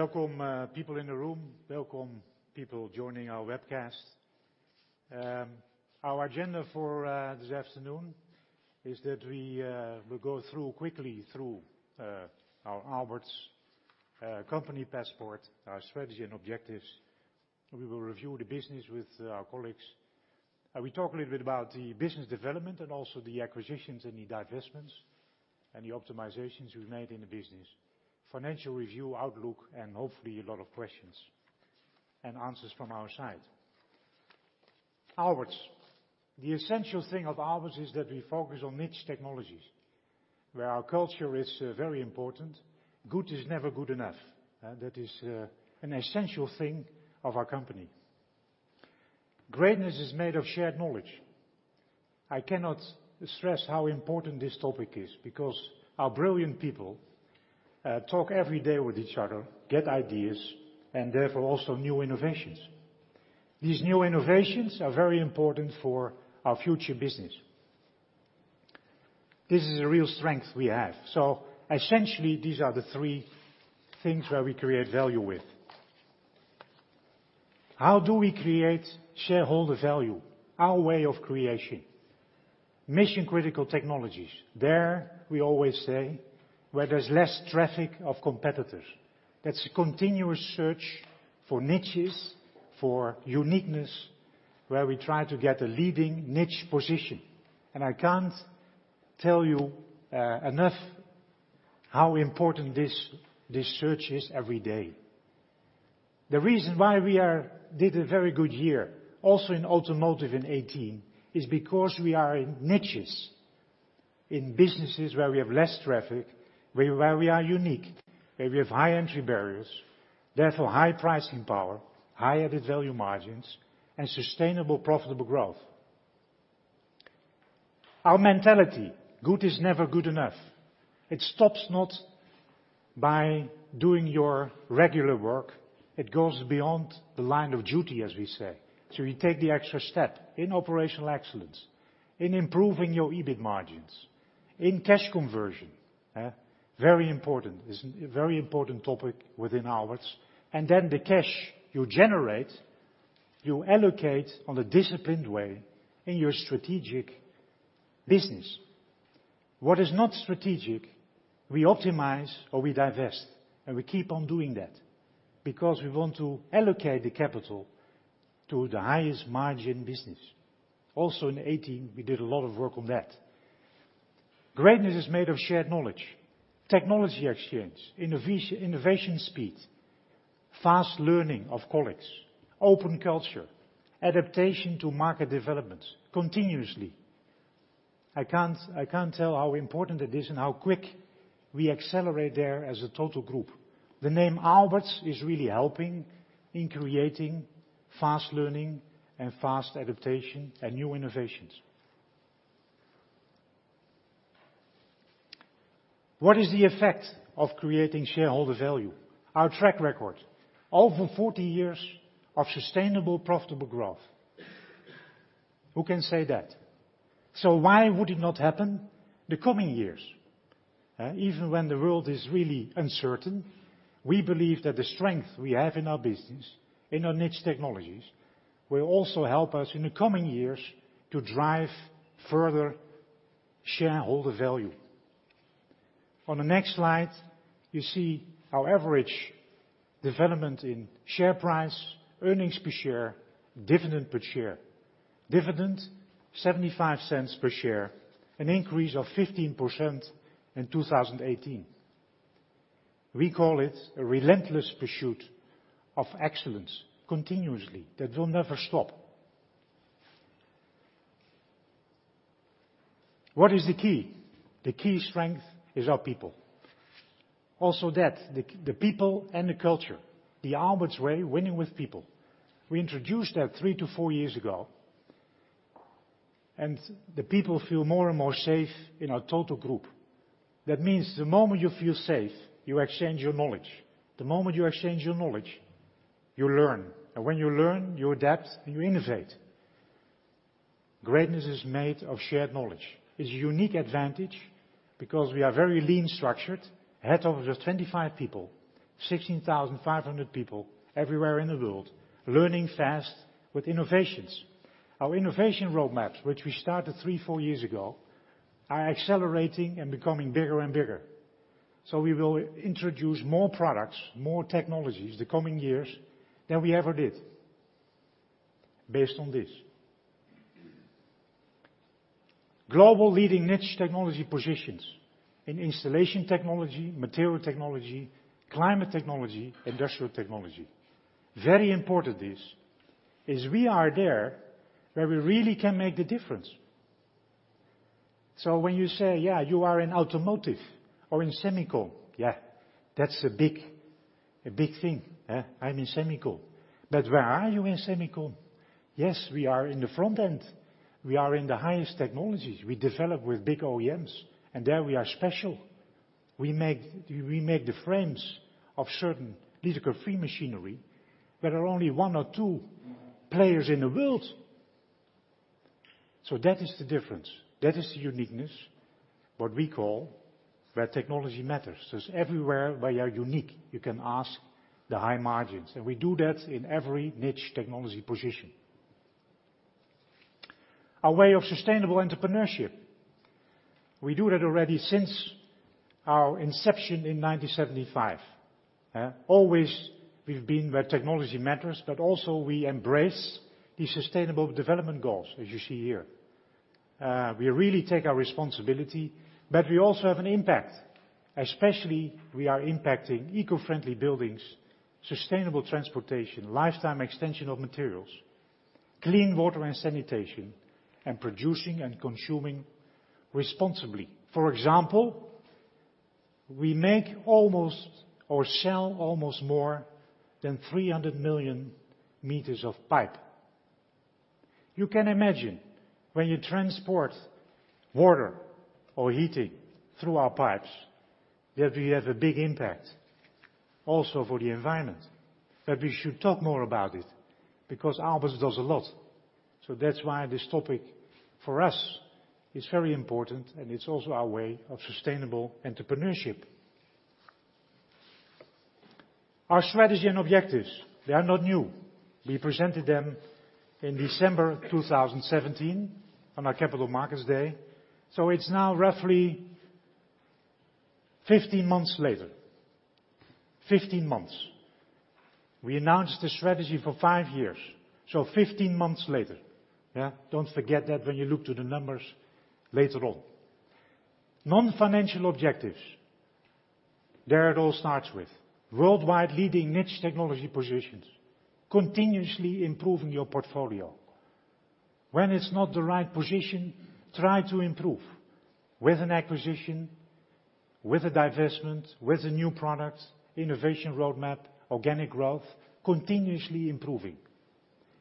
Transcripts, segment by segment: Welcome, people in the room. Welcome, people joining our webcast. Our agenda for this afternoon is that we will go quickly through Aalberts' company passport, our strategy and objectives. We will review the business with our colleagues. We talk a little bit about the business development and also the acquisitions and the divestments and the optimizations we've made in the business. Financial review, outlook, and hopefully a lot of questions and answers from our side. Aalberts. The essential thing of Aalberts is that we focus on niche technologies, where our culture is very important. Good is never good enough. That is an essential thing of our company. Greatness is made of shared knowledge. I cannot stress how important this topic is, because our brilliant people talk every day with each other, get ideas, and therefore also new innovations. These new innovations are very important for our future business. This is a real strength we have. Essentially, these are the three things where we create value with. How do we create shareholder value? Our way of creation. Mission-critical technologies. There, we always say, where there's less traffic of competitors. That's a continuous search for niches, for uniqueness, where we try to get a leading niche position. I can't tell you enough how important this search is every day. The reason why we did a very good year, also in automotive in 2018, is because we are in niches, in businesses where we have less traffic, where we are unique, where we have high entry barriers, therefore high pricing power, high added value margins, and sustainable profitable growth. Our mentality, good is never good enough. It stops not by doing your regular work. It goes beyond the line of duty, as we say. You take the extra step in operational excellence, in improving your EBIT margins, in cash conversion. Very important. It's a very important topic within Aalberts. The cash you generate, you allocate on a disciplined way in your strategic business. What is not strategic, we optimize or we divest, and we keep on doing that because we want to allocate the capital to the highest margin business. Also in 2018, we did a lot of work on that. Greatness is made of shared knowledge, technology exchange, innovation speed, fast learning of colleagues, open culture, adaptation to market developments continuously. I can't tell how important it is and how quick we accelerate there as a total group. The name Aalberts is really helping in creating fast learning and fast adaptation and new innovations. What is the effect of creating shareholder value? Our track record. Over 40 years of sustainable profitable growth. Who can say that? Why would it not happen the coming years? Even when the world is really uncertain, we believe that the strength we have in our business, in our niche technologies, will also help us in the coming years to drive further shareholder value. On the next slide, you see our average development in share price, earnings per share, dividend per share. Dividend, EUR 0.75 per share, an increase of 15% in 2018. We call it a relentless pursuit of excellence continuously that will never stop. What is the key? The key strength is our people. Also that, the people and the culture, the Aalberts way, winning with people. We introduced that three to four years ago, and the people feel more and more safe in our total group. That means the moment you feel safe, you exchange your knowledge. The moment you exchange your knowledge, you learn. When you learn, you adapt, and you innovate. Greatness is made of shared knowledge. It is a unique advantage because we are very lean structured, a head of just 25 people, 16,500 people everywhere in the world, learning fast with innovations. Our innovation roadmaps, which we started three, four years ago, are accelerating and becoming bigger and bigger. We will introduce more products, more technologies the coming years than we ever did based on this. Global leading niche technology positions in Installation Technology, Material Technology, Climate Technology, Industrial Technology. Very important, this, is we are there where we really can make the difference. When you say, "Yeah, you are in automotive or in semicon," yeah, that is a big thing. I am in semicon. Where are you in semicon? Yes, we are in the front end. We are in the highest technologies. We develop with big OEMs. There we are special. We make the frames of certain lithography machinery where there are only one or two players in the world. That is the difference. That is the uniqueness, what we call where technology matters. It is everywhere where you are unique, you can ask the high margins. We do that in every niche technology position. Our way of sustainable entrepreneurship. We do that already since our inception in 1975. Always we have been where technology matters, but also we embrace the sustainable development goals, as you see here. We really take our responsibility, but we also have an impact. Especially, we are impacting eco-friendly buildings, sustainable transportation, lifetime extension of materials, clean water and sanitation, and producing and consuming responsibly. For example, we make almost, or sell almost more than 300 million meters of pipe. You can imagine when you transport water or heating through our pipes, that we have a big impact also for the environment. We should talk more about it because Aalberts does a lot. That is why this topic for us is very important, and it is also our way of sustainable entrepreneurship. Our strategy and objectives, they are not new. We presented them in December 2017 on our Capital Markets Day. It is now roughly 15 months later. 15 months. We announced the strategy for 5 years, so 15 months later. Don't forget that when you look to the numbers later on. Non-financial objectives. There it all starts with. Worldwide leading niche technology positions, continuously improving your portfolio. When it is not the right position, try to improve, with an acquisition, with a divestment, with a new product, innovation roadmap, organic growth, continuously improving.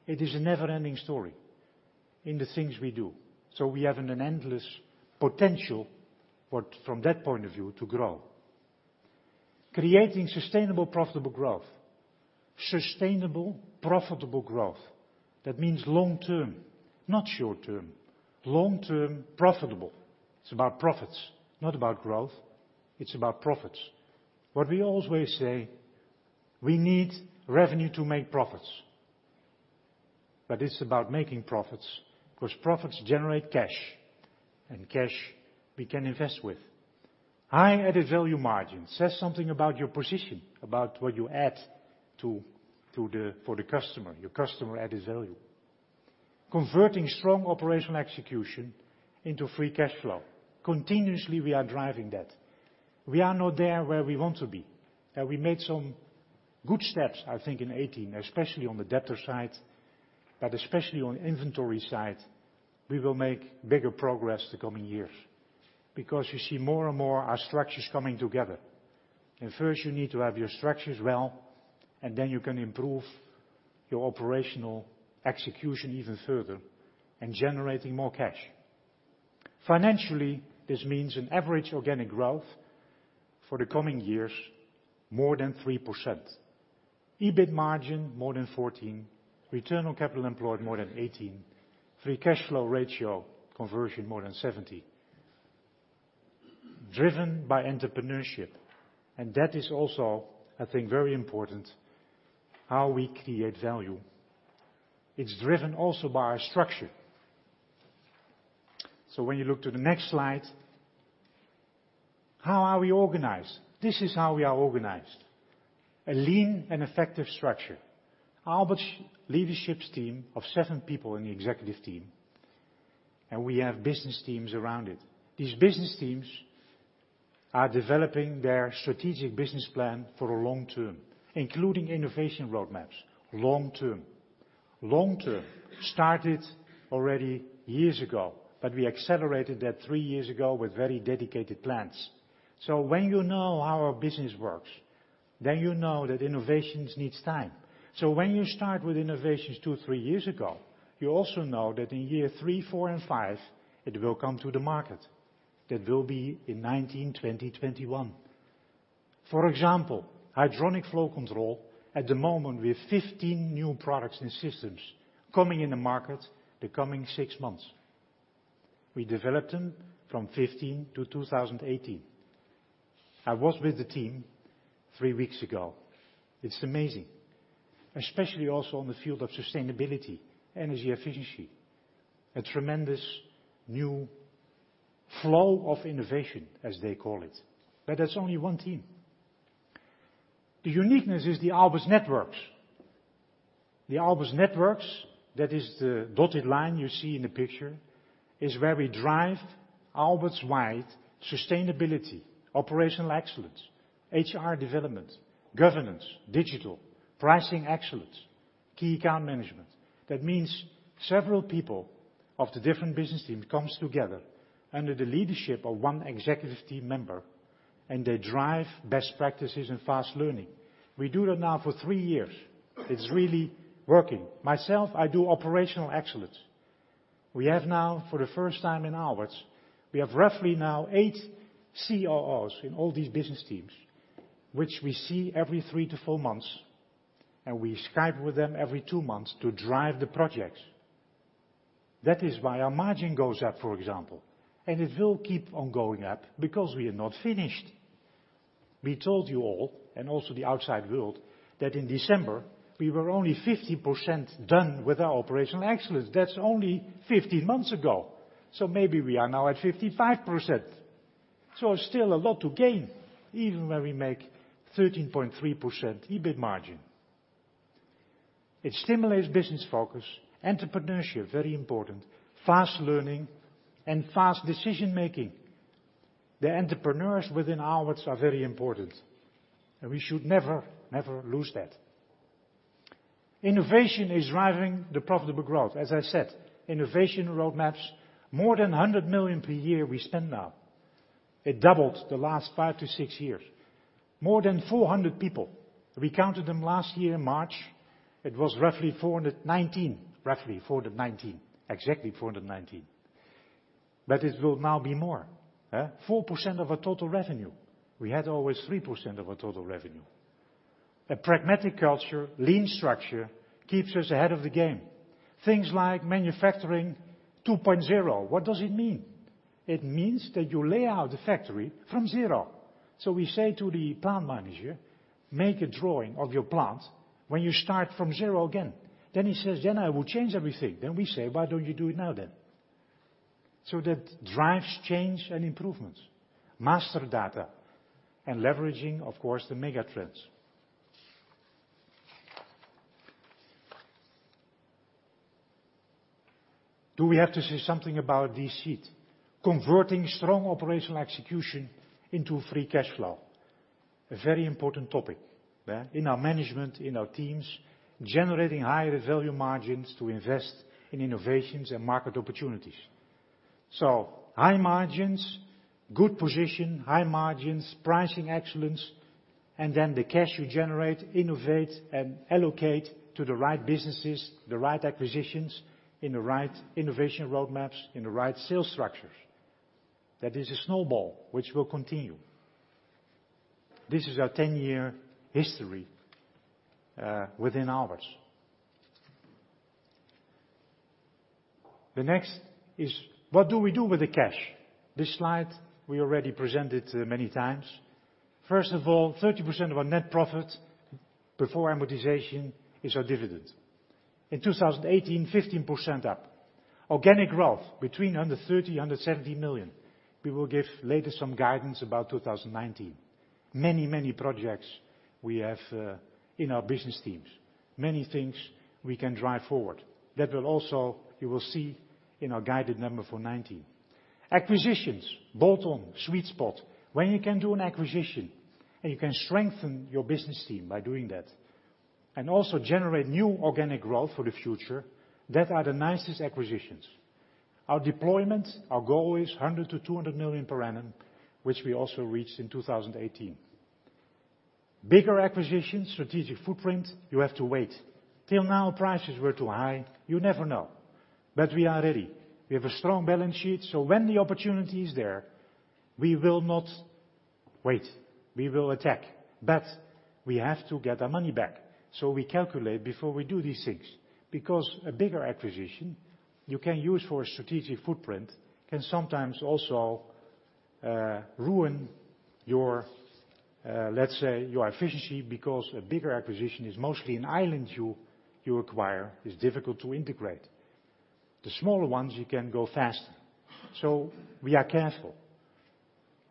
It is a never-ending story in the things we do. We have an endless potential from that point of view to grow. Creating sustainable profitable growth. Sustainable profitable growth. That means long term, not short term. Long term profitable. It is about profits, not about growth. It is about profits. What we always say, we need revenue to make profits. It is about making profits because profits generate cash and cash we can invest with. High added value margin says something about your position, about what you add for the customer, your customer added value. Converting strong operational execution into free cash flow. Continuously, we are driving that. We are not there where we want to be. We made some good steps, I think, in 2018, especially on the debtor side, but especially on the inventory side, we will make bigger progress the coming years because you see more and more our structures coming together. First you need to have your structures well, and then you can improve your operational execution even further and generating more cash. Financially, this means an average organic growth for the coming years, more than 3%. EBIT margin, more than 14%. Return on capital employed, more than 18%. Free cash flow ratio conversion, more than 70%. Driven by entrepreneurship, that is also, I think, very important, how we create value. It is driven also by our structure. When you look to the next slide, how are we organized? This is how we are organized. A lean and effective structure. Aalberts leadership team of seven people in the executive team, We have business teams around it. These business teams are developing their strategic business plan for a long term, including innovation roadmaps. Long term. Long term. Started already years ago, but we accelerated that three years ago with very dedicated plans. When you know how our business works, you know that innovations needs time. When you start with innovations two, three years ago, you also know that in year three, four, and five, it will come to the market. That will be in 2019, 2020, 2021. For example, Hydronic Flow Control. At the moment, we have 15 new products and systems coming in the market the coming six months. We developed them from 2015 to 2018. I was with the team three weeks ago. It is amazing, especially also on the field of sustainability, energy efficiency. A tremendous new flow of innovation, as they call it. That is only one team. The uniqueness is the Aalberts networks. The Aalberts networks, that is the dotted line you see in the picture, is where we drive Aalberts-wide sustainability, operational excellence, HR development, governance, digital, pricing excellence, key account management. That means several people of the different business team comes together under the leadership of one executive team member, They drive best practices and fast learning. We do that now for three years. It is really working. Myself, I do operational excellence. We have now, for the first time in Aalberts, we have roughly now eight COOs in all these business teams, which we see every three to four months. We Skype with them every two months to drive the projects. That is why our margin goes up, for example, It will keep on going up because we are not finished. We told you all, also the outside world, that in December we were only 50% done with our operational excellence. That is only 15 months ago. Maybe we are now at 55%. Still a lot to gain even when we make 13.3% EBIT margin. It stimulates business focus, entrepreneurship, very important, fast learning, fast decision-making. The entrepreneurs within Aalberts are very important, We should never lose that. Innovation is driving the profitable growth. As I said, innovation roadmaps, more than 100 million per year we spend now. It doubled the last five to six years. More than 400 people. We counted them last year in March. It was roughly 419. Exactly 419. It will now be more. 4% of our total revenue. We had always 3% of our total revenue. A pragmatic culture, lean structure, keeps us ahead of the game. Things like Manufacturing 2.0, what does it mean? It means that you lay out the factory from zero. We say to the plant manager, "Make a drawing of your plant when you start from zero again." He says, "I will change everything." We say, "Why don't you do it now then?" That drives change and improvements, master data, and leveraging, of course, the mega trends. Do we have to say something about this sheet? Converting strong operational execution into free cash flow. A very important topic in our management, in our teams, generating higher value margins to invest in innovations and market opportunities. High margins, good position, high margins, pricing excellence, the cash you generate, innovate and allocate to the right businesses, the right acquisitions, in the right innovation roadmaps, in the right sales structures. That is a snowball which will continue. This is our 10-year history, within Aalberts. The next is what do we do with the cash? This slide we already presented many times. First of all, 30% of our net profit before amortization is our dividend. In 2018, 15% up. Organic growth between 130 million-170 million. We will give later some guidance about 2019. Many projects we have in our business teams. Many things we can drive forward. That will also, you will see in our guided number for 2019. Acquisitions, bolt-on, sweet spot. When you can do an acquisition, you can strengthen your business team by doing that, also generate new organic growth for the future, that are the nicest acquisitions. Our deployment, our goal is 100 million-200 million per annum, which we also reached in 2018. Bigger acquisitions, strategic footprint, you have to wait. Till now prices were too high. You never know. We are ready. We have a strong balance sheet, when the opportunity is there, we will not wait. We will attack. We have to get our money back, we calculate before we do these things. A bigger acquisition you can use for a strategic footprint can sometimes also ruin, let's say, your efficiency because a bigger acquisition is mostly an island you acquire. It's difficult to integrate. The smaller ones, you can go faster. We are careful.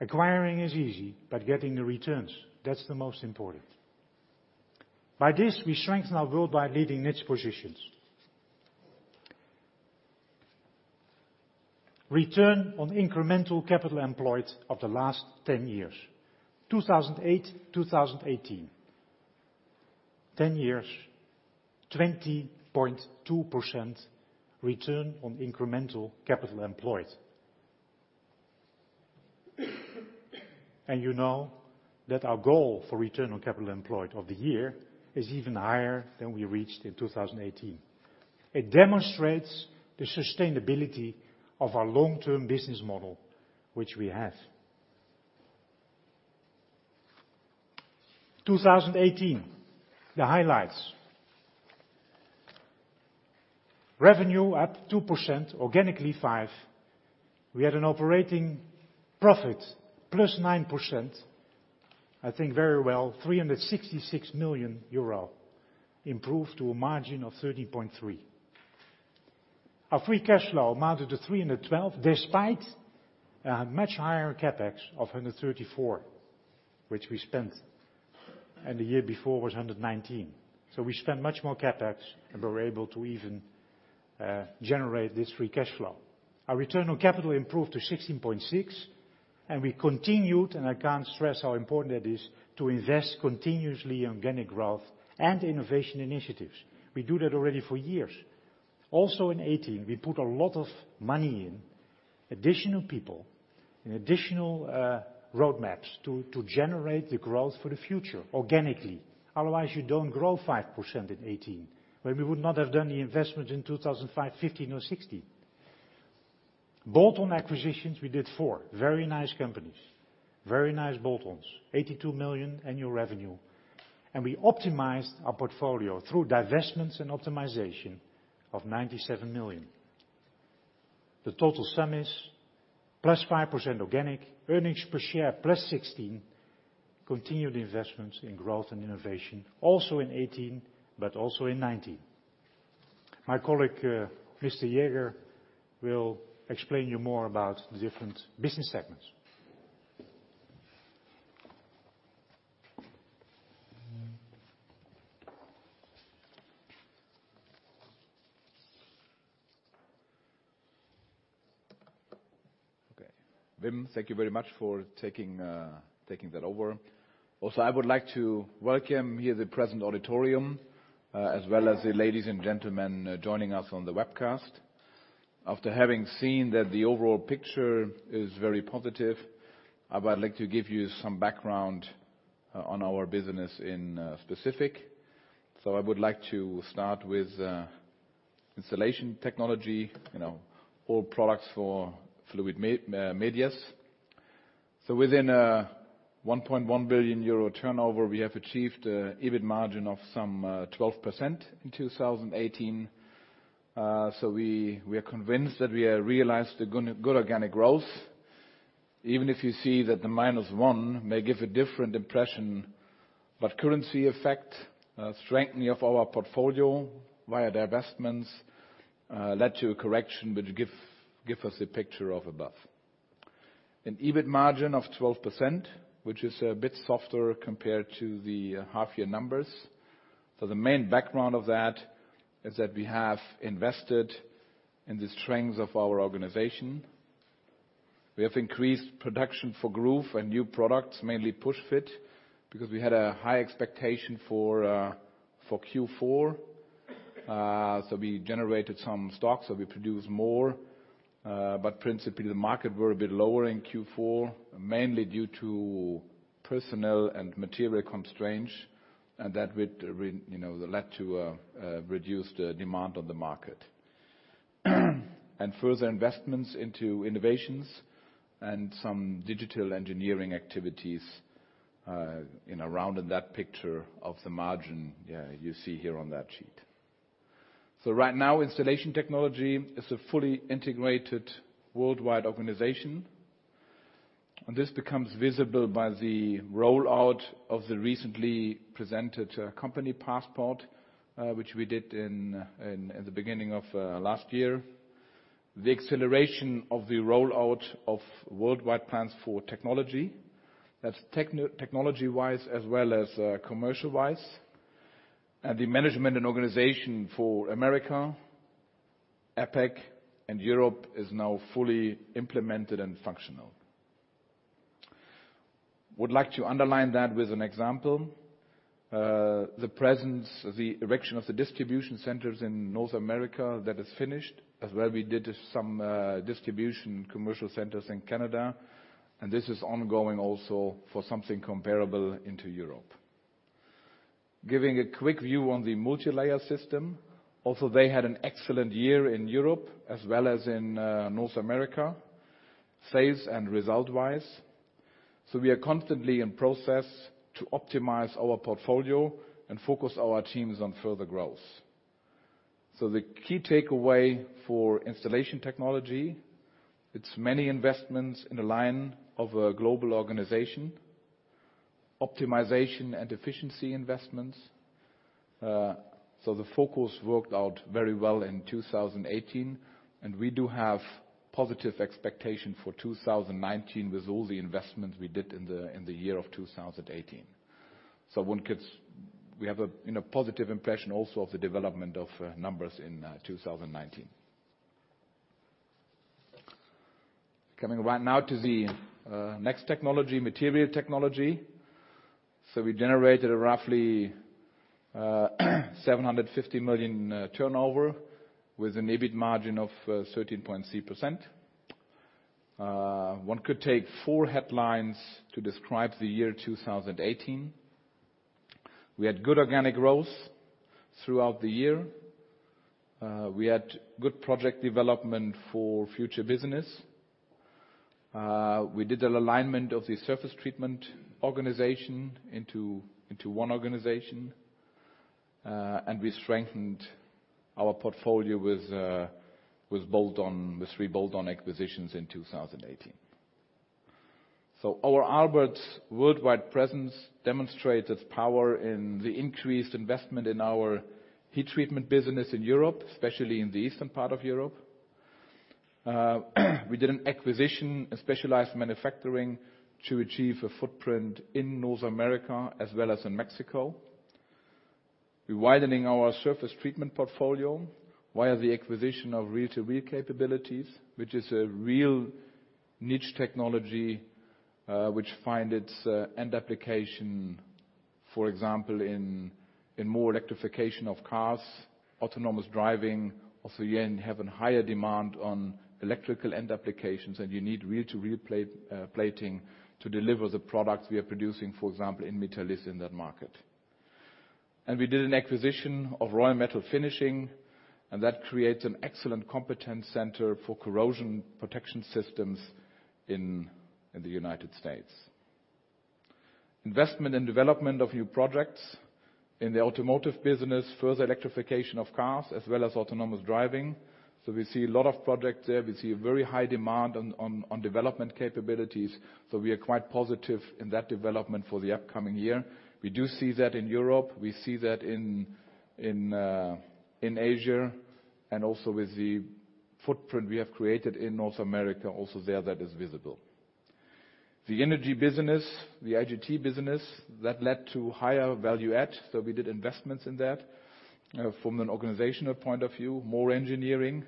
Acquiring is easy, getting the returns, that's the most important. By this, we strengthen our worldwide leading niche positions. Return on incremental capital employed of the last 10 years, 2008, 2018. 10 years, 20.2% return on incremental capital employed. You know that our goal for return on capital employed of the year is even higher than we reached in 2018. It demonstrates the sustainability of our long-term business model which we have. 2018, the highlights. Revenue up 2%, organically 5%. We had an operating profit +9%. I think very well, 366 million euro improved to a margin of 13.3%. Our free cash flow amounted to 312 million despite a much higher CapEx of 134 million, which we spent. The year before was 119 million. We spent much more CapEx and were able to even generate this free cash flow. Our return on capital improved to 16.6%, and we continued, and I can't stress how important that is to invest continuously in organic growth and innovation initiatives. We do that already for years. In 2018, we put a lot of money in additional people and additional roadmaps to generate the growth for the future organically. Otherwise, you don't grow 5% in 2018. When we would not have done the investment in 2005, 2015 or 2016. Bolt-on acquisitions, we did four. Very nice companies, very nice bolt-ons, 82 million annual revenue. We optimized our portfolio through divestments and optimization of 97 million. The total sum is +5% organic, earnings per share +16%, continued investments in growth and innovation, also in 2018, but also in 2019. My colleague, Mr. Jäger, will explain you more about the different business segments. Okay. Wim, thank you very much for taking that over. I would like to welcome here the present auditorium, as well as the ladies and gentlemen joining us on the webcast. After having seen that the overall picture is very positive, I would like to give you some background on our business in specific. I would like to start with installation technology, all products for fluid medias. Within 1.1 billion euro turnover, we have achieved an EBIT margin of some 12% in 2018. We are convinced that we have realized a good organic growth, even if you see that the -1% may give a different impression. Currency effect, strengthening of our portfolio via divestments led to a correction, which give us a picture of above. An EBIT margin of 12%, which is a bit softer compared to the half year numbers. The main background of that is that we have invested in the strengths of our organization. We have increased production for Shurjoint and new products, mainly VSH Tectite, because we had a high expectation for Q4. We generated some stock, so we produced more. Principally, the market were a bit lower in Q4, mainly due to personal and material constraints, and that led to a reduced demand on the market. Further investments into innovations and some digital engineering activities in that picture of the margin you see here on that sheet. Right now, installation technology is a fully integrated worldwide organization. This becomes visible by the rollout of the recently presented company passport, which we did in the beginning of last year. The acceleration of the rollout of worldwide plans for technology. That's technology-wise as well as commercial-wise. The management and organization for America, APAC, and Europe is now fully implemented and functional. I would like to underline that with an example. The presence, the erection of the distribution centers in North America, that is finished. We did some distribution commercial centers in Canada, and this is ongoing also for something comparable into Europe. Giving a quick view on the Multilayer System. They had an excellent year in Europe as well as in North America, sales and result-wise. We are constantly in process to optimize our portfolio and focus our teams on further growth. The key takeaway for installation technology, it's many investments in the line of a global organization, optimization and efficiency investments. The focus worked out very well in 2018, and we do have positive expectation for 2019 with all the investments we did in the year of 2018. We have a positive impression also of the development of numbers in 2019. Right now to the next technology, material technology. We generated a roughly 750 million turnover with an EBIT margin of 13.3%. One could take four headlines to describe the year 2018. We had good organic growth throughout the year. We had good project development for future business. We did an alignment of the surface treatment organization into one organization, and we strengthened our portfolio with three bolt-on acquisitions in 2018. Our Aalberts worldwide presence demonstrated power in the increased investment in our heat treatment business in Europe, especially in the eastern part of Europe. We did an acquisition, a specialized manufacturing to achieve a footprint in North America as well as in Mexico. We're widening our surface treatment portfolio via the acquisition of reel-to-reel capabilities, which is a real niche technology, which find its end application, for example, in more electrification of cars, autonomous driving. Also, you end having higher demand on electrical end applications, and you need reel-to-reel plating to deliver the products we are producing, for example, in Metalis in that market. We did an acquisition of Roy Metal Finishing, and that creates an excellent competence center for corrosion protection systems in the United States. Investment and development of new projects in the automotive business, further electrification of cars, as well as autonomous driving. We see a lot of projects there. We see a very high demand on development capabilities. We are quite positive in that development for the upcoming year. We do see that in Europe, we see that in Asia, and also with the footprint we have created in North America, also there, that is visible. The energy business, the IGT business, that led to higher value add, we did investments in that. From an organizational point of view, more engineering.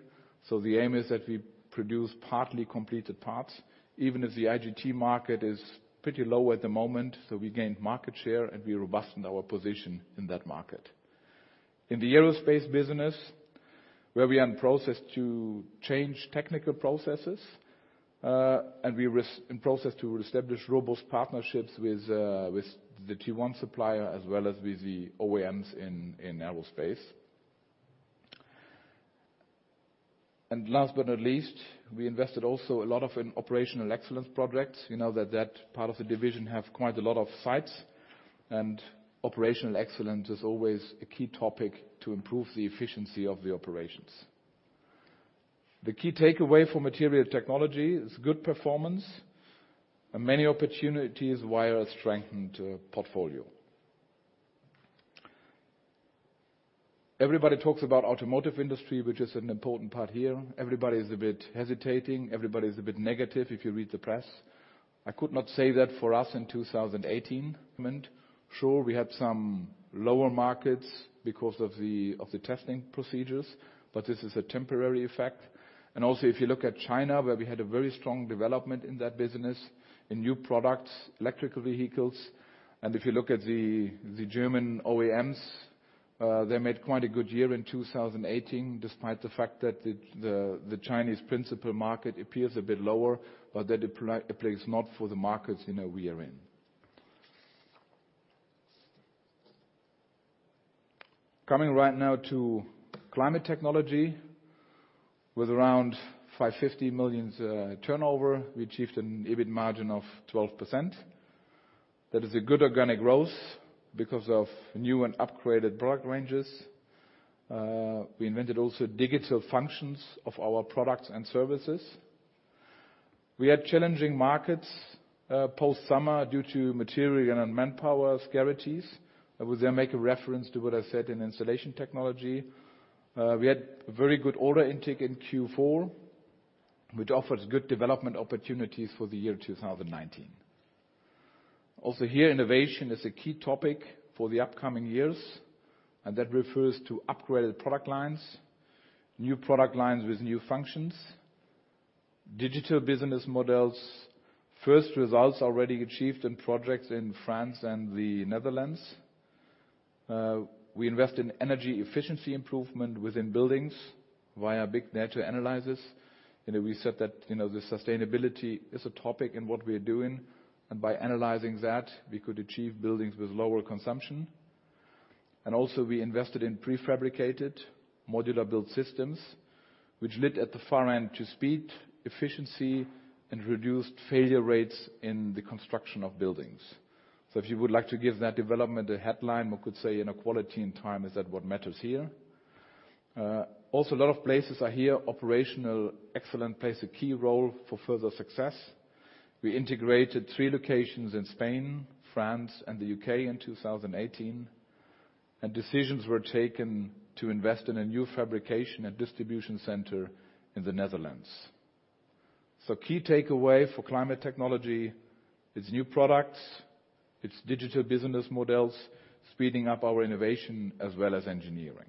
The aim is that we produce partly completed parts, even as the IGT market is pretty low at the moment. We gained market share, and we robustened our position in that market. In the aerospace business, where we are in process to change technical processes, and we are in process to establish robust partnerships with the Tier 1 supplier as well as with the OEMs in aerospace. Last but not least, we invested also a lot in operational excellence projects. You know that part of the division have quite a lot of sites, and operational excellence is always a key topic to improve the efficiency of the operations. The key takeaway for material technology is good performance and many opportunities via a strengthened portfolio. Everybody talks about automotive industry, which is an important part here. Everybody is a bit hesitating. Everybody is a bit negative, if you read the press. I could not say that for us in 2018. Sure, we had some lower markets because of the testing procedures, but this is a temporary effect. Also, if you look at China, where we had a very strong development in that business, in new products, electrical vehicles, and if you look at the German OEMs, they made quite a good year in 2018, despite the fact that the Chinese principal market appears a bit lower, but that it plays not for the markets we are in. Coming right now to Climate technology. With around 550 million turnover, we achieved an EBIT margin of 12%. That is a good organic growth because of new and upgraded product ranges. We invented also digital functions of our products and services. We had challenging markets post-summer due to material and manpower scarcities. I would then make a reference to what I said in installation technology. We had very good order intake in Q4, which offers good development opportunities for the year 2019. Also here, innovation is a key topic for the upcoming years, and that refers to upgraded product lines, new product lines with new functions, digital business models. First results already achieved in projects in France and the Netherlands. We invest in energy efficiency improvement within buildings via big data analyzers. We said that the sustainability is a topic in what we are doing, and by analyzing that, we could achieve buildings with lower consumption. Also, we invested in prefabricated modular build systems, which led at the far end to speed, efficiency, and reduced failure rates in the construction of buildings. If you would like to give that development a headline, we could say quality and time, is that what matters here. Also, a lot of places are here, operational excellence plays a key role for further success. We integrated three locations in Spain, France, and the U.K. in 2018, and decisions were taken to invest in a new fabrication and distribution center in the Netherlands. Key takeaway for Climate technology is new products, it's digital business models, speeding up our innovation as well as engineering.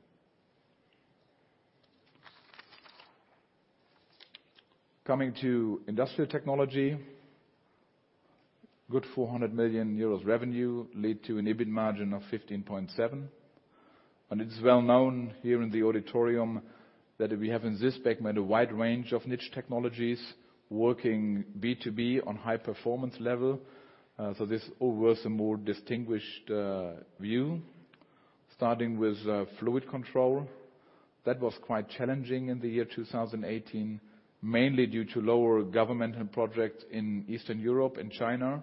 Coming to Industrial technology. 400 million euros revenue lead to an EBIT margin of 15.7%. It's well known here in the auditorium that we have in this segment a wide range of niche technologies working B2B on high performance level. This overall is a more distinguished view. Starting with Fluid Control. That was quite challenging in the year 2018, mainly due to lower governmental projects in Eastern Europe and China.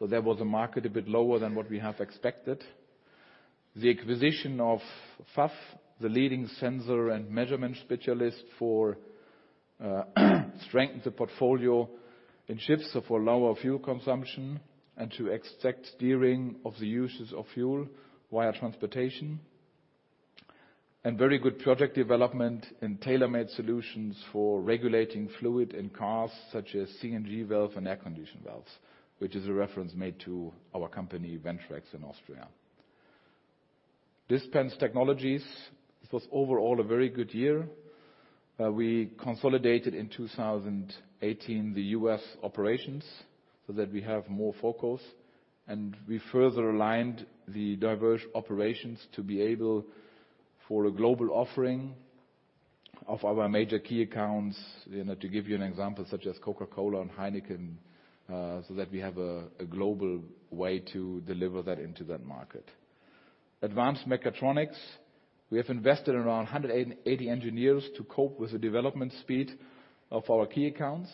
There was a market a bit lower than what we have expected. The acquisition of VAF, the leading sensor and measurement specialist to strengthen the portfolio in ships for lower fuel consumption and to exact steering of the uses of fuel via transportation. Very good project development in tailor-made solutions for regulating fluid in cars such as CNG valve and air condition valves, which is a reference made to our company, VENTREX in Austria. Dispense technologies. This was overall a very good year. We consolidated in 2018 the U.S. operations so that we have more focus, and we further aligned the diverse operations to be able for a global offering of our major key accounts, to give you an example, such as Coca-Cola and Heineken, so that we have a global way to deliver that into that market. Advanced mechatronics, we have invested around 180 engineers to cope with the development speed of our key accounts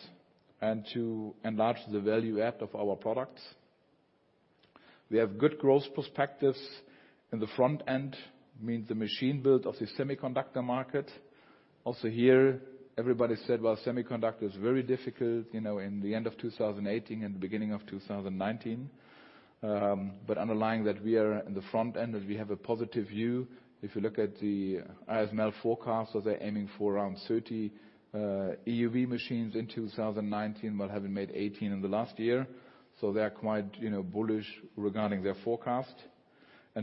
and to enlarge the value add of our products. We have good growth prospectus in the front end, means the machine build of the semiconductor market. Also here, everybody said, "Well, semiconductor is very difficult," in the end of 2018 and the beginning of 2019. Underlying that we are in the front end and we have a positive view. If you look at the ASML forecast, they are aiming for around 30 EUV machines in 2019, while having made 18 in the last year. They are quite bullish regarding their forecast.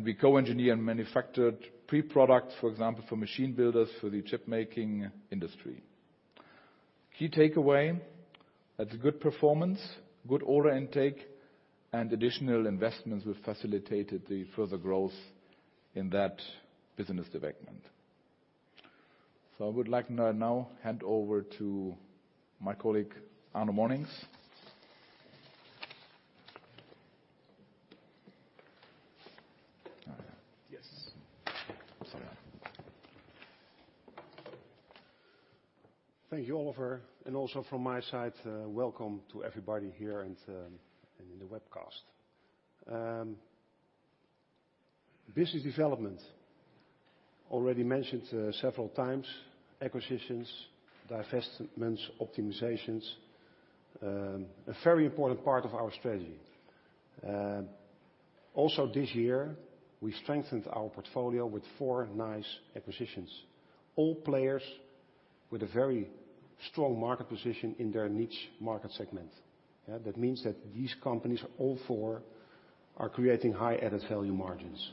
We co-engineer and manufactured pre-products, for example, for machine builders, for the chip-making industry. Key takeaway, that's a good performance, good order intake, and additional investments will facilitate the further growth in that business development. I would like to now hand over to my colleague, Arno Monincx. Yes. Sorry. Thank you, Oliver, and also from my side, welcome to everybody here and in the webcast. Business development, already mentioned several times, acquisitions, divestments, optimizations, a very important part of our strategy. Also this year, we strengthened our portfolio with four nice acquisitions. All players with a very strong market position in their niche market segment. That means that these companies, all four, are creating high added value margins.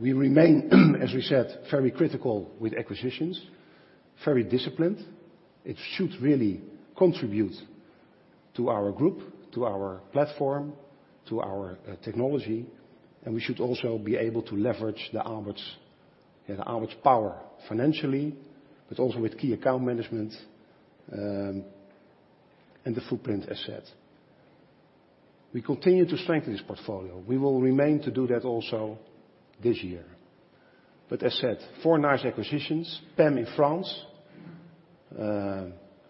We remain, as we said, very critical with acquisitions, very disciplined. It should really contribute to our group, to our platform, to our technology, and we should also be able to leverage the Aalberts power financially, but also with key account management, and the footprint asset. We continue to strengthen this portfolio. We will remain to do that also this year. As said, four nice acquisitions. PEM in France,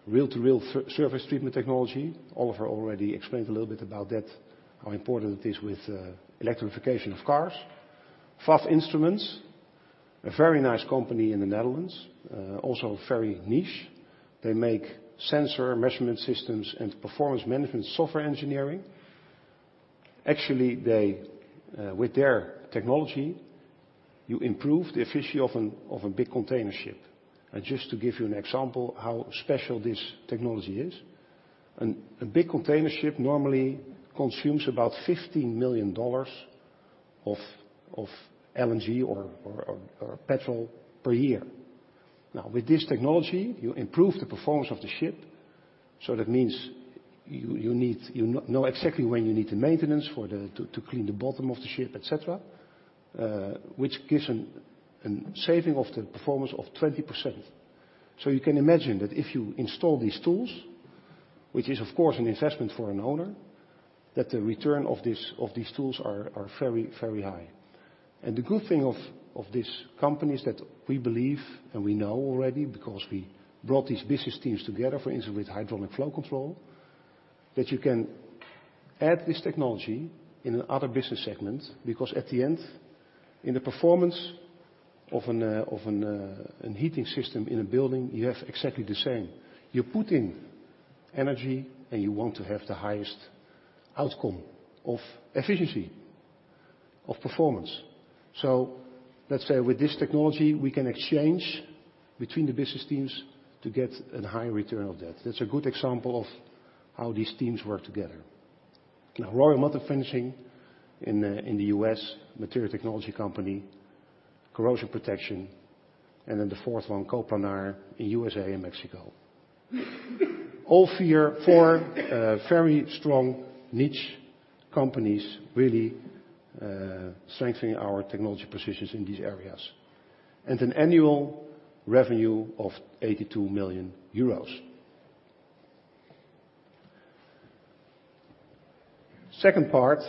reel-to-reel surface treatment technology. Oliver already explained a little bit about that, how important it is with electrification of cars. VAF Instruments, a very nice company in the Netherlands, also very niche. They make sensor measurement systems and performance management software engineering. Actually, with their technology, you improve the efficiency of a big container ship. Just to give you an example how special this technology is, a big container ship normally consumes about EUR 15 million of LNG or petrol per year. With this technology, you improve the performance of the ship. That means you know exactly when you need the maintenance to clean the bottom of the ship, et cetera, which gives a saving of the performance of 20%. You can imagine that if you install these tools, which is, of course, an investment for an owner, that the return of these tools are very, very high. The good thing of this company is that we believe and we know already because we brought these business teams together, for instance, with Hydronic Flow Control, that you can add this technology in other business segments, because at the end, in the performance of an heating system in a building, you have exactly the same. You put in energy, and you want to have the highest outcome of efficiency, of performance. Let's say with this technology, we can exchange between the business teams to get a high return of that. That's a good example of how these teams work together. Roy Metal Finishing in the U.S., material technology company, corrosion protection, and then the fourth one, Co-Planar in U.S.A. and Mexico. All four very strong niche companies really strengthening our technology positions in these areas. An annual revenue of 82 million euros. Second part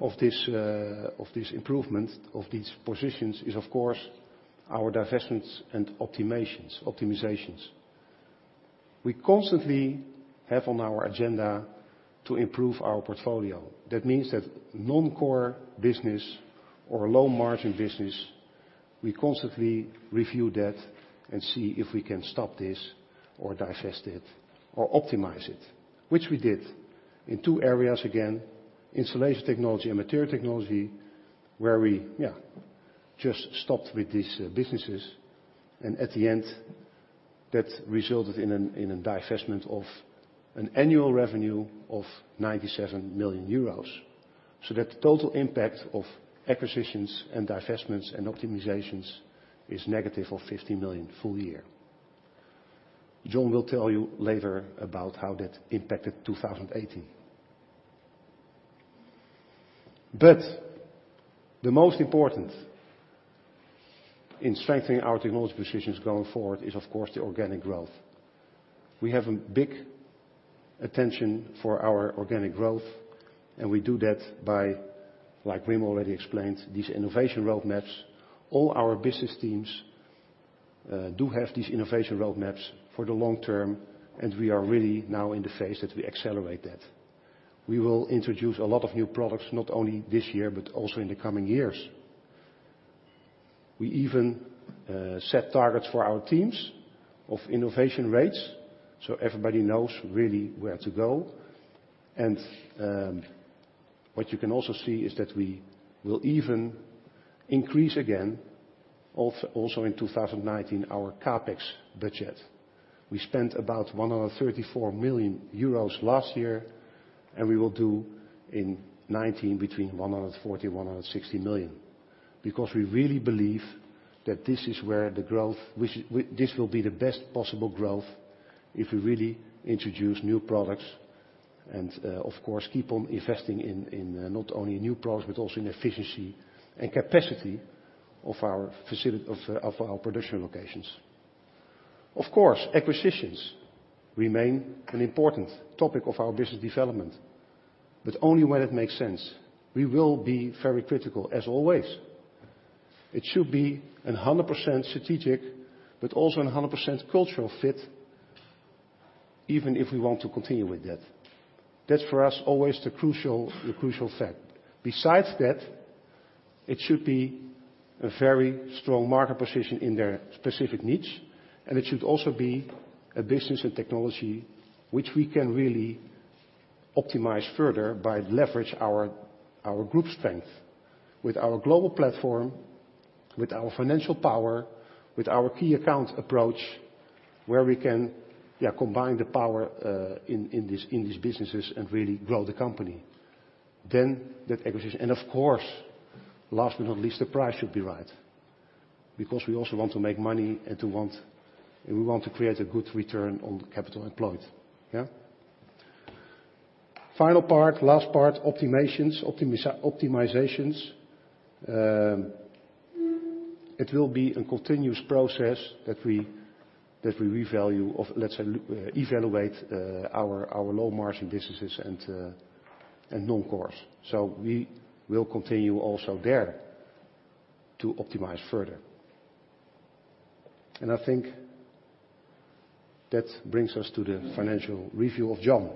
of this improvement of these positions is, of course, our divestments and optimizations. We constantly have on our agenda to improve our portfolio. That means that non-core business or low-margin business, we constantly review that and see if we can stop this or divest it or optimize it, which we did in two areas, again, installation technology and material technology, where we just stopped with these businesses. At the end, that resulted in a divestment of an annual revenue of 97 million euros. The total impact of acquisitions and divestments and optimizations is negative of 50 million full year. John will tell you later about how that impacted 2018. The most important in strengthening our technology positions going forward is, of course, the organic growth. We have a big attention for our organic growth, and we do that by, like Wim already explained, these innovation roadmaps. All our business teams do have these innovation roadmaps for the long term, and we are really now in the phase that we accelerate that. We will introduce a lot of new products, not only this year, but also in the coming years. We even set targets for our teams of innovation rates so everybody knows really where to go. What you can also see is that we will even increase again, also in 2019, our CapEx budget. We spent about 134 million euros last year, and we will do in 2019 between 140 million and 160 million. We really believe that this will be the best possible growth if we really introduce new products and, of course, keep on investing in not only new products, but also in efficiency and capacity of our production locations. Of course, acquisitions remain an important topic of our business development, but only when it makes sense. We will be very critical, as always. It should be 100% strategic, but also 100% cultural fit even if we want to continue with that. That's, for us, always the crucial fact. Besides that, it should be a very strong market position in their specific niche, and it should also be a business and technology which we can really optimize further by leverage our group strength with our global platform, with our financial power, with our key account approach, where we can combine the power in these businesses and really grow the company. That acquisition. Of course, last but not least, the price should be right, because we also want to make money, and we want to create a good return on capital employed. Yeah. Final part, last part, optimizations. It will be a continuous process that we evaluate our low-margin businesses and non-cores. We will continue also there to optimize further. I think that brings us to the financial review of John.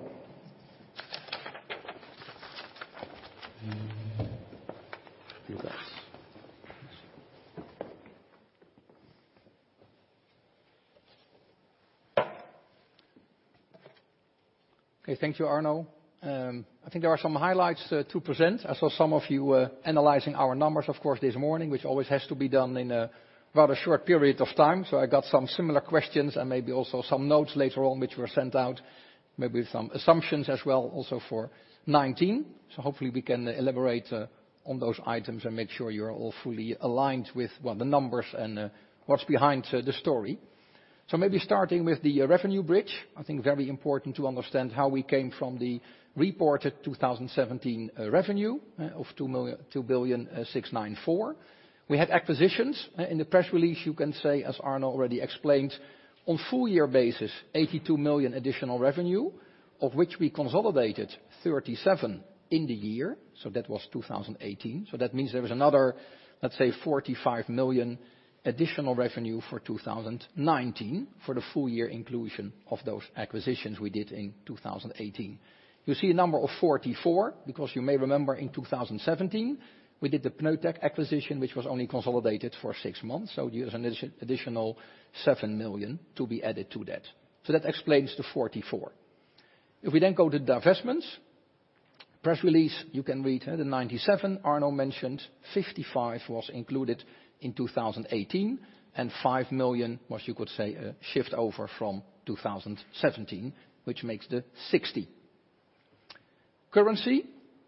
Okay. Thank you, Arno. I think there are some highlights to present. I saw some of you were analyzing our numbers, of course, this morning, which always has to be done in a rather short period of time. I got some similar questions and maybe also some notes later on which were sent out, maybe with some assumptions as well also for 2019. Hopefully we can elaborate on those items and make sure you're all fully aligned with, one, the numbers and what's behind the story. Maybe starting with the revenue bridge. I think very important to understand how we came from the reported 2017 revenue of 2,694 million. We had acquisitions. In the press release, you can say, as Arno already explained, on full year basis, 82 million additional revenue of which we consolidated 37 million in the year. That was 2018. That means there is another, let's say, 45 million additional revenue for 2019 for the full year inclusion of those acquisitions we did in 2018. You see a number of 44 because you may remember in 2017 we did the Pneutec acquisition, which was only consolidated for six months. There's an additional 7 million to be added to that. That explains the 44. If we go to divestments, press release, you can read the 97 million Arno mentioned, 55 million was included in 2018, and 5 million was, you could say, a shift over from 2017, which makes the 60 million. Currency,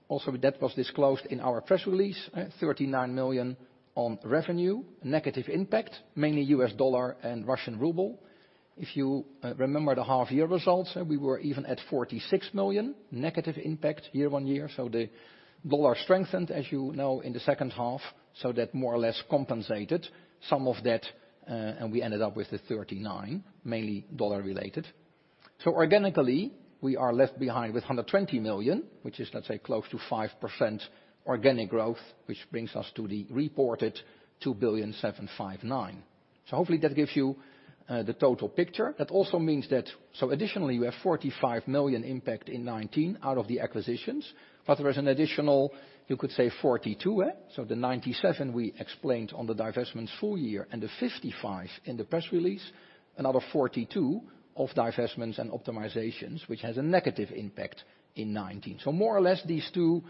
also that was disclosed in our press release, 39 million on revenue, negative impact, mainly USD and Russian ruble. If you remember the half year results, we were even at 46 million negative impact year-on-year. The USD strengthened, as you know, in the second half, that more or less compensated some of that, and we ended up with the 39 million, mainly USD related. Organically, we are left behind with 120 million, which is, let's say, close to 5% organic growth, which brings us to the reported 2,759 million. Hopefully that gives you the total picture. That also means that, additionally you have 45 million impact in 2019 out of the acquisitions. There is an additional, you could say 42 million. The 97 million we explained on the divestments full year and the 55 million in the press release, another 42 million of divestments and optimizations, which has a negative impact in 2019. More or less these two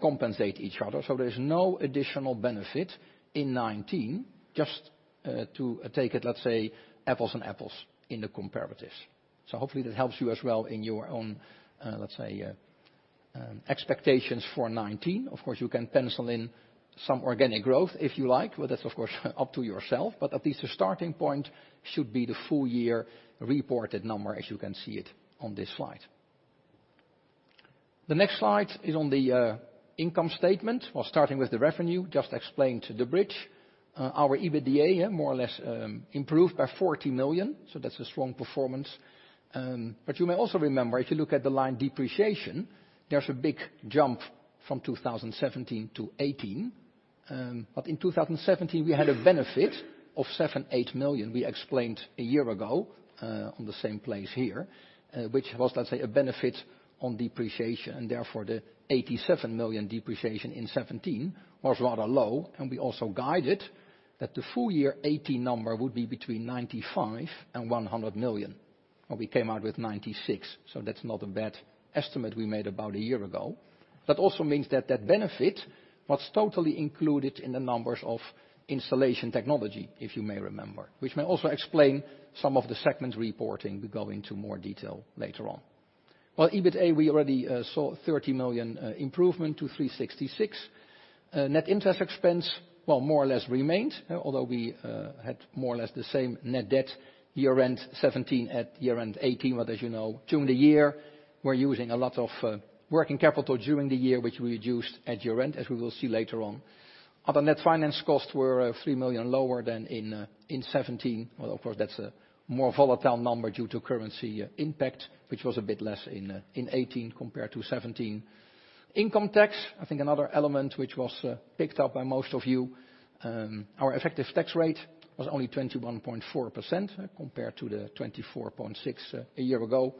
compensate each other. There's no additional benefit in 2019 just to take it, let's say, apples and apples in the comparatives. Hopefully that helps you as well in your own, let's say, expectations for 2019. Of course, you can pencil in some organic growth, if you like, that's, of course, up to yourself, but at least the starting point should be the full year reported number as you can see it on this slide. The next slide is on the income statement. Starting with the revenue, just explained to the bridge, our EBITDA more or less improved by 40 million, that's a strong performance. You may also remember, if you look at the line depreciation, there's a big jump from 2017 to 2018. In 2017, we had a benefit of EUR seven, eight million, we explained a year ago, on the same place here, which was, let's say, a benefit on depreciation, and therefore, the 87 million depreciation in 2017 was rather low, and we also guided that the full year 2018 number would be between 95 million and 100 million, we came out with 96 million, that's not a bad estimate we made about a year ago. That also means that that benefit was totally included in the numbers of installation technology, if you may remember, which may also explain some of the segment reporting. We go into more detail later on. EBITA, we already saw 30 million improvement to 366 million. Net interest expense, more or less remained, although we had more or less the same net debt year-end 2017 at year-end 2018, as you know, during the year, we're using a lot of working capital during the year, which we reduced at year-end, as we will see later on. Other net finance costs were 3 million lower than in 2017. Of course, that's a more volatile number due to currency impact, which was a bit less in 2018 compared to 2017. Income tax, I think another element which was picked up by most of you, our effective tax rate was only 21.4% compared to the 24.6% a year ago.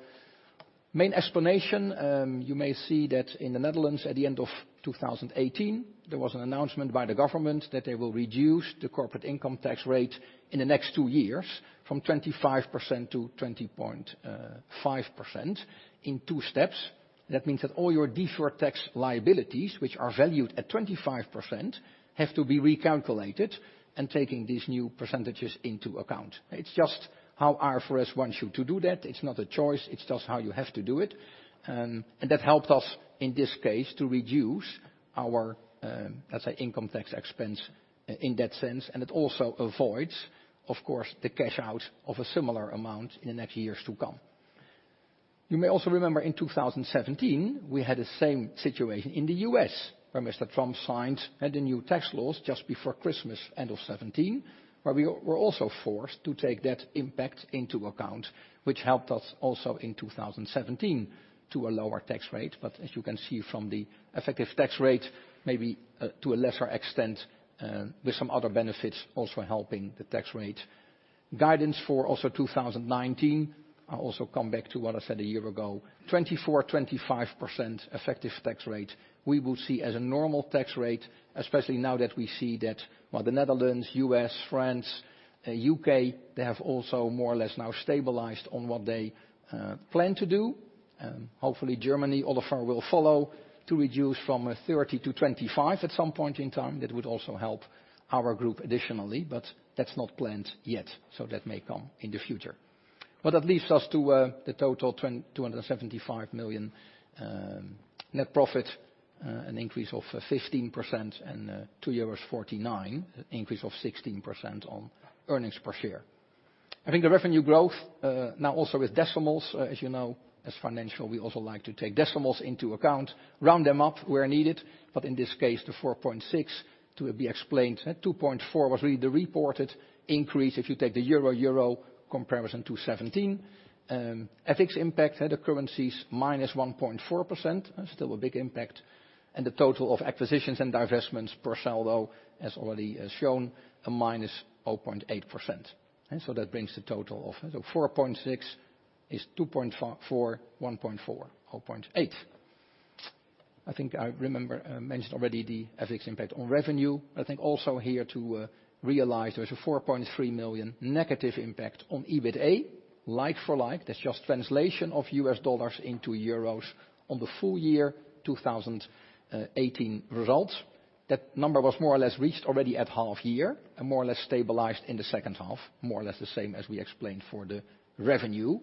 Main explanation, you may see that in the Netherlands at the end of 2018, there was an announcement by the government that they will reduce the corporate income tax rate in the next two years from 25% to 20.5% in two steps. That means that all your deferred tax liabilities, which are valued at 25%, have to be recalculated, and taking these new percentages into account. It's just how IFRS wants you to do that. It's not a choice. It's just how you have to do it. That helped us, in this case, to reduce our, let's say, income tax expense in that sense, and it also avoids, of course, the cash out of a similar amount in the next years to come. You may also remember in 2017, we had the same situation in the U.S. where Mr. Trump signed the new tax laws just before Christmas end of 2017, where we were also forced to take that impact into account, which helped us also in 2017 to a lower tax rate. As you can see from the effective tax rate, maybe to a lesser extent, with some other benefits also helping the tax rate. Guidance for also 2019, I'll also come back to what I said a year ago, 24%-25% effective tax rate we will see as a normal tax rate, especially now that we see that, well, the Netherlands, U.S., France, U.K., they have also more or less now stabilized on what they plan to do. Hopefully, Germany, Oliver will follow to reduce from 30% to 25% at some point in time. That would also help our group additionally, but that's not planned yet, so that may come in the future. That leads us to the total 275 million net profit, an increase of 15%, and 2.49, an increase of 16% on earnings per share. I think the revenue growth, now also with decimals, as you know, as financial, we also like to take decimals into account, round them up where needed. In this case, the 4.6% to be explained. 2.4% was really the reported increase if you take the euro comparison to 2017. FX impact, the currencies -1.4%, still a big impact. The total of acquisitions and divestments per se, although as already as shown, a -0.8%. That brings the total of the 4.6% is 2.4%, 1.4%, 0.8%. I think I mentioned already the FX impact on revenue. I think also here to realize there's a 4.3 million negative impact on EBITA, like for like. That's just translation of U.S. dollars into euros on the full year 2018 results. That number was more or less reached already at half year and more or less stabilized in the second half, more or less the same as we explained for the revenue.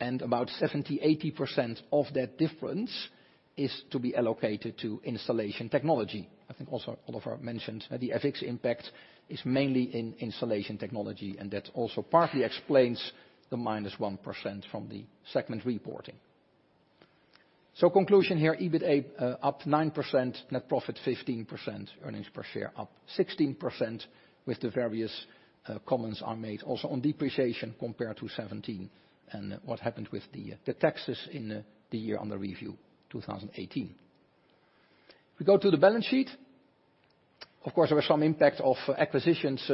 About 70%-80% of that difference is to be allocated to Installation Technology. I think also Oliver mentioned the FX impact is mainly in Installation Technology, and that also partly explains the -1% from the segment reporting. Conclusion here, EBITA up 9%, net profit 15%, earnings per share up 16% with the various comments are made also on depreciation compared to 2017 and what happened with the taxes in the year under review, 2018. If we go to the balance sheet, of course, there was some impact of acquisitions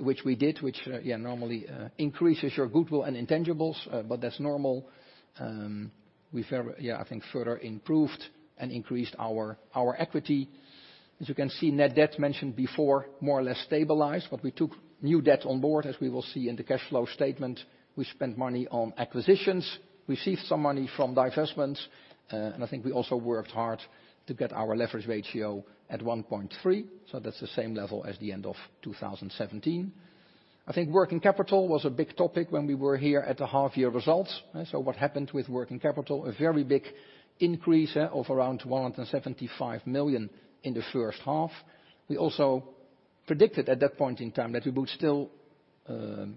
which we did, which normally increases your goodwill and intangibles, but that's normal. We've, I think, further improved and increased our equity. As you can see, net debt mentioned before, more or less stabilized, but we took new debt on board, as we will see in the cash flow statement. We spent money on acquisitions. We received some money from divestments. I think we also worked hard to get our leverage ratio at 1.3x, so that's the same level as the end of 2017. I think working capital was a big topic when we were here at the half year results. What happened with working capital? A very big increase of around 175 million in the first half. We also predicted at that point in time that we would still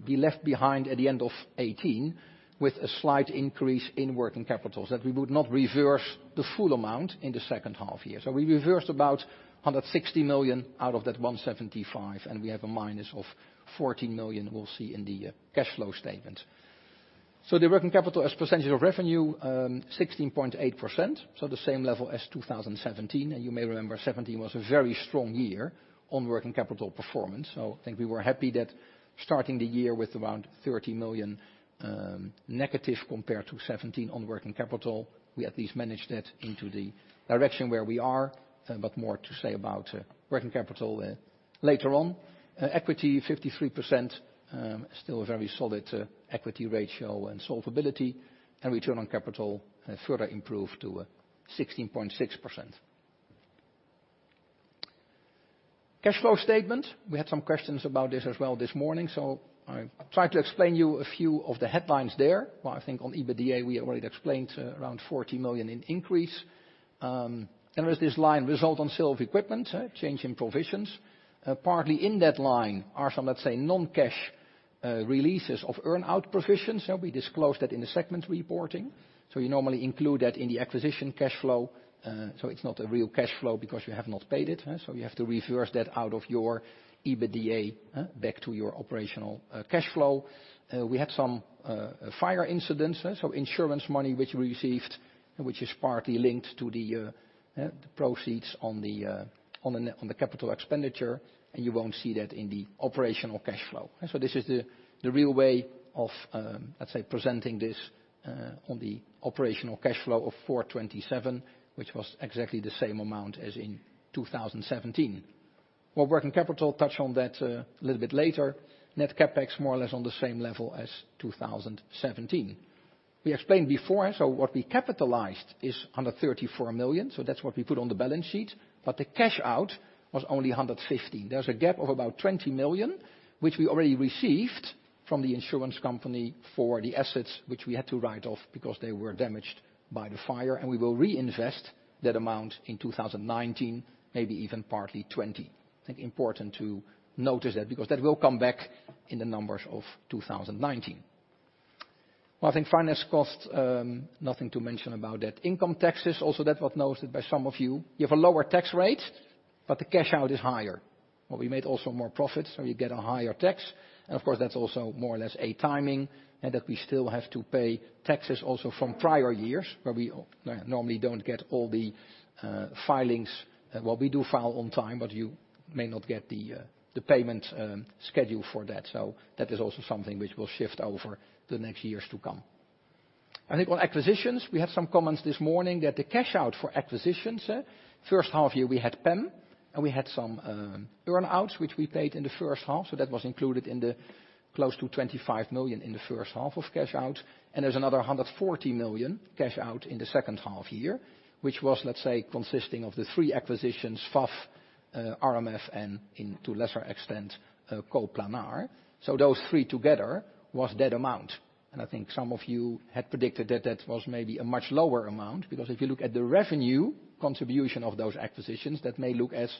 be left behind at the end of 2018 with a slight increase in working capitals, that we would not reverse the full amount in the second half year. We reversed about 160 million out of that 175, and we have a minus of 14 million we will see in the cash flow statement. The working capital as percentage of revenue, 16.8%, the same level as 2017. You may remember 2017 was a very strong year on working capital performance. I think we were happy that starting the year with around 30 million, negative compared to 2017 on working capital, we at least managed that into the direction where we are, but more to say about working capital later on. Equity 53%, still a very solid equity ratio and solvability, and return on capital further improved to 16.6%. Cash flow statement. We had some questions about this as well this morning, I try to explain you a few of the headlines there. Well, I think on EBITDA, we already explained around 40 million in increase. There's this line, result on sale of equipment, change in provisions. Partly in that line are some, let's say, non-cash releases of earn-out provisions. We disclosed that in the segment reporting. You normally include that in the acquisition cash flow. It's not a real cash flow because you have not paid it, you have to reverse that out of your EBITDA back to your operational cash flow. We had some fire incidents, insurance money which we received, which is partly linked to the proceeds on the capital expenditure, you won't see that in the operational cash flow. This is the real way of, let's say, presenting this on the operational cash flow of 427, which was exactly the same amount as in 2017. Well, working capital, touch on that a little bit later. Net CapEx, more or less on the same level as 2017. We explained before, what we capitalized is 134 million, that's what we put on the balance sheet, but the cash out was only 115. There's a gap of about 20 million, which we already received from the insurance company for the assets which we had to write off because they were damaged by the fire, and we will reinvest that amount in 2019, maybe even partly 2020. I think important to notice that because that will come back in the numbers of 2019. Well, I think finance costs, nothing to mention about that. Income taxes, also that was noticed by some of you. You have a lower tax rate, the cash out is higher. Well, we made also more profits, you get a higher tax. Of course, that's also more or less a timing in that we still have to pay taxes also from prior years where we normally don't get all the filings. Well, we do file on time, you may not get the payment schedule for that. That is also something which will shift over the next years to come. I think on acquisitions, we had some comments this morning that the cash out for acquisitions. First half year we had PEM, we had some earn-outs which we paid in the first half. That was included in the close to 25 million in the first half of cash out. There's another 140 million cash out in the second half year, which was, let's say, consisting of the three acquisitions, VAF, RMF, and to a lesser extent, Co-Planar. Those three together was that amount. I think some of you had predicted that that was maybe a much lower amount because if you look at the revenue contribution of those acquisitions, that may look as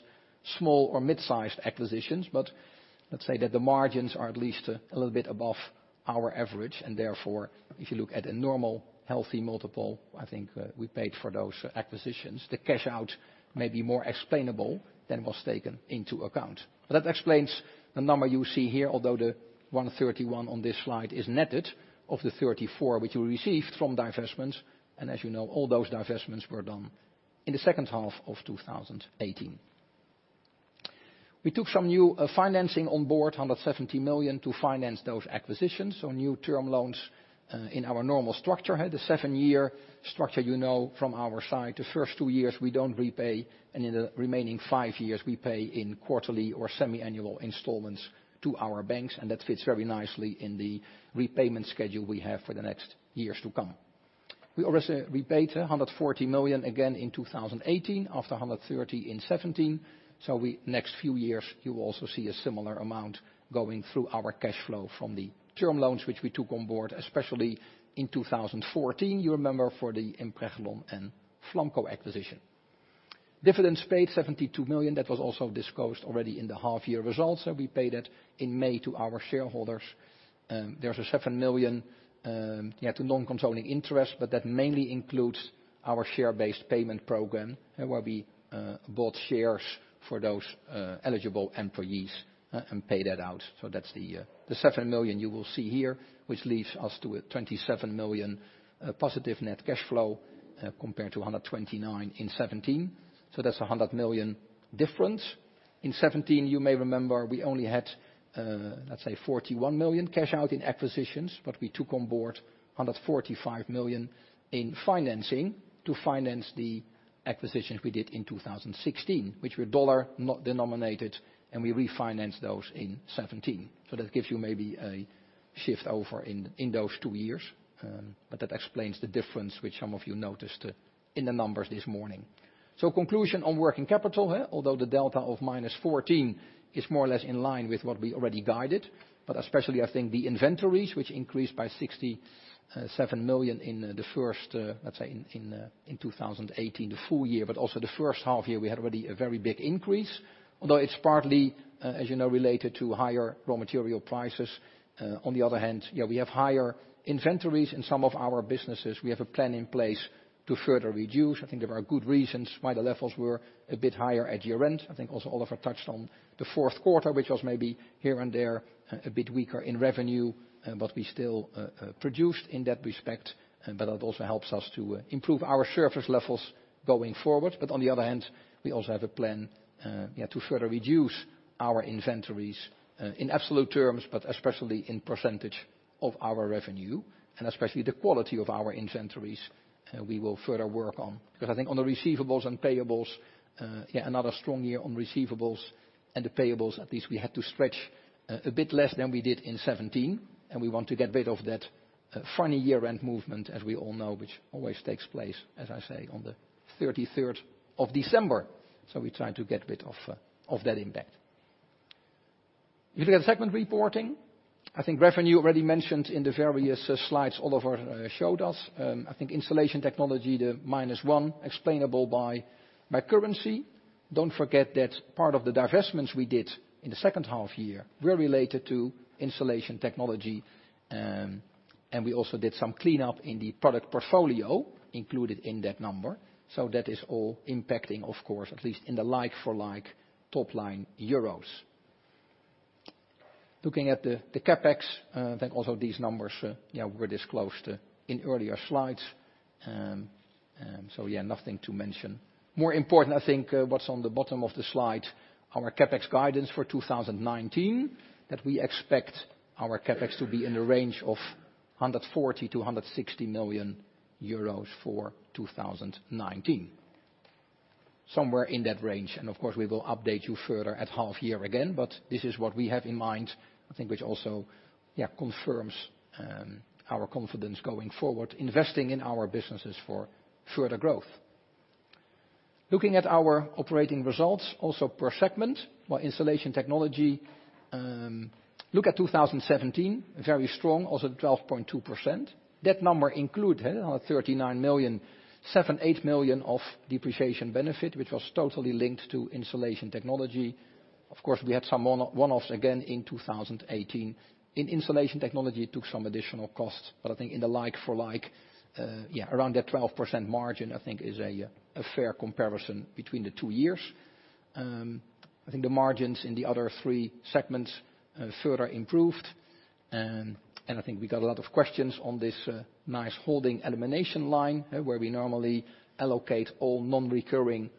small or mid-sized acquisitions, let's say that the margins are at least a little bit above our average, and therefore, if you look at a normal, healthy multiple, I think we paid for those acquisitions. The cash out may be more explainable than was taken into account. That explains the number you see here, although the 131 on this slide is netted of the 34 which we received from divestments. As you know, all those divestments were done in the second half of 2018. We took some new financing on board, 170 million to finance those acquisitions. New term loans in our normal structure. The seven-year structure you know from our side. The first two years we don't repay, in the remaining five years, we pay in quarterly or semiannual installments to our banks, that fits very nicely in the repayment schedule we have for the next years to come. We also repaid 140 million again in 2018 after 130 million in 2017, next few years, you will also see a similar amount going through our cash flow from the term loans which we took on board, especially in 2014, you remember, for the Impreglon and Flamco acquisition. Dividends paid, 72 million. That was also disclosed already in the half year results, we paid that in May to our shareholders. There's a 7 million to non-controlling interest that mainly includes our share-based payment program, where we bought shares for those eligible employees and paid that out. That's the 7 million you will see here, which leaves us to a 27 million positive net cash flow compared to 129 million in 2017. That's 100 million difference. In 2017, you may remember we only had, let's say, 41 million cash out in acquisitions, we took on board 145 million in financing to finance the acquisitions we did in 2016, which were USD-denominated, we refinanced those in 2017. That gives you maybe a shift over in those two years. That explains the difference, which some of you noticed in the numbers this morning. Conclusion on working capital, although the delta of minus 14 million is more or less in line with what we already guided, especially I think the inventories, which increased by 67 million in 2018, the full year, also the first half year, we had already a very big increase. Although it's partly, as you know, related to higher raw material prices. On the other hand, we have higher inventories in some of our businesses. We have a plan in place to further reduce. I think there are good reasons why the levels were a bit higher at year-end. I think also Oliver touched on the fourth quarter, which was maybe here and there, a bit weaker in revenue, but we still produced in that respect, but that also helps us to improve our service levels going forward. On the other hand, we also have a plan to further reduce our inventories in absolute terms, but especially in % of our revenue and especially the quality of our inventories, we will further work on. I think on the receivables and payables, another strong year on receivables and the payables, at least we had to stretch a bit less than we did in 2017. We want to get rid of that funny year-end movement, as we all know, which always takes place, as I say, on the 33rd of December. We try to get rid of that impact. If you look at segment reporting, I think revenue already mentioned in the various slides Oliver showed us. I think Installation Technology, the -1% explainable by currency. Don't forget that part of the divestments we did in the second half year were related to Installation Technology. We also did some cleanup in the product portfolio included in that number. That is all impacting, of course, at least in the like-for-like top line EUR. Looking at the CapEx, I think also these numbers were disclosed in earlier slides. Nothing to mention. More important, I think what's on the bottom of the slide, our CapEx guidance for 2019, that we expect our CapEx to be in the range of 140 million-160 million euros for 2019. Somewhere in that range. Of course, we will update you further at half year again, but this is what we have in mind, I think, which also confirms our confidence going forward, investing in our businesses for further growth. Looking at our operating results also per segment, while Installation Technology, look at 2017, very strong, also 12.2%. That number include our 39 million, seven, eight million of depreciation benefit, which was totally linked to Installation Technology. We had some one-offs again in 2018. In Installation Technology, it took some additional costs. I think in the like-for-like, around that 12% margin, I think is a fair comparison between the two years. I think the margins in the other three segments further improved. I think we got a lot of questions on this nice holding elimination line, where we normally allocate all non-recurring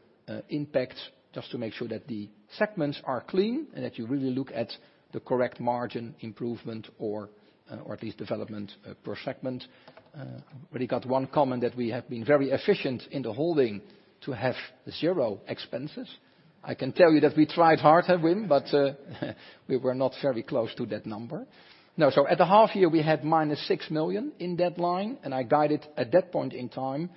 impacts just to make sure that the segments are clean and that you really look at the correct margin improvement or at least development per segment. Already got one comment that we have been very efficient in the holding to have zero expenses. I can tell you that we tried hard, Wim, we were not very close to that number. No. At the half year, we had minus 6 million in that line, and I guided at that point in time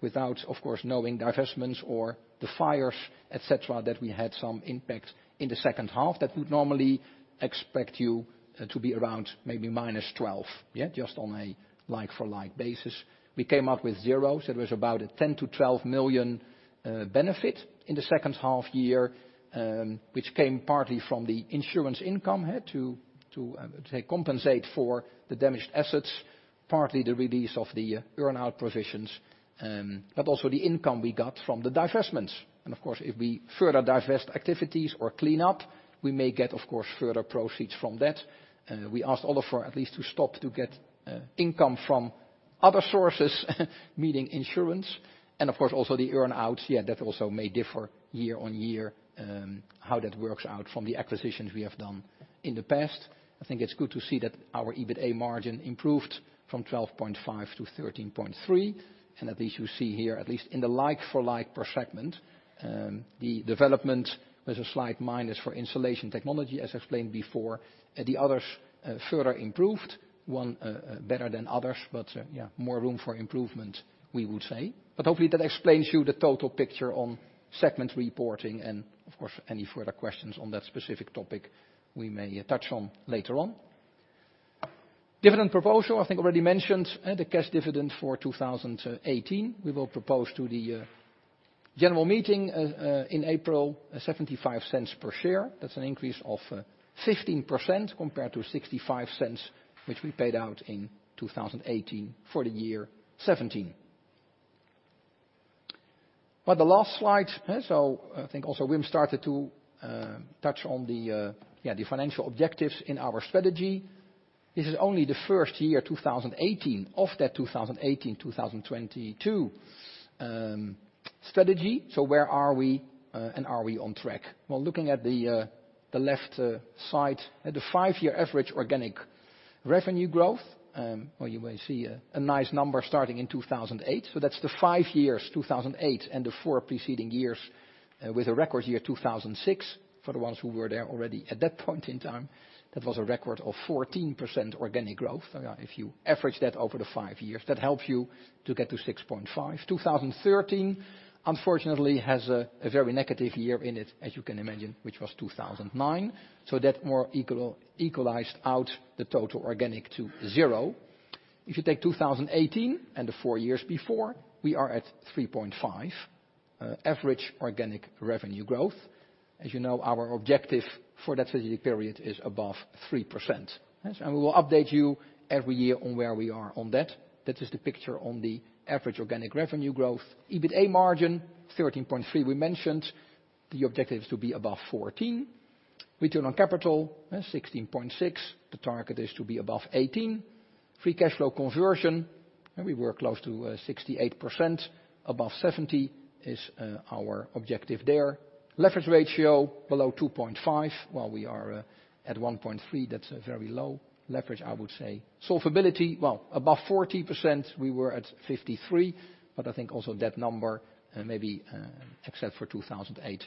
without, of course, knowing divestments or the fires, et cetera, that we had some impact in the second half that would normally expect you to be around maybe minus 12 million. Yeah, just on a like-for-like basis. We came up with zero. It was about a 10 million-12 million benefit in the second half year, which came partly from the insurance income here to compensate for the damaged assets, partly the release of the earn-out provisions, but also the income we got from the divestments. Of course, if we further divest activities or clean up, we may get, of course, further proceeds from that. We asked Oliver at least to stop to get income from other sources, meaning insurance. Of course, also the earn-outs. That also may differ year on year, how that works out from the acquisitions we have done in the past. I think it's good to see that our EBITA margin improved from 12.5%-13.3%. At least you see here, at least in the like-for-like per segment, the development was a slight minus for installation technology, as explained before. The others further improved, one better than others. More room for improvement we would say. Hopefully that explains you the total picture on segment reporting and, of course, any further questions on that specific topic we may touch on later on. Dividend proposal, I think already mentioned, the cash dividend for 2018. We will propose to the general meeting, in April, 0.75 per share. That's an increase of 15% compared to 0.65, which we paid out in 2018 for the year 2017. By the last slide. I think also Wim started to touch on the financial objectives in our strategy. This is only the first year, 2018, of that 2018-2022 Strategy. Where are we? Are we on track? Well, looking at the left side at the five-year average organic revenue growth, or you may see a nice number starting in 2008. That's the five years, 2008 and the four preceding years with a record year 2006. For the ones who were there already at that point in time, that was a record of 14% organic growth. If you average that over the five years, that helps you to get to 6.5%. 2013 unfortunately has a very negative year in it, as you can imagine, which was 2009. That more equalized out the total organic to zero. If you take 2018 and the four years before, we are at 3.5% average organic revenue growth. As you know, our objective for that strategic period is above 3%. We will update you every year on where we are on that. That is the picture on the average organic revenue growth. EBITA margin 13.3%, we mentioned. The objective is to be above 14%. Return on capital 16.6%. The target is to be above 18%. Free cash flow conversion, we were close to 68%. Above 70% is our objective there. Leverage ratio below 2.5x, while we are at 1.3x, that's a very low leverage, I would say. Solvency, well, above 40%, we were at 53%, but I think also that number maybe except for 2008,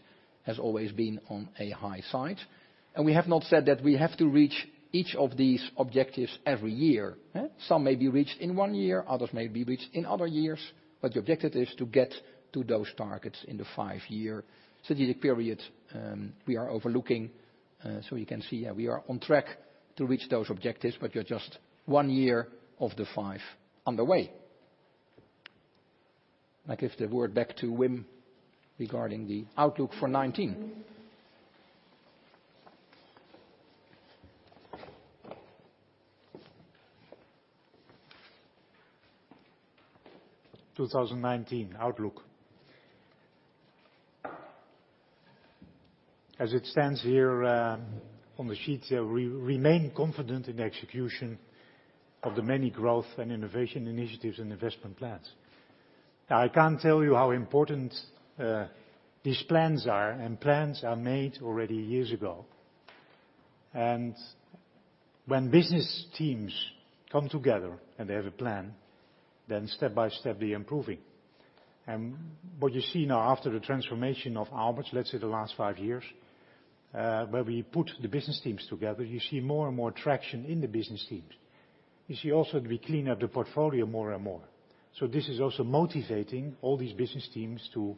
has always been on a high side. We have not said that we have to reach each of these objectives every year. Some may be reached in one year, others may be reached in other years, but the objective is to get to those targets in the five-year strategic period we are overlooking. You can see we are on track to reach those objectives, but you are just one year of the five on the way. I give the word back to Wim regarding the outlook for 2019. 2019 outlook. As it stands here on the sheet, we remain confident in the execution of the many growth and innovation initiatives and investment plans. I cannot tell you how important these plans are. Plans are made already years ago. When business teams come together, and they have a plan, step by step, they are improving. What you see now after the transformation of Aalberts, let us say, the last five years, where we put the business teams together, you see more and more traction in the business teams. You see also we clean up the portfolio more and more. This is also motivating all these business teams to,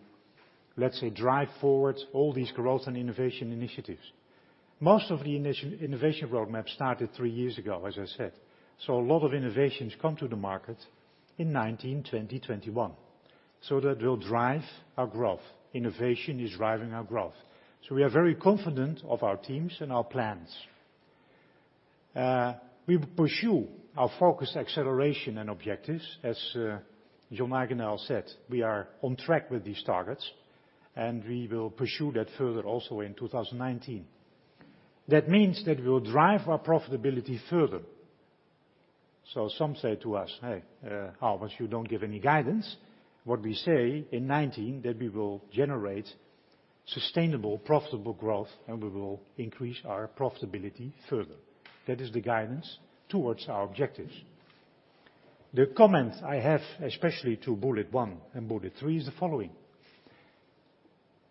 let us say, drive forward all these growth and innovation initiatives. Most of the innovation roadmap started three years ago, as I said. A lot of innovations come to the market in 2019, 2020, 2021. That will drive our growth. Innovation is driving our growth. We are very confident of our teams and our plans. We pursue our focused acceleration and objectives. As John Maghen now said, we are on track with these targets. We will pursue that further also in 2019. That means that we will drive our profitability further. Some say to us, "Hey, Aalberts, you do not give any guidance." What we say in 2019, that we will generate sustainable, profitable growth, and we will increase our profitability further. That is the guidance towards our objectives. The comment I have, especially to bullet one and bullet three, is the following.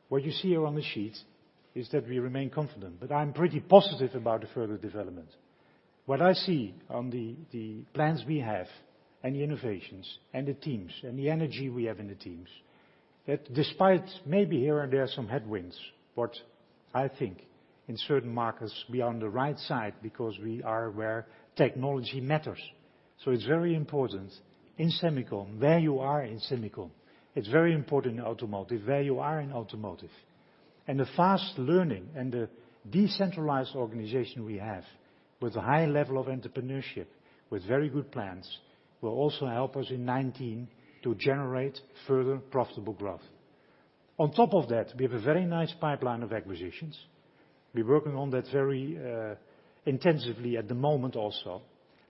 What you see here on the sheet is that we remain confident, but I am pretty positive about the further development. What I see on the plans we have, and the innovations, and the teams, and the energy we have in the teams, that despite maybe here and there some headwinds. I think in certain markets, we are on the right side because we are where technology matters. It is very important in semicon, where you are in semicon. It is very important in automotive, where you are in automotive. The fast learning and the decentralized organization we have with a high level of entrepreneurship, with very good plans, will also help us in 2019 to generate further profitable growth. On top of that, we have a very nice pipeline of acquisitions. We are working on that very intensively at the moment also.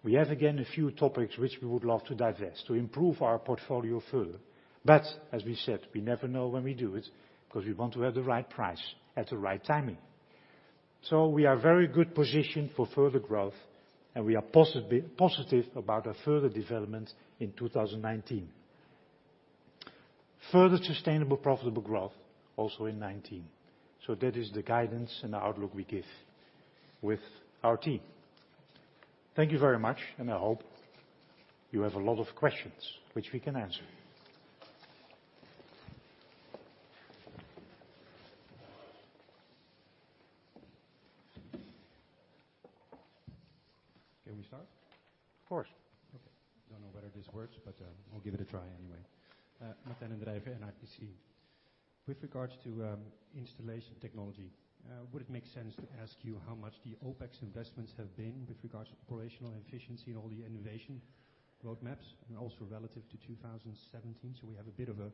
We have, again, a few topics which we would love to divest to improve our portfolio further. As we said, we never know when we do it because we want to have the right price at the right timing. We are very good positioned for further growth, and we are positive about our further development in 2019. Further sustainable profitable growth also in 2019. That is the guidance and the outlook we give with our team. Thank you very much, and I hope you have a lot of questions which we can answer. Can we start? Of course. Okay. Don't know whether this works, but I'll give it a try anyway. Martijn den Drijver, [NRTC]. With regards to installation technology, would it make sense to ask you how much the OpEx investments have been with regards to operational efficiency and all the innovation roadmaps, and also relative to 2017, so we have a bit of a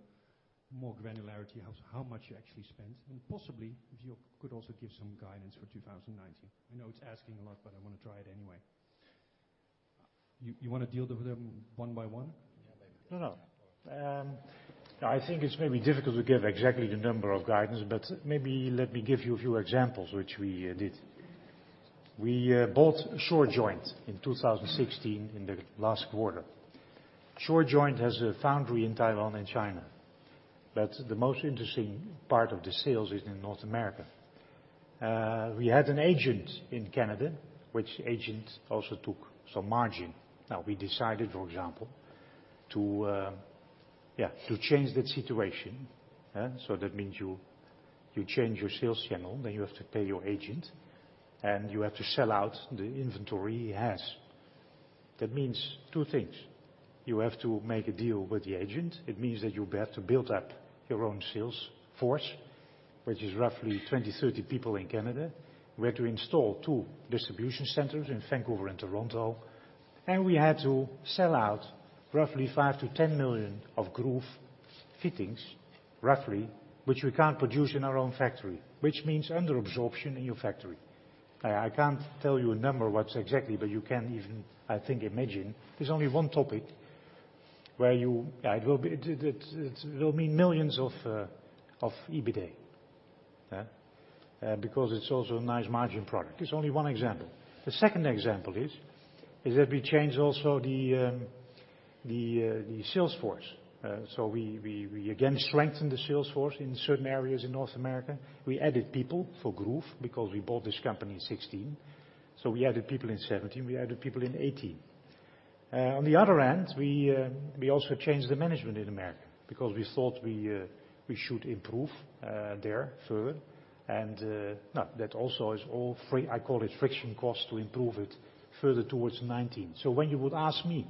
more granularity as how much you actually spent? Possibly, if you could also give some guidance for 2019. I know it's asking a lot, but I want to try it anyway. You want to deal with them one by one? Yeah, maybe. No, no. I think it's maybe difficult to give exactly the number of guidance, but maybe let me give you a few examples which we did. We bought Shurjoint in 2016, in the last quarter. Shurjoint has a foundry in Taiwan and China. But the most interesting part of the sales is in North America. We had an agent in Canada, which agent also took some margin. Now we decided, for example, to change that situation. That means you change your sales channel, then you have to pay your agent, and you have to sell out the inventory he has. That means two things. You have to make a deal with the agent. It means that you have to build up your own sales force, which is roughly 20, 30 people in Canada. We had to install two distribution centers in Vancouver and Toronto, and we had to sell out roughly 5 million-10 million of Groove fittings, roughly, which we can't produce in our own factory, which means under absorption in your factory. I can't tell you a number what's exactly, but you can even, I think, imagine there's only one topic where you. It will mean millions of EBITDA, because it's also a nice margin product. It's only one example. The second example is that we change also the sales force. We again strengthen the sales force in certain areas in North America. We added people for Groove because we bought this company in 2016. We added people in 2017. We added people in 2018. On the other end, we also changed the management in America because we thought we should improve there further, and that also is all free. I call it friction cost to improve it further towards 2019. When you would ask me,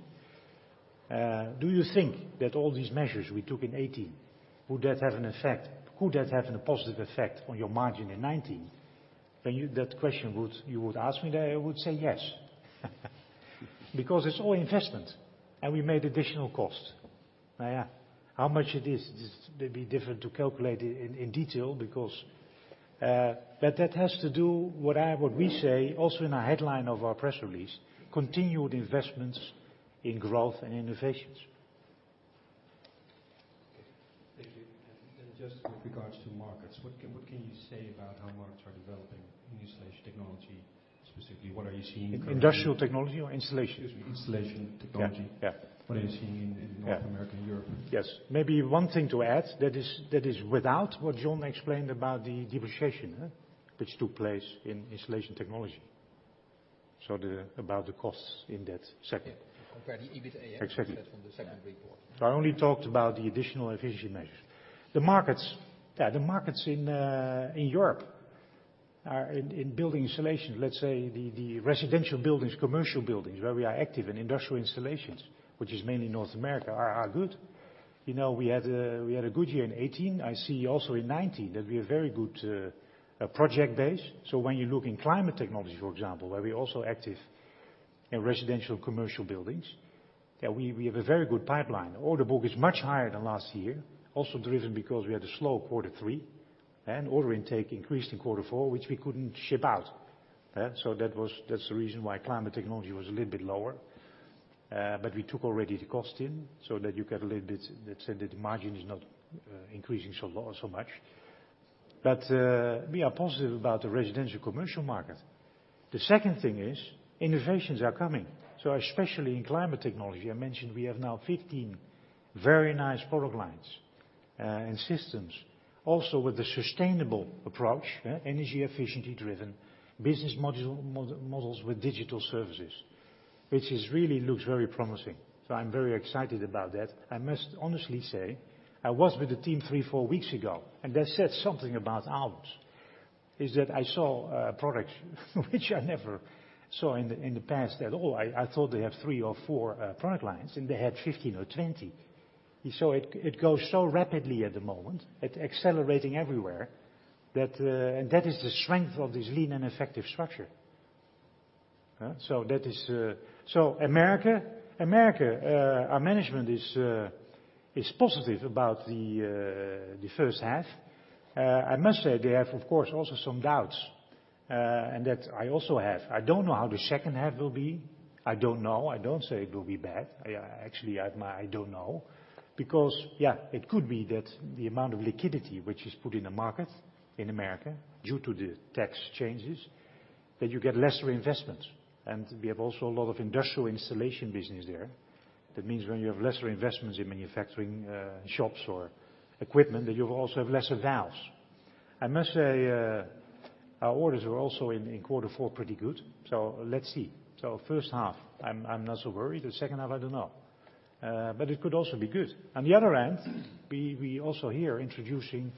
do you think that all these measures we took in 2018, could that have a positive effect on your margin in 2019? That question you would ask me, I would say yes because it's all investment, and we made additional cost. How much it is? It's maybe different to calculate it in detail because that has to do what we say also in our headline of our press release, continued investments in growth and innovations. Okay. Thank you. Just with regards to markets, what can you say about how markets are developing in installation technology specifically, what are you seeing currently? In industrial technology or installation technology? Excuse me, installation technology. Yeah. What are you seeing in North America and Europe? Yes. Maybe one thing to add that is without what John explained about the depreciation, which took place in installation technology. About the costs in that segment. Yeah. Compared to EBITA. Exactly from the segment report. I only talked about the additional efficiency measures. The markets in Europe are in building insulation. Let's say the residential buildings, commercial buildings, where we are active in industrial insulations, which is mainly North America, are good. We had a good year in 2018. I see also in 2019 that we are very good project base. When you look in climate technology, for example, where we're also active in residential commercial buildings, we have a very good pipeline. Order book is much higher than last year, also driven because we had a slow quarter three and order intake increased in quarter four, which we couldn't ship out. That's the reason why climate technology was a little bit lower. We took already the cost in so that you get a little bit, let's say that the margin is not increasing so much. We are positive about the residential commercial market. The second thing is innovations are coming. Especially in climate technology, I mentioned we have now 15 very nice product lines, and systems also with a sustainable approach. Energy efficiency driven busines models with digital services, which is really looks very promising. I'm very excited about that. I must honestly say, I was with the team three, four weeks ago, and they said something about Aalberts, is that I saw a product which I never saw in the past at all. I thought they have three or four product lines, and they had 15 or 20. It goes so rapidly at the moment. It's accelerating everywhere, and that is the strength of this lean and effective structure. America, our management is positive about the first half. I must say they have, of course, also some doubts, that I also have. I don't know how the second half will be. I don't know. I don't say it will be bad. Actually, I don't know because, yeah, it could be that the amount of liquidity which is put in the market in America due to the tax changes, that you get lesser investments. We have also a lot of industrial installation business there. That means when you have lesser investments in manufacturing shops or equipment, then you also have lesser valves. I must say, our orders were also in quarter four pretty good. Let's see. First half, I'm not so worried. The second half, I don't know. It could also be good. On the other end, we also here introducing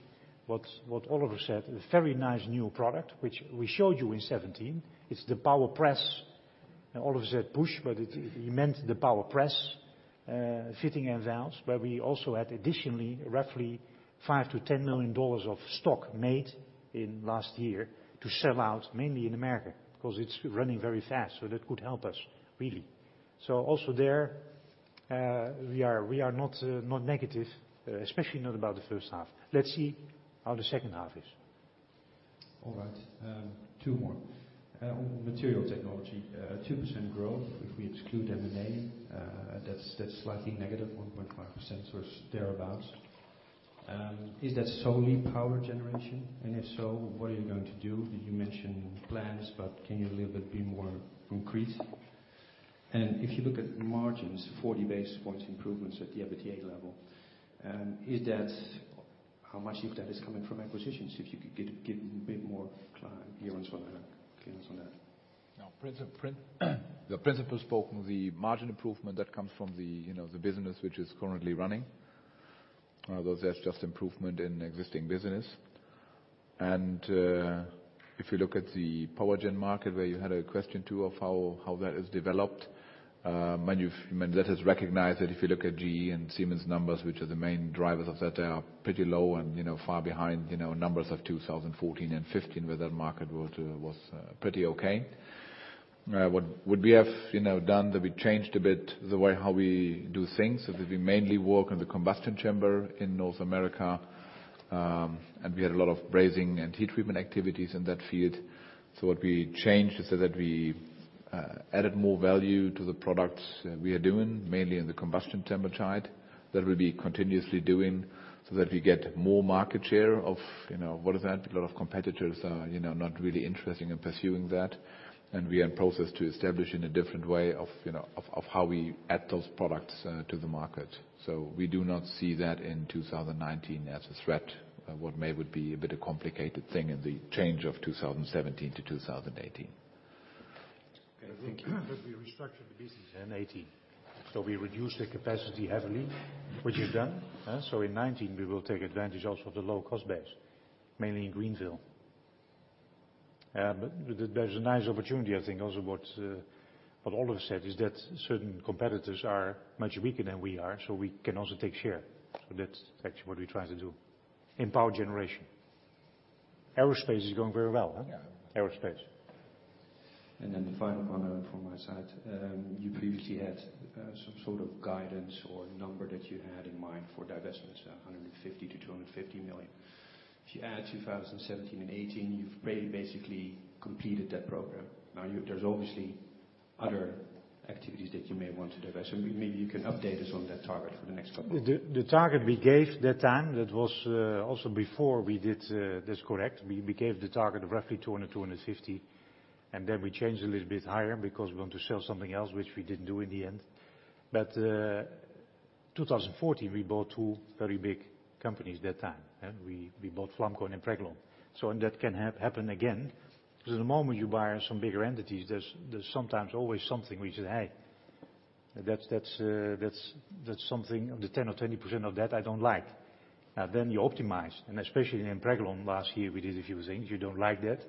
what Oliver said, a very nice new product, which we showed you in 2017. It's the PowerPress. Oliver said push, but he meant the PowerPress, fitting and valves, where we also had additionally roughly EUR 5 million-EUR 10 million of stock made in last year to sell out mainly in America because it's running very fast, that could help us really. Also there, we are not negative, especially not about the first half. Let's see how the second half is. All right. Two more. On material technology, 2% growth. If we exclude M&A, that's slightly negative, 1.5% or thereabouts. Is that solely power generation? If so, what are you going to do? You mentioned plans, but can you be more concrete? If you look at margins, 40 basis points improvements at the EBITDA level. How much of that is coming from acquisitions? If you could give a bit more clearance on that. The principle spoken, the margin improvement that comes from the business which is currently running. Although that's just improvement in existing business. If you look at the power generation market, where you had a question too, of how that has developed. That has recognized that if you look at GE and Siemens numbers, which are the main drivers of that, are pretty low and far behind numbers of 2014 and 2015, where that market was pretty okay. What we have done, that we changed a bit the way how we do things. That we mainly work on the combustion chamber in North America. We had a lot of brazing and heat treatment activities in that field. What we changed is that we added more value to the products we are doing, mainly in the combustion chamber side. We'll be continuously doing so that we get more market share of what is that. A lot of competitors are not really interested in pursuing that, and we are in process to establish in a different way of how we add those products to the market. We do not see that in 2019 as a threat. What may would be a bit of complicated thing in the change of 2017 to 2018. Okay, thank you. We restructured the business in 2018, so we reduced the capacity heavily, which is done. In 2019, we will take advantage also of the low cost base, mainly in Greenville. There's a nice opportunity, I think. Also what Oliver said is that certain competitors are much weaker than we are, so we can also take share. That's actually what we try to do in power generation. aerospace is going very well, huh? Yeah. Aerospace. The final one from my side. You previously had some sort of guidance or number that you had in mind for divestments, 150 million to 250 million. If you add 2017 and 2018, you've pretty basically completed that program. There's obviously other activities that you may want to divest, so maybe you can update us on that target for the next couple of years. The target we gave that time, that was also before we did this correct. We gave the target of roughly 200 million, 250 million, and then we changed a little bit higher because we want to sell something else, which we didn't do in the end. 2014, we bought two very big companies that time. We bought Flamco and Impreglon. That can happen again, because the moment you buy some bigger entities, there's sometimes always something we say, "Hey, that's something, the 10% or 20% of that I don't like." You optimize, and especially in Impreglon last year, we did a few things. You don't like that,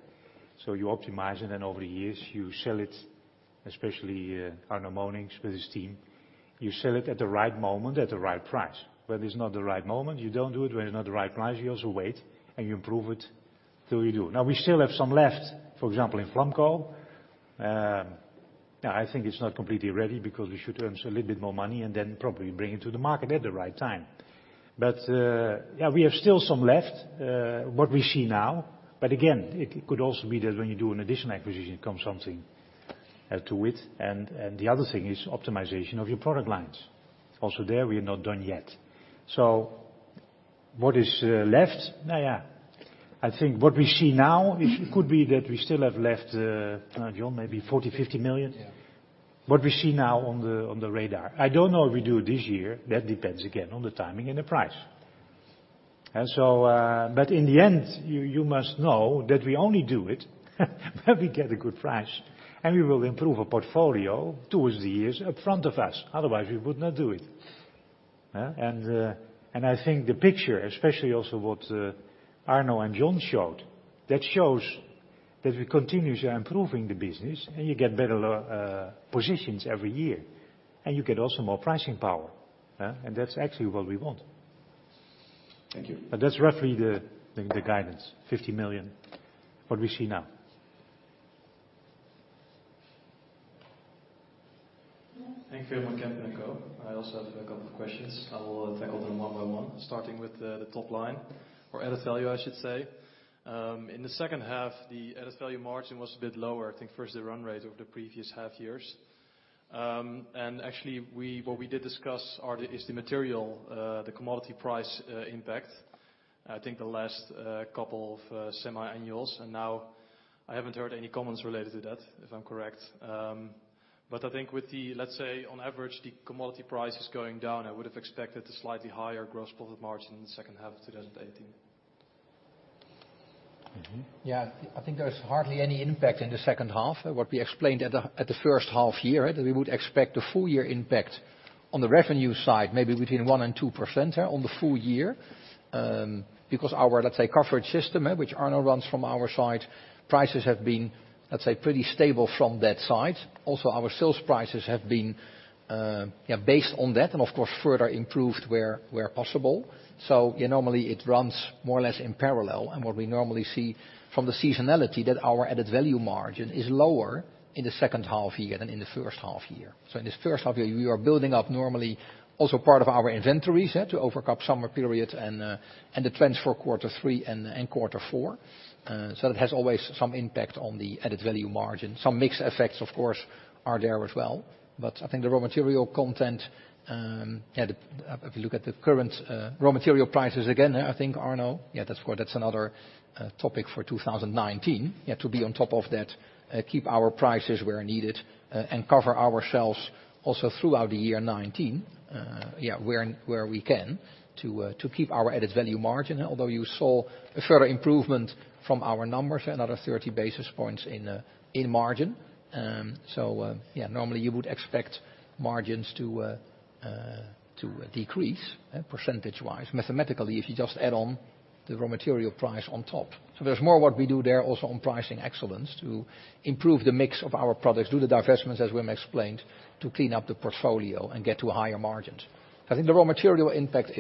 so you optimize it, and over the years, you sell it, especially Arno Monincx with his team. You sell it at the right moment, at the right price. When it's not the right moment, you don't do it. When it's not the right price, you also wait, and you improve it till you do. We still have some left, for example, in Flamco. I think it's not completely ready because we should earn a little bit more money and then probably bring it to the market at the right time. We have still some left, what we see now. Again, it could also be that when you do an addition acquisition, it comes something to it. The other thing is optimization of your product lines. There, we are not done yet. What is left? I think what we see now, it could be that we still have left, John, maybe 40 million, 50 million. Yeah. What we see now on the radar, I don't know if we do it this year. That depends, again, on the timing and the price. In the end, you must know that we only do it when we get a good price, and we will improve our portfolio towards the years up front of us. Otherwise, we would not do it. I think the picture, especially also what Arno and John showed, that shows that we're continuously improving the business, and you get better positions every year, and you get also more pricing power. That's actually what we want. Thank you. That's roughly the guidance, 50 million, what we see now. Thank you. Van Kempen & Co. I also have a couple of questions. I will tackle them one by one, starting with the top line or added value, I should say. In the second half, the added value margin was a bit lower, I think versus the run rate over the previous half years. Actually, what we did discuss is the material, the commodity price impact. I think the last couple of semi-annuals, and now I haven't heard any comments related to that, if I'm correct. I think with the, let's say on average, the commodity prices going down, I would have expected a slightly higher gross profit margin in the second half of 2018. I think there's hardly any impact in the second half. What we explained at the first half year, that we would expect the full year impact on the revenue side maybe within 1% and 2% on the full year. Our coverage system, which Arno runs from our side, prices have been pretty stable from that side. Also, our sales prices have been based on that, and of course, further improved where possible. Normally it runs more or less in parallel. What we normally see from the seasonality, that our added value margin is lower in the second half year than in the first half year. In this first half year, we are building up normally also part of our inventories to overcap summer periods and the trends for quarter three and quarter four. That has always some impact on the added value margin. Some mix effects, of course, are there as well. I think the raw material content, if you look at the current raw material prices again, I think, Arno, that's another topic for 2019, to be on top of that, keep our prices where needed, and cover ourselves also throughout the year 2019 where we can to keep our added value margin. Although you saw a further improvement from our numbers, another 30 basis points in margin. Normally you would expect margins to decrease percentage-wise, mathematically, if you just add on the raw material price on top. There's more what we do there also on pricing excellence to improve the mix of our products, do the divestments, as Wim explained, to clean up the portfolio and get to higher margins. I think the raw material impact,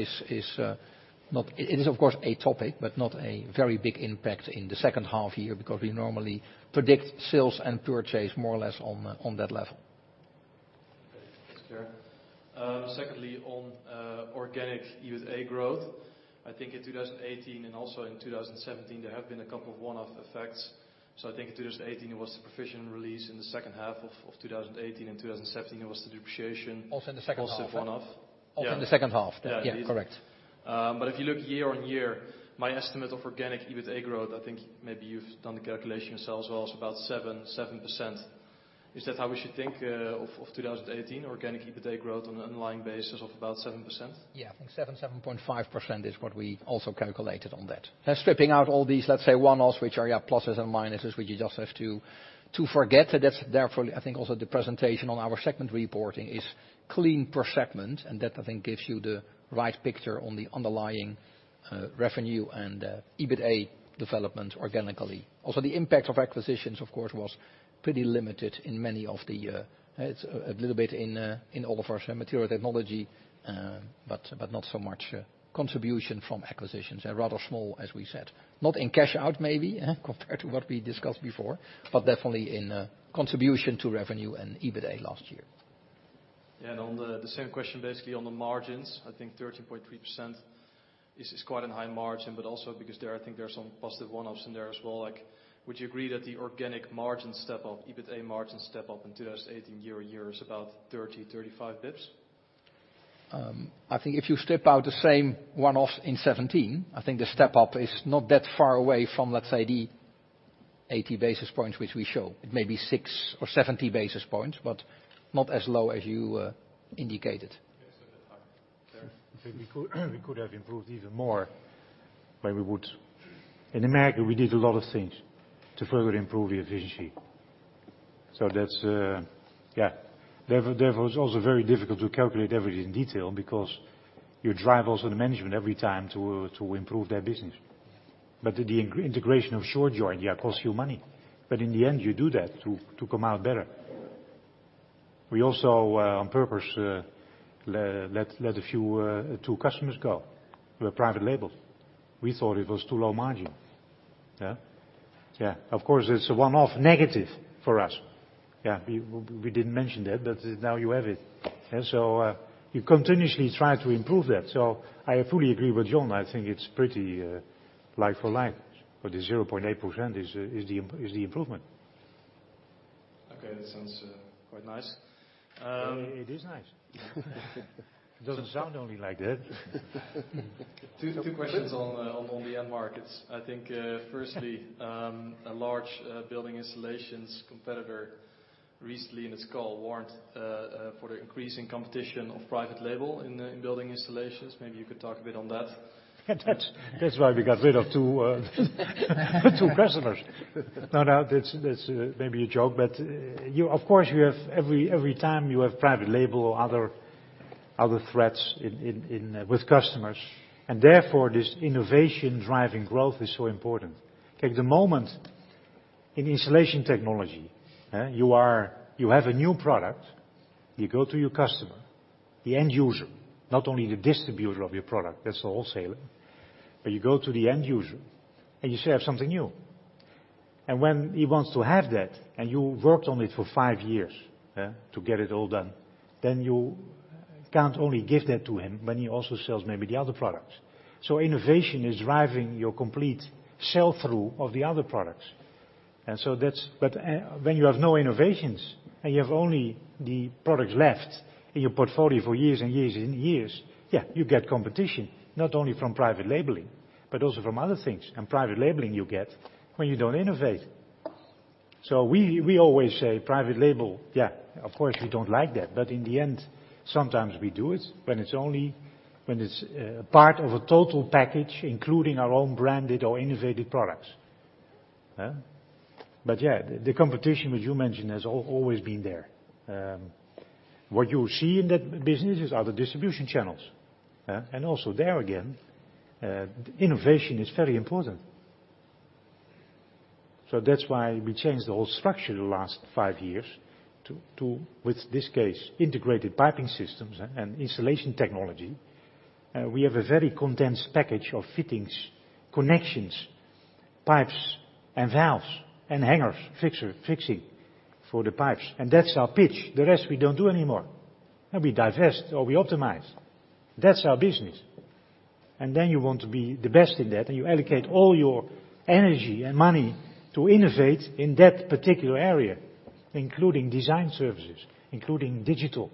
it is of course a topic, but not a very big impact in the second half year because we normally predict sales and purchase more or less on that level. Okay. Thanks, John. Secondly, on organic EBITDA growth, I think in 2018 and also in 2017, there have been a couple of one-off effects. I think in 2018 it was the provision release in the second half of 2018, in 2017 it was the depreciation- Also in the second half also a one-off. In the second half. Yeah. Yes, correct. If you look year-over-year, my estimate of organic EBITDA growth, I think maybe you've done the calculation yourself as well, is about 7%. Is that how we should think of 2018 organic EBITDA growth on an underlying basis of about 7%? Yeah, I think 7.5% is what we also calculated on that. Stripping out all these, let's say one-offs, which are pluses and minuses, which you just have to forget. That's therefore, I think also the presentation on our segment reporting is clean per segment, and that I think gives you the right picture on the underlying revenue and EBITDA development organically. The impact of acquisitions, of course, was pretty limited. It's a little bit in all of our Material Technology, but not so much contribution from acquisitions. Rather small, as we said. Not in cash out maybe compared to what we discussed before, but definitely in contribution to revenue and EBITDA last year. On the same question, basically on the margins, I think 13.3% is quite a high margin, but also because I think there's some positive one-offs in there as well. Would you agree that the organic margin step up, EBITDA margin step up in 2018 year-on-year is about 30, 35 basis points? I think if you strip out the same one-offs in 2017, I think the step-up is not that far away from, let's say, the 80 basis points which we show. It may be 60 or 70 basis points, but not as low as you indicated. Okay. That high. Gert, I think we could have improved even more. In the U.S., we did a lot of things to further improve the efficiency. Therefore, it's also very difficult to calculate everything in detail because you drive also the management every time to improve their business. The integration of Shurjoint costs you money, but in the end, you do that to come out better. We also, on purpose, let a few, two customers go who were private label. We thought it was too low margin. Yeah. Of course, it's a one-off negative for us. Yeah. We didn't mention that, but now you have it. You continuously try to improve that. I fully agree with John. I think it's pretty like for like. The 0.8% is the improvement. Okay. That sounds quite nice. It is nice. It doesn't sound only like that. Two questions on the end markets. I think firstly, a large building installations competitor recently in its call warned for the increasing competition of private label in building installations. Maybe you could talk a bit on that. That's why we got rid of two customers. No, that's maybe a joke, of course, every time you have private label or other threats with customers, therefore this innovation driving growth is so important. Take the moment in installation technology, you have a new product, you go to your customer, the end user, not only the distributor of your product, that's the wholesaler. You go to the end user and you say I have something new. When he wants to have that, you worked on it for five years to get it all done, you can't only give that to him when he also sells maybe the other products. Innovation is driving your complete sell-through of the other products. When you have no innovations and you have only the product left in your portfolio for years and years and years, you get competition not only from private labeling but also from other things. Private labeling you get when you don't innovate. So we always say private label, of course, we don't like that, but in the end, sometimes we do it when it's part of a total package, including our own branded or innovative products. The competition that you mentioned has always been there. What you see in that business is other distribution channels. Also there, again, innovation is very important. That's why we changed the whole structure in the last five years to, with this case, Integrated Piping Systems and Installation Technology. We have a very condensed package of fittings, connections, pipes and valves, hangers, fixing for the pipes, that's our pitch. The rest we don't do anymore. We divest or we optimize. That's our business. You want to be the best in that, and you allocate all your energy and money to innovate in that particular area, including design services, including digital,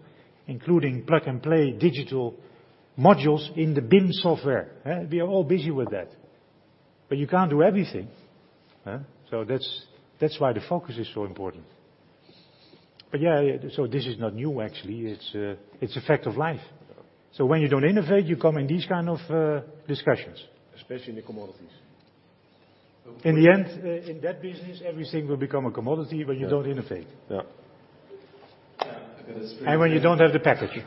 including plug-and-play digital modules in the BIM software. We are all busy with that. You can't do everything. That's why the focus is so important. This is not new, actually. It's a fact of life. When you don't innovate, you come in these kind of discussions. Especially in the commodities. In the end, in that business, everything will become a commodity when you don't innovate. Yeah. When you don't have the package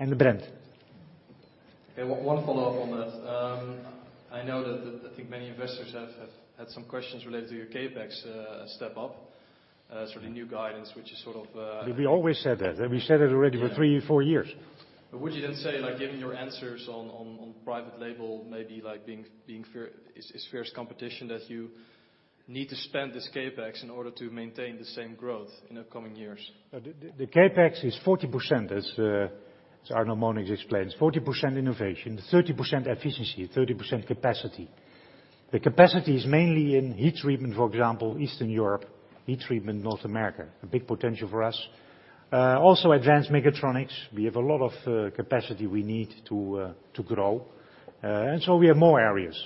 and the brand. Okay, one follow-up on that. I know that, I think many investors have had some questions related to your CapEx step up, sort of new guidance. We always said that. We said it already for three, four years. Would you then say, given your answers on private label maybe being, it's fierce competition that you need to spend this CapEx in order to maintain the same growth in the coming years? The CapEx is 40%, as Arno Monincx explains. 40% innovation, 30% efficiency, 30% capacity. The capacity is mainly in heat treatment, for example, Eastern Europe, heat treatment North America, a big potential for us. Also advanced mechatronics, we have a lot of capacity we need to grow. We have more areas.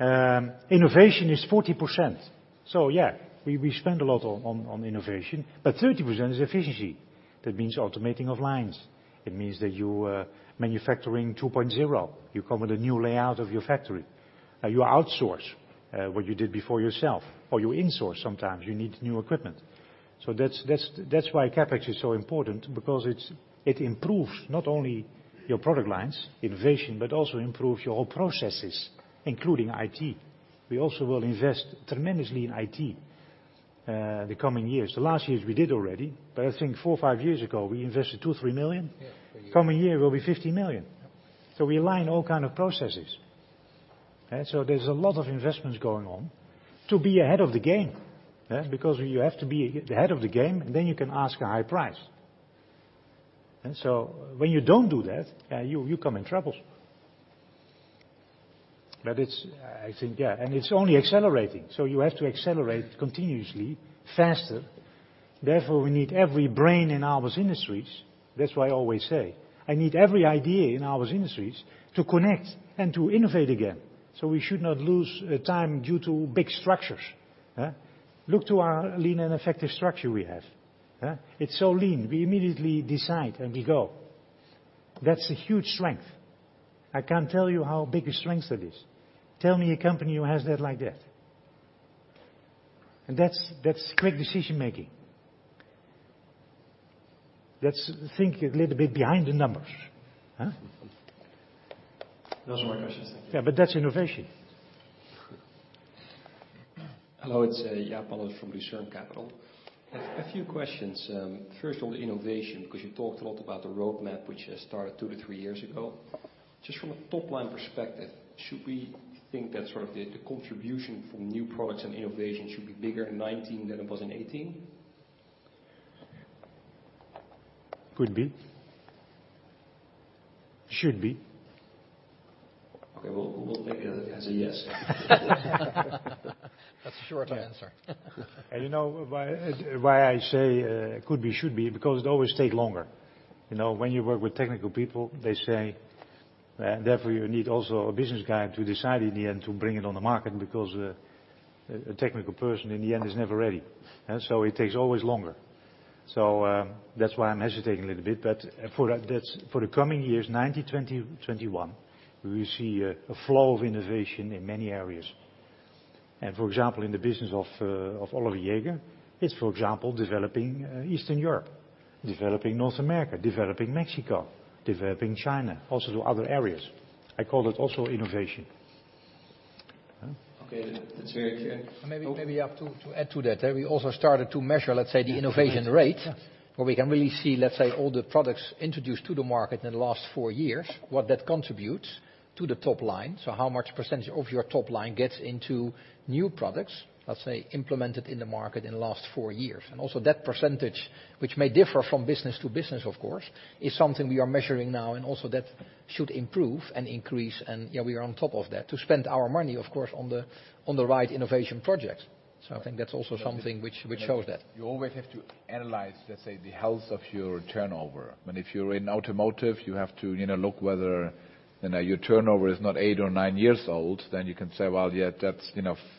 Yeah, innovation is 40%. We spend a lot on innovation. 30% is efficiency. That means automating of lines. It means that you are Manufacturing 2.0. You come with a new layout of your factory. You outsource what you did before yourself, or you insource sometimes. You need new equipment. That's why CapEx is so important, because it improves not only your product lines, innovation, but also improves your whole processes, including IT. We also will invest tremendously in IT the coming years. The last years we did already, but I think four or five years ago, we invested 2 million, 3 million. Yeah. Coming year will be 50 million. We align all kind of processes. There's a lot of investments going on to be ahead of the game. Because you have to be ahead of the game, then you can ask a high price. When you don't do that, you come in troubles. It's, I think, yeah, it's only accelerating. You have to accelerate continuously, faster. Therefore, we need every brain in Aalberts Industries. That's why I always say, I need every idea in Aalberts Industries to connect and to innovate again. We should not lose time due to big structures. Look to our lean and effective structure we have. It's so lean. We immediately decide, and we go. That's a huge strength. I can't tell you how big a strength that is. Tell me a company who has that like that. That's great decision-making. Let's think a little bit behind the numbers. Those are my questions. Thank you. That's innovation. Hello, it's Jaap Alofs from Lucerne Capital. I have a few questions. First on innovation, because you talked a lot about the roadmap, which started two to three years ago. Just from a top-line perspective, should we think that sort of the contribution from new products and innovation should be bigger in 2019 than it was in 2018? Could be. Should be. Okay. We'll take it as a yes. That's a short answer. You know why I say could be, should be? Because it always takes longer. When you work with technical people, they say, therefore, you need also a business guy to decide in the end to bring it on the market, because a technical person, in the end, is never ready. It takes always longer. That's why I'm hesitating a little bit, but for the coming years, 2019, 2020, 2021, we will see a flow of innovation in many areas. For example, in the business of Oliver Jäger, it's, for example, developing Eastern Europe, developing North America, developing Mexico, developing China, also to other areas. I call that also innovation. Okay. That's very clear. Maybe, Jaap, to add to that. We also started to measure, let's say, the innovation rate, where we can really see, let's say, all the products introduced to the market in the last four years, what that contributes to the top line. How much % of your top line gets into new products, let's say, implemented in the market in the last four years. Also that %, which may differ from business to business, of course. is something we are measuring now, and also that should improve and increase. We are on top of that to spend our money, of course, on the right innovation projects. I think that's also something which shows that. You always have to analyze, let's say, the health of your turnover. If you're in automotive, you have to look whether your turnover is not eight or nine years old. You can say, "Well, yeah, that's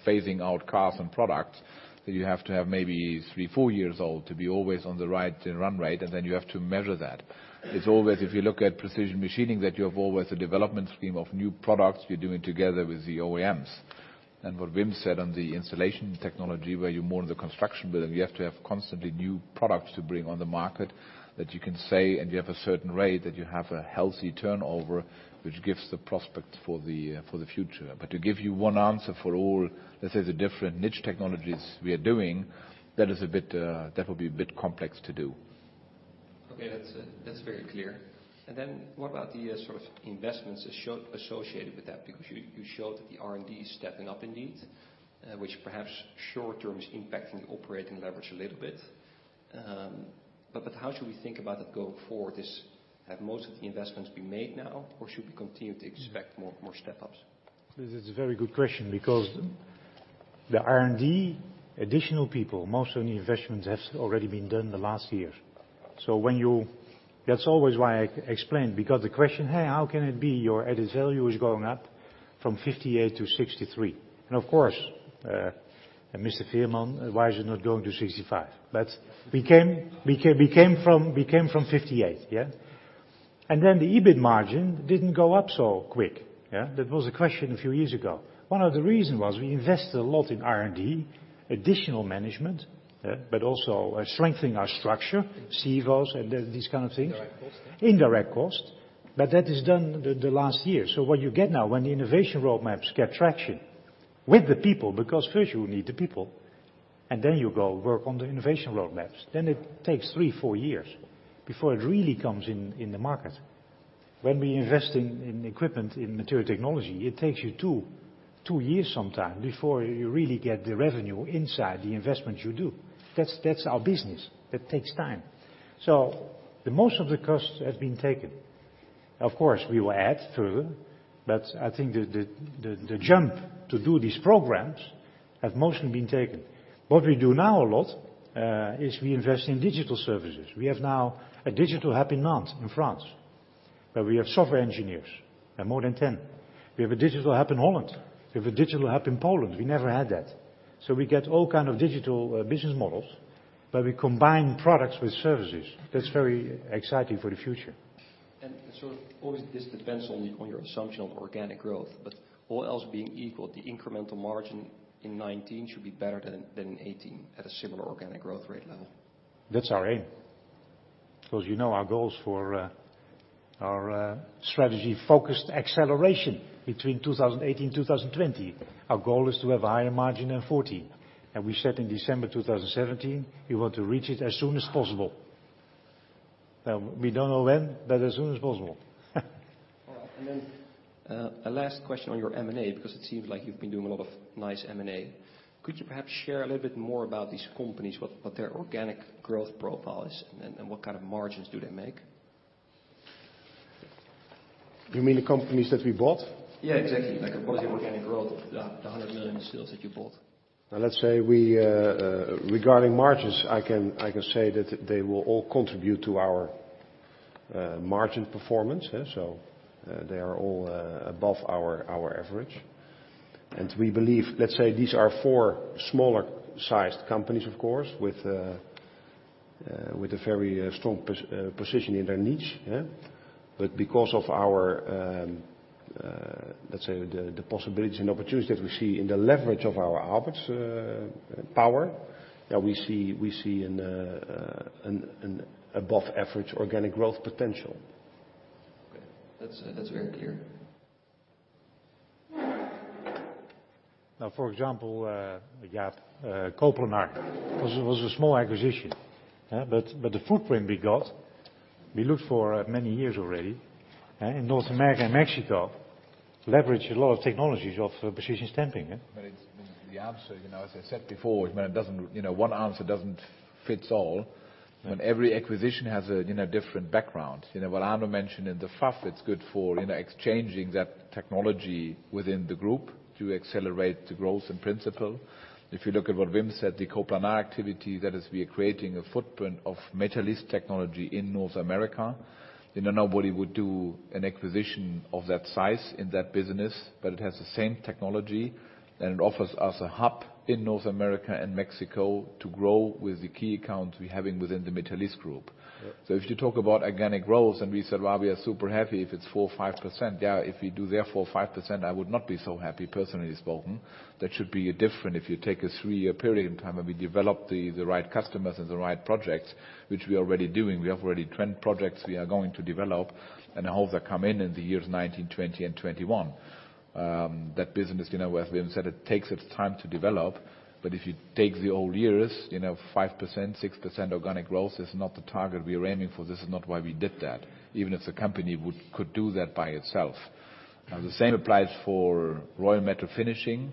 phasing out cars and products." That you have to have maybe three, four years old to be always on the right run rate, and then you have to measure that. It's always, if you look at precision machining, that you have always a development scheme of new products you're doing together with the OEMs. What Wim said on the installation technology, where you're more in the construction business, you have to have constantly new products to bring on the market that you can say, and you have a certain rate that you have a healthy turnover, which gives the prospect for the future. To give you one answer for all, let's say, the different niche technologies we are doing, that would be a bit complex to do. Okay. That's very clear. What about the sort of investments associated with that? Because you showed that the R&D is stepping up indeed, which perhaps short term is impacting operating leverage a little bit. How should we think about that going forward? Have most of the investments been made now, or should we continue to expect more step-ups? This is a very good question because the R&D additional people, most of the investments have already been done the last years. That's always why I explained, because the question, "Hey, how can it be your added value is going up from 58 to 63?" Of course, and Wim Pelsma, why is it not going to 65? We came from 58. The EBIT margin didn't go up so quick. That was a question a few years ago. One of the reason was we invested a lot in R&D, additional management, but also strengthening our structure, COOs, and these kind of things. Indirect costs. Indirect cost. That is done the last year. What you get now when the innovation roadmaps get traction with the people, because first you need the people, and then you go work on the innovation roadmaps. It takes three, four years before it really comes in the market. When we invest in equipment, in material technology, it takes you two years sometime before you really get the revenue inside the investment you do. That's our business. That takes time. The most of the costs have been taken. Of course, we will add further, but I think the jump to do these programs has mostly been taken. What we do now a lot, is we invest in digital services. We have now a digital hub in Nantes, in France, where we have software engineers, and more than 10. We have a digital hub in Holland. We have a digital hub in Poland. We never had that. We get all kind of digital business models. We combine products with services. That's very exciting for the future. Always this depends on your assumption of organic growth. All else being equal, the incremental margin in 2019 should be better than 2018 at a similar organic growth rate level. That's our aim. You know our goals for our strategy focused acceleration between 2018, 2020. Our goal is to have a higher margin than 14%. We said in December 2017, we want to reach it as soon as possible. We don't know when, as soon as possible. All right. A last question on your M&A. It seems like you've been doing a lot of nice M&A. Could you perhaps share a little bit more about these companies, what their organic growth profile is and what kind of margins do they make? You mean the companies that we bought? Yeah, exactly. Like a positive organic growth of 100 million in sales that you bought. Let's say regarding margins, I can say that they will all contribute to our margin performance. They are all above our average. We believe, let's say these are four smaller sized companies, of course, with a very strong position in their niche. Because of our, let's say, the possibility and opportunity that we see in the leverage of our Aalberts power, we see an above average organic growth potential. Okay. That's very clear. For example, Jaap, Co-Planar was a small acquisition. The footprint we got, we looked for many years already. In North America and Mexico, leverage a lot of technologies of precision stamping. It's the answer, as I said before, one answer doesn't fits all. Yeah. Every acquisition has a different background. What Arno mentioned in the FAF, it's good for exchanging that technology within the group to accelerate the growth in principle. If you look at what Wim said, the Co-Planar activity, that is, we are creating a footprint of Metalis technology in North America. Nobody would do an acquisition of that size in that business, but it has the same technology, and it offers us a hub in North America and Mexico to grow with the key accounts we're having within the Metalis Group. Yeah. If you talk about organic growth, and we said, "Well, we are super happy if it's 4%, 5%." If we do there 4%, 5%, I would not be so happy personally spoken. That should be different if you take a three-year period in time and we develop the right customers and the right projects, which we are already doing. We have already 10 projects we are going to develop and hope they come in the years 2019, 2020, and 2021. That business, as Wim said, it takes its time to develop, but if you take the old years, 5%, 6% organic growth is not the target we are aiming for. This is not why we did that. Even if the company could do that by itself. The same applies for Roy Metal Finishing.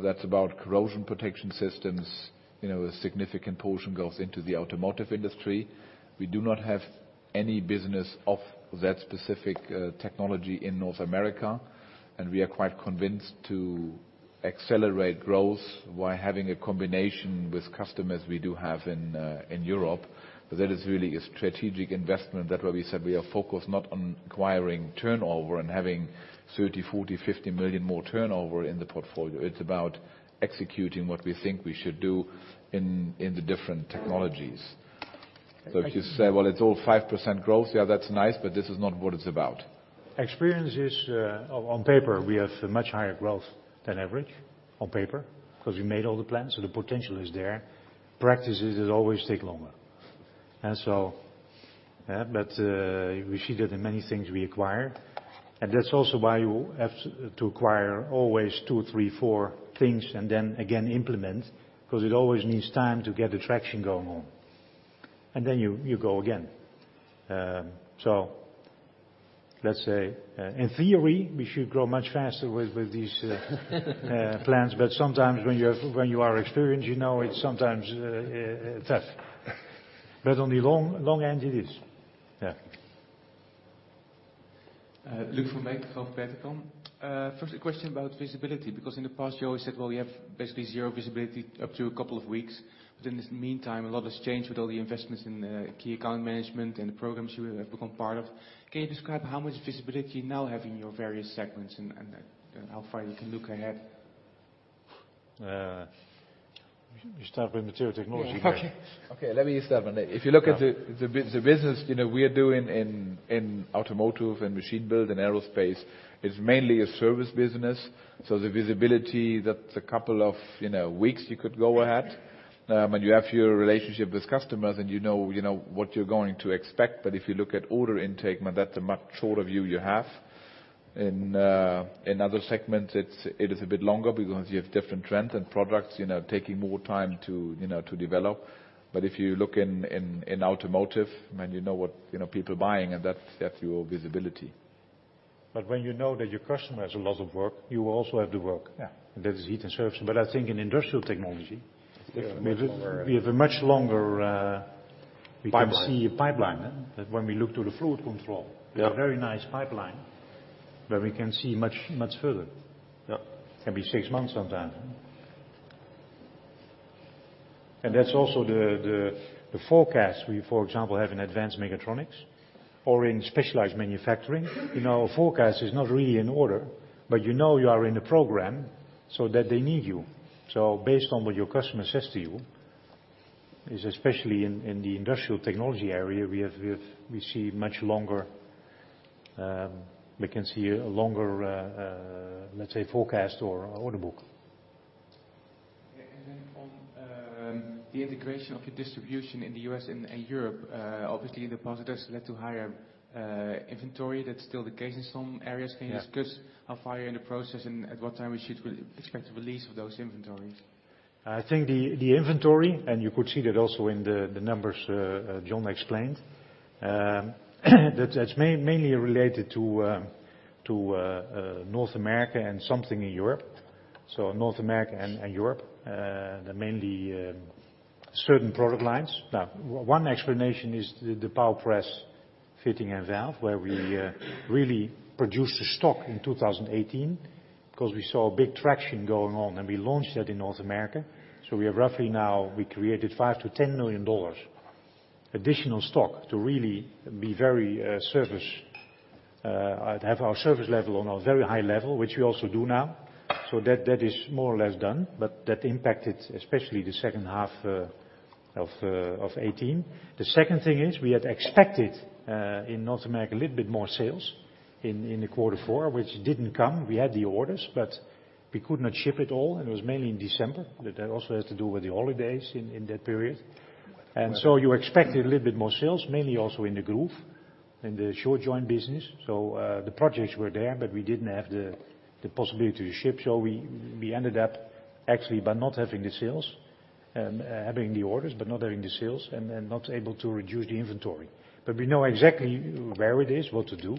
That's about corrosion protection systems. A significant portion goes into the automotive industry. We do not have any business of that specific technology in North America, we are quite convinced to accelerate growth while having a combination with customers we do have in Europe. That is really a strategic investment. That is why we said we are focused not on acquiring turnover and having 30 million, 40 million, 50 million more turnover in the portfolio. It is about executing what we think we should do in the different technologies. If you say, well, it is all 5% growth, yeah, that is nice, this is not what it is about. Experience is, on paper, we have much higher growth than average, on paper, because we made all the plans, the potential is there. Practice is it always takes longer. We see that in many things we acquire. That is also why you have to acquire always two, three, four things, then again, implement, because it always needs time to get the traction going on. Then you go again. Let us say, in theory, we should grow much faster with these plans. Sometimes when you are experienced, you know it is sometimes tough. On the long end it is. Yeah. Luuk van Mikkeli from Verticon. First, a question about visibility, because in the past you always said, well, you have basically zero visibility up to a couple of weeks. In the meantime, a lot has changed with all the investments in key account management and the programs you have become part of. Can you describe how much visibility you now have in your various segments and how far you can look ahead? You start with Material Technology. Yeah. Okay. Okay, let me start on that. If you look at the business we are doing in automotive and machine build and aerospace, it is mainly a service business. The visibility, that is a couple of weeks you could go ahead. When you have your relationship with customers, and you know what you are going to expect. If you look at order intake, that is a much shorter view you have. In other segments, it is a bit longer because you have different trends and products taking more time to develop. If you look in automotive, and you know what people are buying, and that is your visibility. When you know that your customer has a lot of work, you also have the work. Yeah. That is heat and service. I think in Industrial Technology. It is a much longer. We have a much longer- Pipeline we can see a pipeline. That when we look to the Fluid Control- Yeah we have very nice pipeline where we can see much further. Yeah. Can be 6 months sometime. That's also the forecast we, for example, have in advanced mechatronics or in specialized manufacturing. Forecast is not really an order, but you know you are in a program so that they need you. Based on what your customer says to you is, especially in the industrial technology area, we see much longer, we can see a longer, let's say, forecast or order book. Yeah. On the integration of your distribution in the U.S. and Europe. Obviously, the positives led to higher inventory. That's still the case in some areas. Yeah. Can you discuss how far you're in the process and at what time we should expect the release of those inventories? I think the inventory, and you could see that also in the numbers John explained, that's mainly related to North America and something in Europe. North America and Europe, mainly certain product lines. One explanation is the PowerPress fitting a valve, where we really produced a stock in 2018 because we saw a big traction going on, and we launched that in North America. We have roughly now, we created EUR 5 million-EUR 10 million additional stock to really have our service level on a very high level, which we also do now. That is more or less done, but that impacted especially the second half of 2018. The second thing is we had expected in North America a little bit more sales in the quarter four, which didn't come. We had the orders, but we could not ship it all, and it was mainly in December. That also has to do with the holidays in that period. You expected a little bit more sales, mainly also in the groove, in the Shurjoint business. The projects were there, but we didn't have the possibility to ship. We ended up actually by not having the sales, and having the orders, but not having the sales, and not able to reduce the inventory. We know exactly where it is, what to do.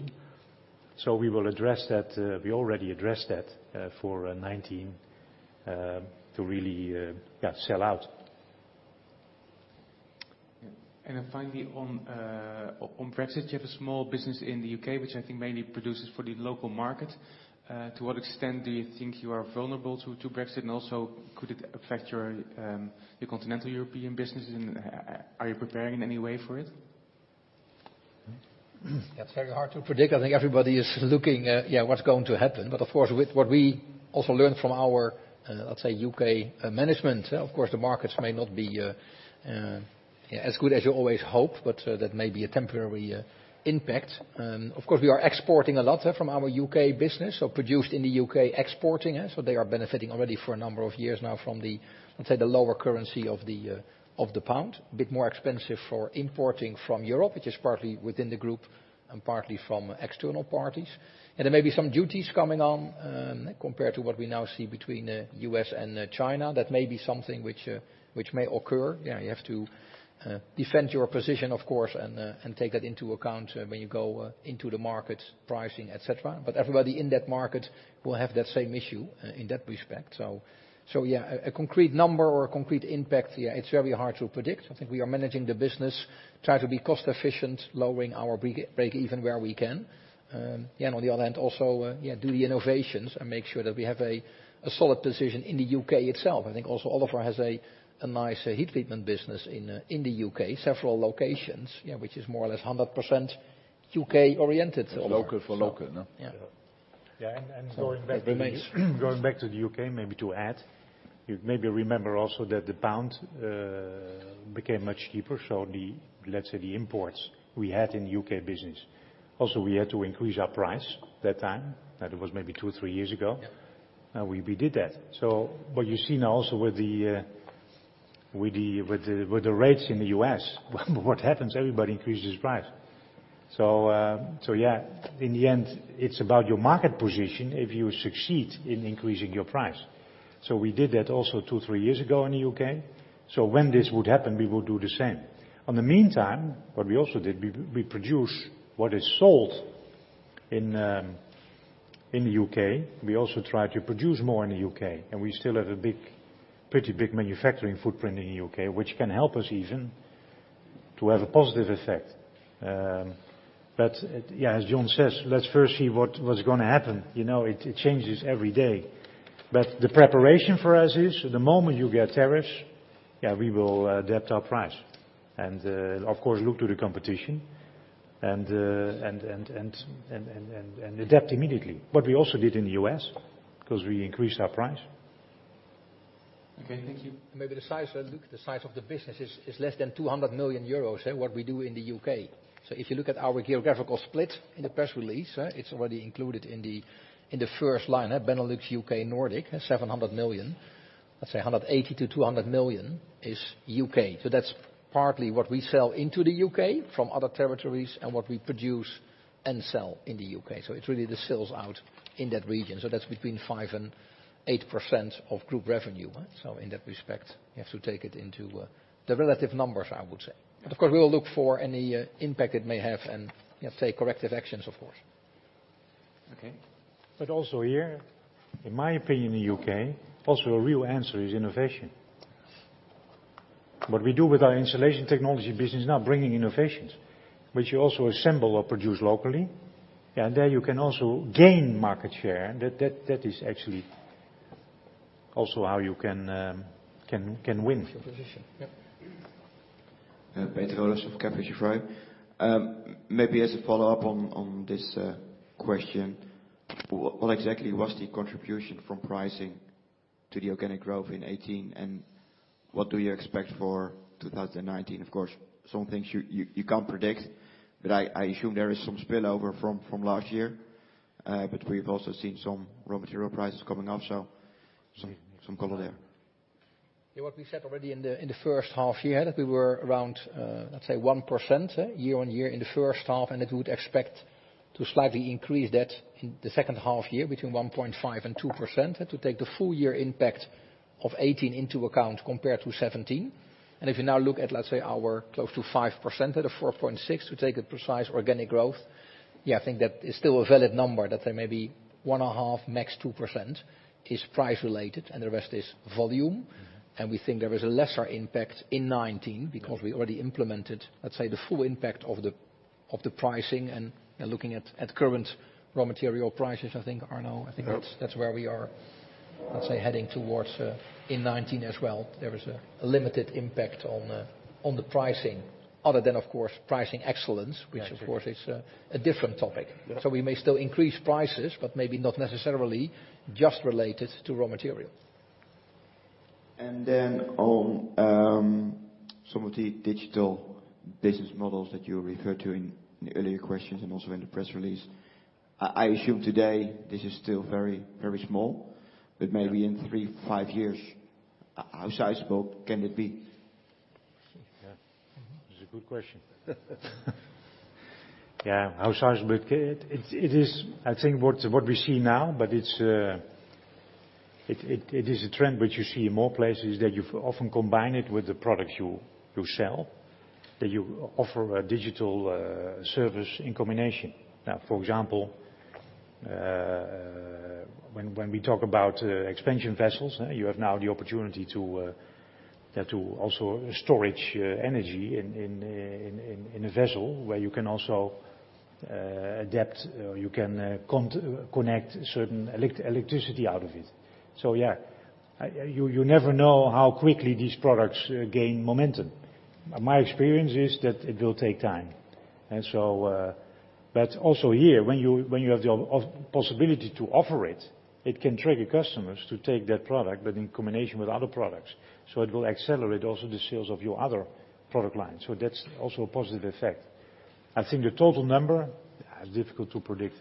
We will address that. We already addressed that for 2019 to really sell out. Yeah. Then finally on Brexit, you have a small business in the U.K., which I think mainly produces for the local market. To what extent do you think you are vulnerable to Brexit, and also could it affect your continental European businesses? Are you preparing in any way for it? That's very hard to predict. I think everybody is looking at what's going to happen. Of course, what we also learned from our U.K. management, of course, the markets may not be As good as you always hope, that may be a temporary impact. Of course, we are exporting a lot from our U.K. business, so produced in the U.K., exporting. They are benefiting already for a number of years now from the, let's say, the lower currency of the pound. A bit more expensive for importing from Europe, which is partly within the group and partly from external parties. There may be some duties coming on, compared to what we now see between the U.S. and China. That may be something which may occur. You have to defend your position, of course, and take that into account when you go into the market, pricing, et cetera. Everybody in that market will have that same issue, in that respect. Yeah, a concrete number or a concrete impact, it's very hard to predict. I think we are managing the business, try to be cost efficient, lowering our break even where we can. On the other hand, also do the innovations and make sure that we have a solid position in the U.K. itself. I think also Oliver has a nice heat treatment business in the U.K., several locations. Which is more or less 100% U.K. oriented. Local for local. Yeah. Yeah, going back to the U.K., maybe to add, you maybe remember also that the pound became much cheaper, let's say the imports we had in the U.K. business. Also we had to increase our price that time, that was maybe two or three years ago. Now we did that. What you see now also with the rates in the U.S., what happens? Everybody increases price. Yeah, in the end, it's about your market position, if you succeed in increasing your price. We did that also two, three years ago in the U.K. When this would happen, we would do the same. On the meantime, what we also did, we produce what is sold in the U.K. We also try to produce more in the U.K., and we still have a pretty big manufacturing footprint in the U.K., which can help us even to have a positive effect. As John says, let's first see what's going to happen. It changes every day. The preparation for us is the moment you get tariffs, we will adapt our price. Of course, look to the competition and adapt immediately. What we also did in the U.S., because we increased our price. Okay, thank you. Maybe the size of the business is less than 200 million euros, what we do in the U.K. If you look at our geographical split in the press release, it's already included in the first line, Benelux, U.K., Nordic, 700 million. Let's say 180 million-200 million is U.K. That's partly what we sell into the U.K. from other territories and what we produce and sell in the U.K. It's really the sales out in that region. That's between 5%-8% of group revenue. In that respect, you have to take it into the relative numbers, I would say. Of course, we will look for any impact it may have and take corrective actions, of course. Okay. Also here, in my opinion, in the U.K., also a real answer is innovation. What we do with our installation technology business now, bringing innovations, which you also assemble or produce locally. There you can also gain market share, and that is actually also how you can win. Your position. Yep. Peter Rollers of Bernstein. Maybe as a follow-up on this question, what exactly was the contribution from pricing to the organic growth in 2018, and what do you expect for 2019? Of course, some things you can't predict, but I assume there is some spillover from last year. We've also seen some raw material prices coming up, some color there. What we said already in the first half-year, that we were around, let's say, 1% year-over-year in the first half, and that we would expect to slightly increase that in the second half-year, between 1.5% and 2%, to take the full year impact of 2018 into account compared to 2017. If you now look at, let's say, our close to 5% out of 4.6%, to take a precise organic growth, I think that is still a valid number, that there may be 1.5%, max 2% is price related and the rest is volume. We think there is a lesser impact in 2019, because we already implemented, let's say, the full impact of the pricing and looking at current raw material prices, I think, Arno, I think that's where we are, let's say, heading towards in 2019 as well. There is a limited impact on the pricing other than, of course, pricing excellence. I see Which, of course, is a different topic. Yeah. We may still increase prices, but maybe not necessarily just related to raw material. On some of the digital business models that you referred to in the earlier questions and also in the press release, I assume today this is still very small. But maybe in three to five years, how sizable can it be? Yeah. It's a good question. Yeah. How sizable? It is, I think what we see now, but it is a trend which you see in more places that you often combine it with the products you sell, that you offer a digital service in combination. For example, when we talk about expansion vessels, you have now the opportunity to also storage energy in a vessel where you can also adapt or you can connect certain electricity out of it. You never know how quickly these products gain momentum. My experience is it will take time. But also here, when you have the possibility to offer it can trigger customers to take that product, but in combination with other products. It will accelerate also the sales of your other product lines. That's also a positive effect. I think the total number, difficult to predict.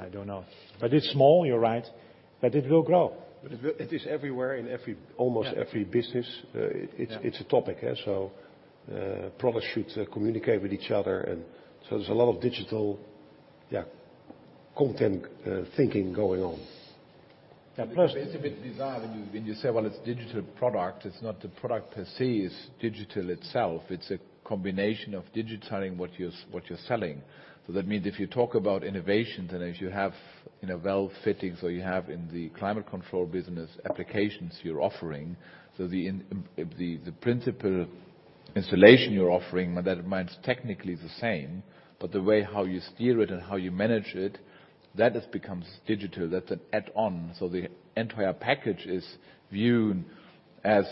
I don't know. It's small, you're right, but it will grow. It is everywhere in every- Yeah almost every business. Yeah. It's a topic, yeah. Products should communicate with each other, there's a lot of digital, yeah, content thinking going on. Yeah. It's a bit bizarre when you say, well, it's digital product, it's not the product per se is digital itself, it's a combination of digitizing what you're selling. That means if you talk about innovations and as you have in a valve fitting, you have in the climate control business applications you're offering, the principle installation you're offering that remains technically the same, but the way how you steer it and how you manage it, that has becomes digital. That's an add-on. The entire package is viewed as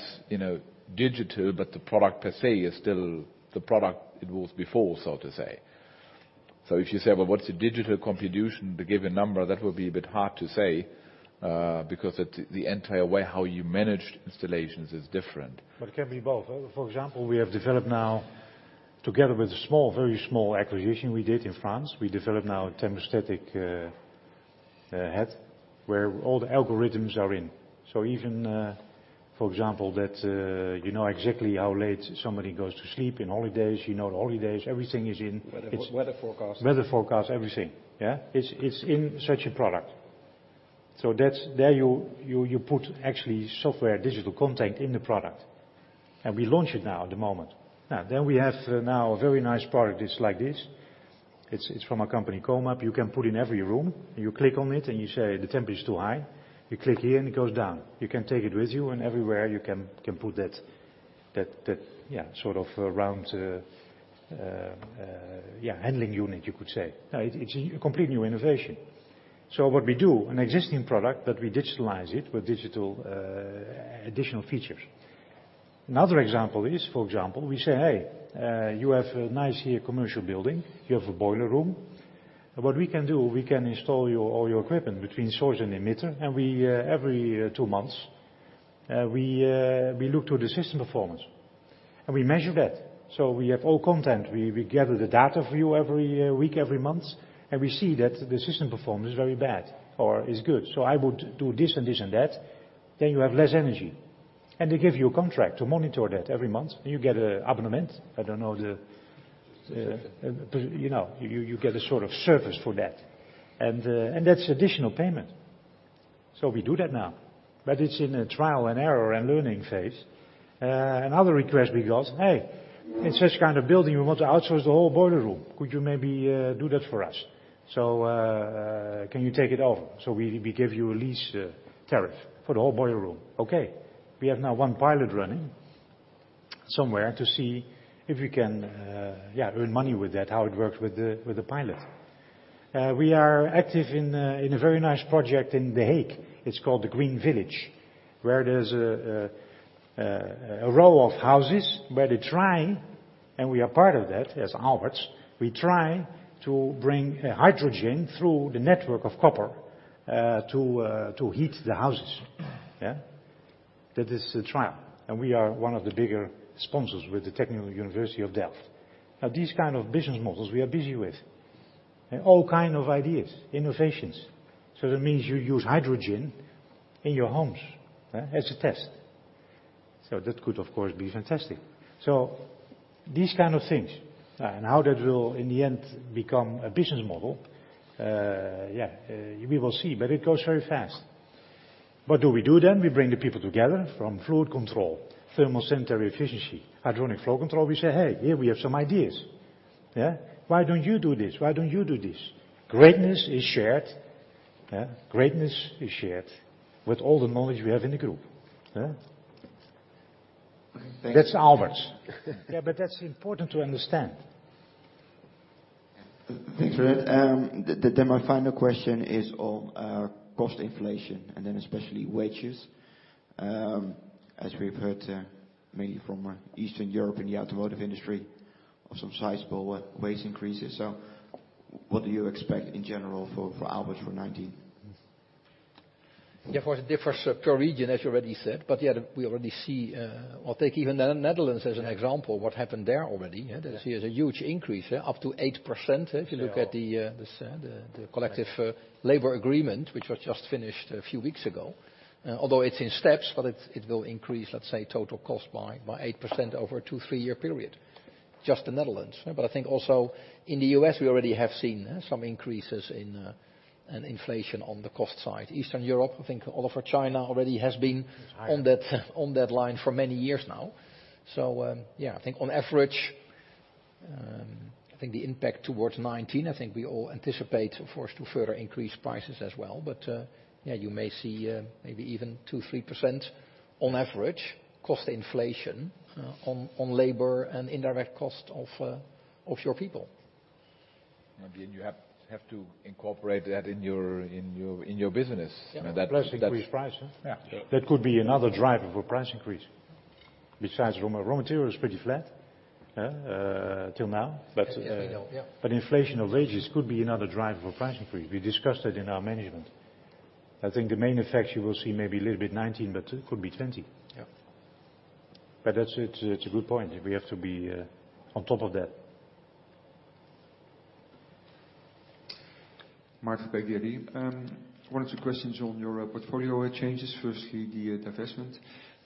digital, but the product per se is still the product it was before, so to say. If you say, "Well, what's the digital contribution to give a number?" That will be a bit hard to say, because the entire way how you manage installations is different. It can be both. For example, we have developed now together with a very small acquisition we did in France, we developed now a thermostatic head where all the algorithms are in. Even, for example, that you know exactly how late somebody goes to sleep in holidays. You know the holidays. Everything is in. Weather forecast. Weather forecast, everything. Yeah. It's in such a product. There you put actually software, digital content in the product, and we launch it now at the moment. We have now a very nice product. It's like this. It's from a company, Comap. You can put in every room. You click on it and you say, "The temperature is too high." You click here and it goes down. You can take it with you and everywhere you can put that sort of round handling unit, you could say. It's a complete new innovation. What we do, an existing product, but we digitalize it with digital additional features. Another example is, for example, we say, "Hey, you have a nice commercial building. You have a boiler room." What we can do, we can install all your equipment between source and emitter, and we, every two months, we look to the system performance, and we measure that. We have all content. We gather the data for you every week, every month, and we see that the system performance is very bad or is good. I would do this and this and that. You have less energy. They give you a contract to monitor that every month, and you get a abonnement. You get a sort of service for that. That's additional payment. We do that now, but it's in a trial and error and learning phase. Another request we got, "Hey, in such kind of building, we want to outsource the whole boiler room. Could you maybe do that for us? Can you take it over? We give you a lease tariff for the whole boiler room." Okay. We have now one pilot running somewhere to see if we can earn money with that, how it works with the pilot. We are active in a very nice project in The Hague. It is called the Green Village, where there is a row of houses where they try, and we are part of that as Aalberts, we try to bring hydrogen through the network of copper, to heat the houses. That is the trial, and we are one of the bigger sponsors with the Delft University of Technology. These kind of business models we are busy with, and all kind of ideas, innovations. That means you use hydrogen in your homes, as a test. That could, of course, be fantastic. These kind of things, and how that will in the end become a business model, we will see, but it goes very fast. What do we do then? We bring the people together from Fluid Control, Thermosanitary Efficiency, Hydronic Flow Control. We say, "Hey, here we have some ideas. Why don't you do this? Why don't you do this?" Greatness is shared. Greatness is shared with all the knowledge we have in the group. Thanks. That is Aalberts. But that is important to understand. Thanks for that. My final question is on cost inflation and especially wages. As we have heard, mainly from Eastern Europe and the automotive industry of some sizable wage increases. What do you expect in general for Aalberts for 2019? Yeah. Of course, it differs per region, as you already said, but yeah, we already see, or take even the Netherlands as an example, what happened there already. Yeah. There's a huge increase there, up to 8%, if you look at. Yeah The collective labor agreement, which was just finished a few weeks ago. Although it's in steps, but it will increase, let's say, total cost by 8% over a two, three-year period. Just the Netherlands. I think also in the U.S. we already have seen some increases in inflation on the cost side. Eastern Europe, I think all of our China already has been. It's high on that line for many years now. Yeah, I think on average, I think the impact towards 2019, I think we all anticipate for us to further increase prices as well. Yeah, you may see maybe even 2%, 3% on average cost inflation on labor and indirect cost of your people. You have to incorporate that in your business. Yeah. That- Plus increase price, yeah. Yeah. That could be another driver for price increase. Besides raw material is pretty flat till now. Yes, I know. Yeah. Inflation of wages could be another driver for price increase. We discussed that in our management. I think the main effect you will see maybe a little bit 2019, but could be 2020. Yeah. That's a good point. We have to be on top of that. Mark from KBC. One or two questions on your portfolio changes. Firstly, the divestment.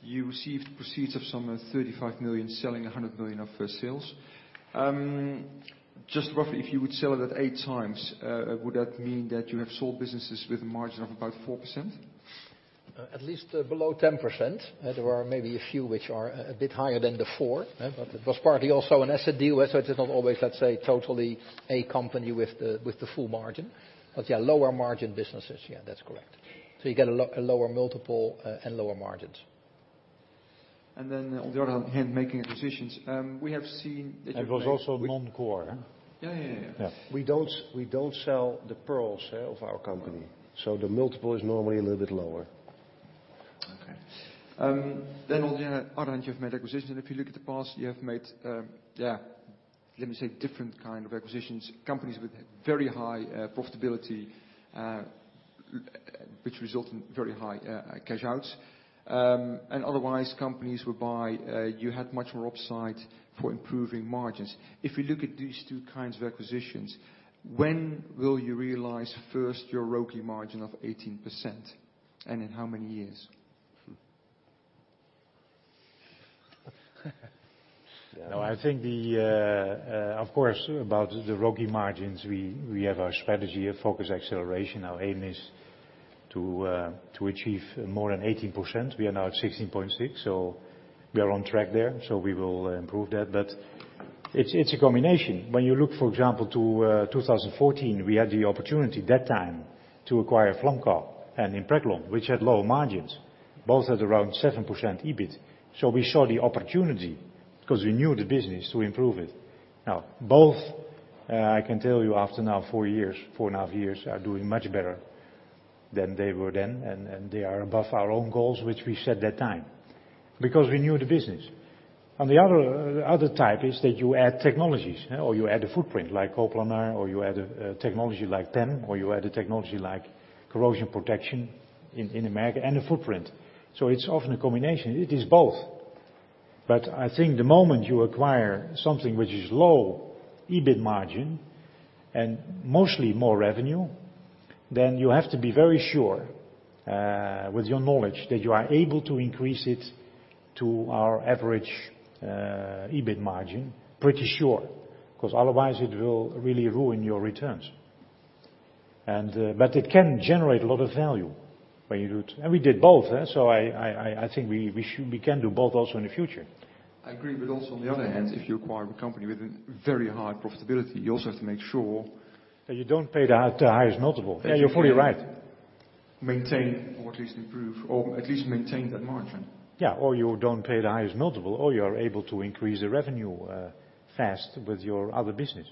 You received proceeds of some 35 million, selling 100 million of sales. Just roughly, if you would sell it at eight times, would that mean that you have sold businesses with a margin of about 4%? At least below 10%. There are maybe a few which are a bit higher than the four. It was partly also an asset deal. It is not always, let's say, totally a company with the full margin. Yeah, lower margin businesses. Yeah, that's correct. You get a lower multiple and lower margins. On the other hand, making acquisitions. We have seen that you make It was also non-core. Yeah. Yeah. We don't sell the pearls of our company. The multiple is normally a little bit lower. Okay. On the other hand, you have made acquisitions. If you look at the past, you have made, let me say, different kind of acquisitions, companies with very high profitability, which result in very high cash outs. Otherwise, companies you had much more upside for improving margins. If you look at these two kinds of acquisitions, when will you realize first your ROCE margin of 18%? In how many years? Of course, about the ROCE margins, we have our strategy of focus acceleration. Our aim is to achieve more than 18%. We are now at 16.6. We are on track there. We will improve that. It's a combination. When you look, for example, to 2014, we had the opportunity that time to acquire Flamco and Impreglon, which had lower margins, both at around 7% EBIT. We saw the opportunity because we knew the business to improve it. Both, I can tell you after now four and a half years, are doing much better than they were then, and they are above our own goals, which we set that time, because we knew the business. The other type is that you add technologies or you add a footprint like Co-Planar, or you add a technology like PEM, or you add a technology like corrosion protection in America and a footprint. It's often a combination. It is both. I think the moment you acquire something which is low EBIT margin and mostly more revenue, then you have to be very sure, with your knowledge that you are able to increase it to our average EBIT margin. Pretty sure, because otherwise it will really ruin your returns. It can generate a lot of value when you do it. We did both. I think we can do both also in the future. I agree. Also on the other hand, if you acquire a company with a very high profitability, you also have to make sure- You don't pay the highest multiple. Yeah, you're fully right You can maintain or at least improve, or at least maintain that margin. Yeah. You don't pay the highest multiple, or you're able to increase the revenue fast with your other business.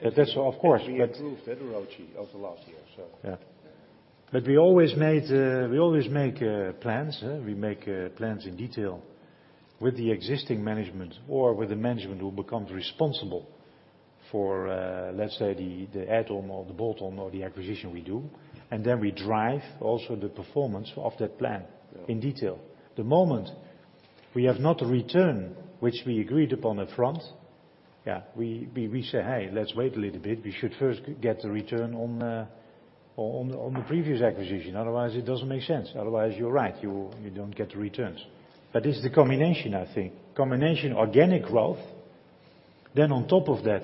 Of course. We improved that ROCE of the last year. Yeah. We always make plans. We make plans in detail with the existing management or with the management who becomes responsible for, let's say, the add-on or the bolt-on or the acquisition we do. Then we drive also the performance of that plan in detail. The moment we have not return, which we agreed upon at front, we say, "Hey, let's wait a little bit. We should first get the return on the previous acquisition." Otherwise it doesn't make sense. Otherwise, you're right, you don't get the returns. It's the combination, I think. Combination organic growth, then on top of that,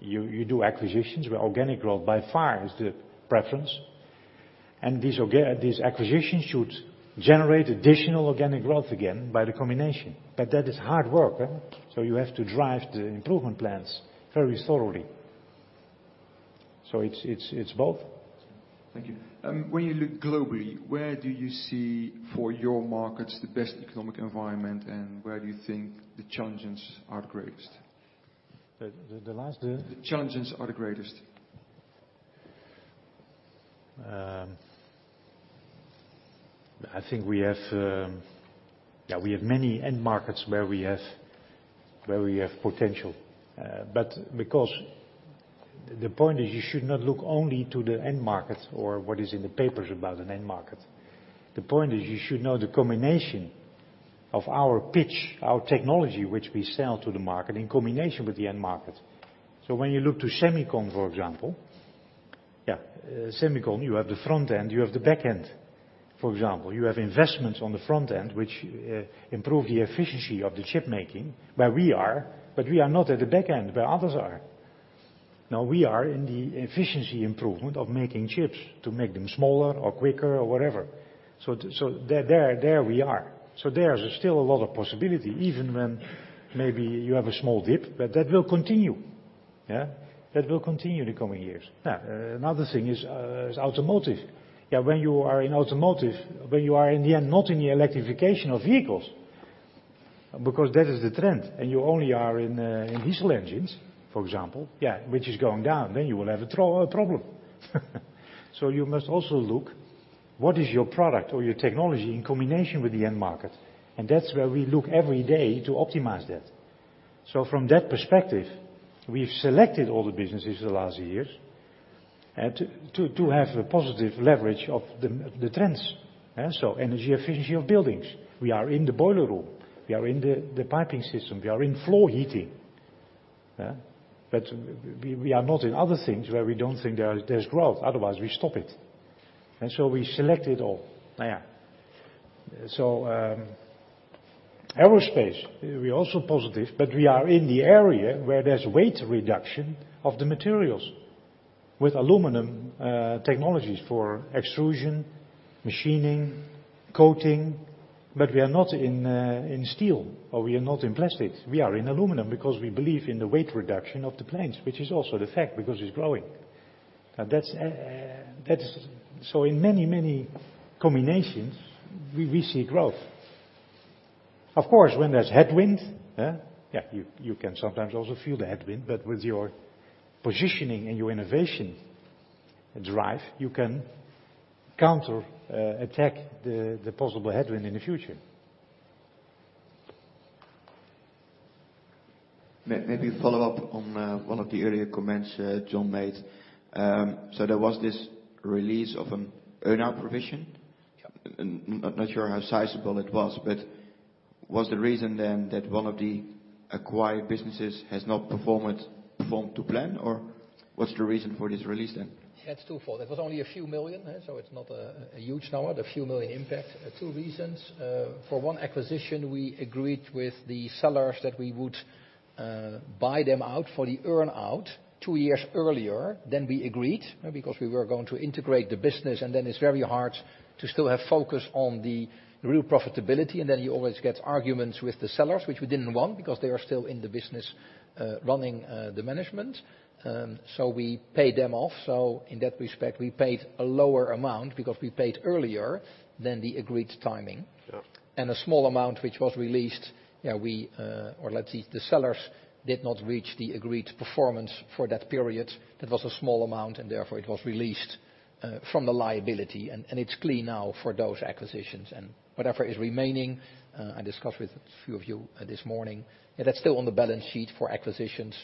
you do acquisitions where organic growth by far is the preference. These acquisitions should generate additional organic growth again by the combination. That is hard work. You have to drive the improvement plans very thoroughly. It's both. Thank you. When you look globally, where do you see for your markets the best economic environment and where do you think the challenges are the greatest? The last- The challenges are the greatest. I think we have many end markets where we have potential. Because the point is you should not look only to the end market or what is in the papers about an end market. The point is you should know the combination of our pitch, our technology, which we sell to the market in combination with the end market. When you look to semicon, for example. semicon, you have the front end, you have the back end. For example, you have investments on the front end, which improve the efficiency of the chip making where we are, but we are not at the back end where others are. Now we are in the efficiency improvement of making chips to make them smaller or quicker or whatever. There we are. There's still a lot of possibility, even when maybe you have a small dip, but that will continue. Yeah. That will continue in the coming years. Another thing is automotive. When you are in automotive, when you are in the end not in the electrification of vehicles, because that is the trend, and you only are in diesel engines, for example, which is going down, then you will have a problem. You must also look what is your product or your technology in combination with the end market, and that's where we look every day to optimize that. From that perspective, we've selected all the businesses the last years to have a positive leverage of the trends. Energy efficiency of buildings, we are in the boiler room, we are in the piping system, we are in floor heating. We are not in other things where we don't think there's growth, otherwise we stop it. We select it all. aerospace, we're also positive, but we are in the area where there's weight reduction of the materials with aluminum technologies for extrusion, machining, coating, but we are not in steel or we are not in plastic. We are in aluminum because we believe in the weight reduction of the planes, which is also the fact because it's growing. In many, many combinations we see growth. Of course, when there's headwind, you can sometimes also feel the headwind, but with your positioning and your innovation drive, you can counterattack the possible headwind in the future. Maybe follow up on one of the earlier comments John made. There was this release of an earn-out provision. Yeah. I'm not sure how sizable it was the reason that one of the acquired businesses has not performed to plan? Or what's the reason for this release? It's twofold. It was only a few million EUR, it's not a huge number, a few million EUR impact. Two reasons. For one acquisition, we agreed with the sellers that we would buy them out for the earn-out two years earlier than we agreed because we were going to integrate the business, it's very hard to still have focus on the real profitability, and you always get arguments with the sellers, which we didn't want because they are still in the business running the management. We paid them off. In that respect, we paid a lower amount because we paid earlier than the agreed timing. Yeah. A small amount which was released, the sellers did not reach the agreed performance for that period. That was a small amount, therefore it was released from the liability, and it's clean now for those acquisitions. Whatever is remaining, I discussed with a few of you this morning, that's still on the balance sheet for acquisitions,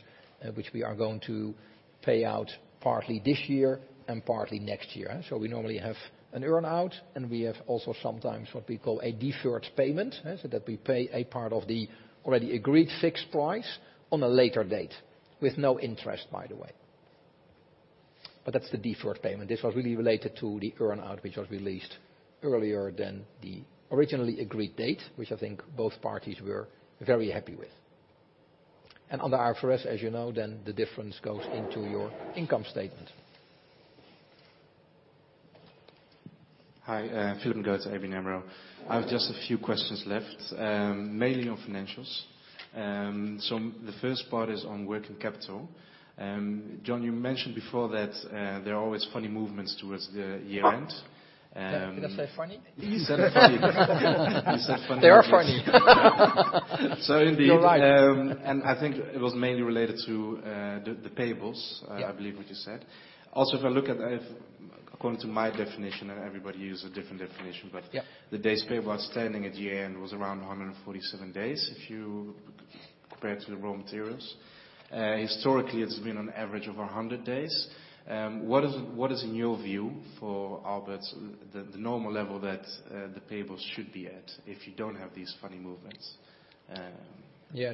which we are going to pay out partly this year and partly next year. We normally have an earn-out, and we have also sometimes what we call a deferred payment, that we pay a part of the already agreed fixed price on a later date with no interest, by the way. That's the deferred payment. This was really related to the earn-out, which was released earlier than the originally agreed date, which I think both parties were very happy with. Under IFRS, as you know, the difference goes into your income statement. Hi, Philip Goetz, ABN AMRO. I have just a few questions left, mainly on financials. The first part is on working capital. John, you mentioned before that there are always funny movements towards the year end. Did I say funny? You said funny. You said funny. They are funny. Indeed. You're right. I think it was mainly related to the payables. Yeah I believe what you said. Also, if I look at, according to my definition, everybody uses a different definition, but. Yeah The days payable outstanding at year-end was around 147 days, if you compare to the raw materials. Historically, it has been an average of 100 days. What is, in your view, for Aalberts, the normal level that the payables should be at if you don't have these funny movements? Yeah,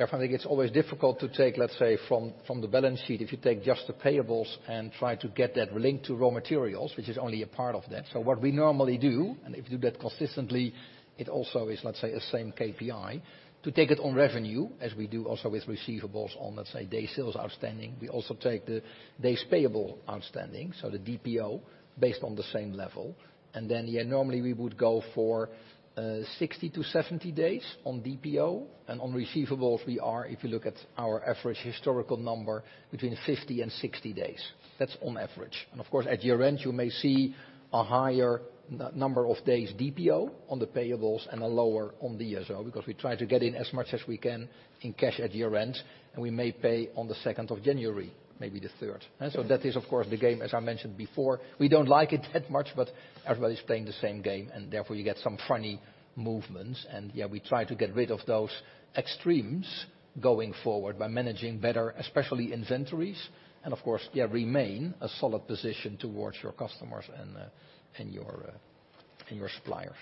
I think it's always difficult to take, let's say, from the balance sheet, if you take just the payables and try to get that linked to raw materials, which is only a part of that. What we normally do, and if you do that consistently, it also is, let's say, a same KPI to take it on revenue as we do also with receivables on, let's say, Days Sales Outstanding. We also take the Days Payable Outstanding, so the DPO based on the same level. Then, yeah, normally we would go for 60 to 70 days on DPO, and on receivables, we are, if you look at our average historical number, between 50 and 60 days. That's on average. Of course, at year-end, you may see a higher number of days DPO on the payables and a lower on the DSO because we try to get in as much as we can in cash at year-end, and we may pay on the 2nd of January, maybe the 3rd. That is, of course, the game, as I mentioned before. We don't like it that much, everybody's playing the same game, therefore you get some funny movements. Yeah, we try to get rid of those extremes going forward by managing better, especially inventories, and of course, remain a solid position towards your customers and your suppliers.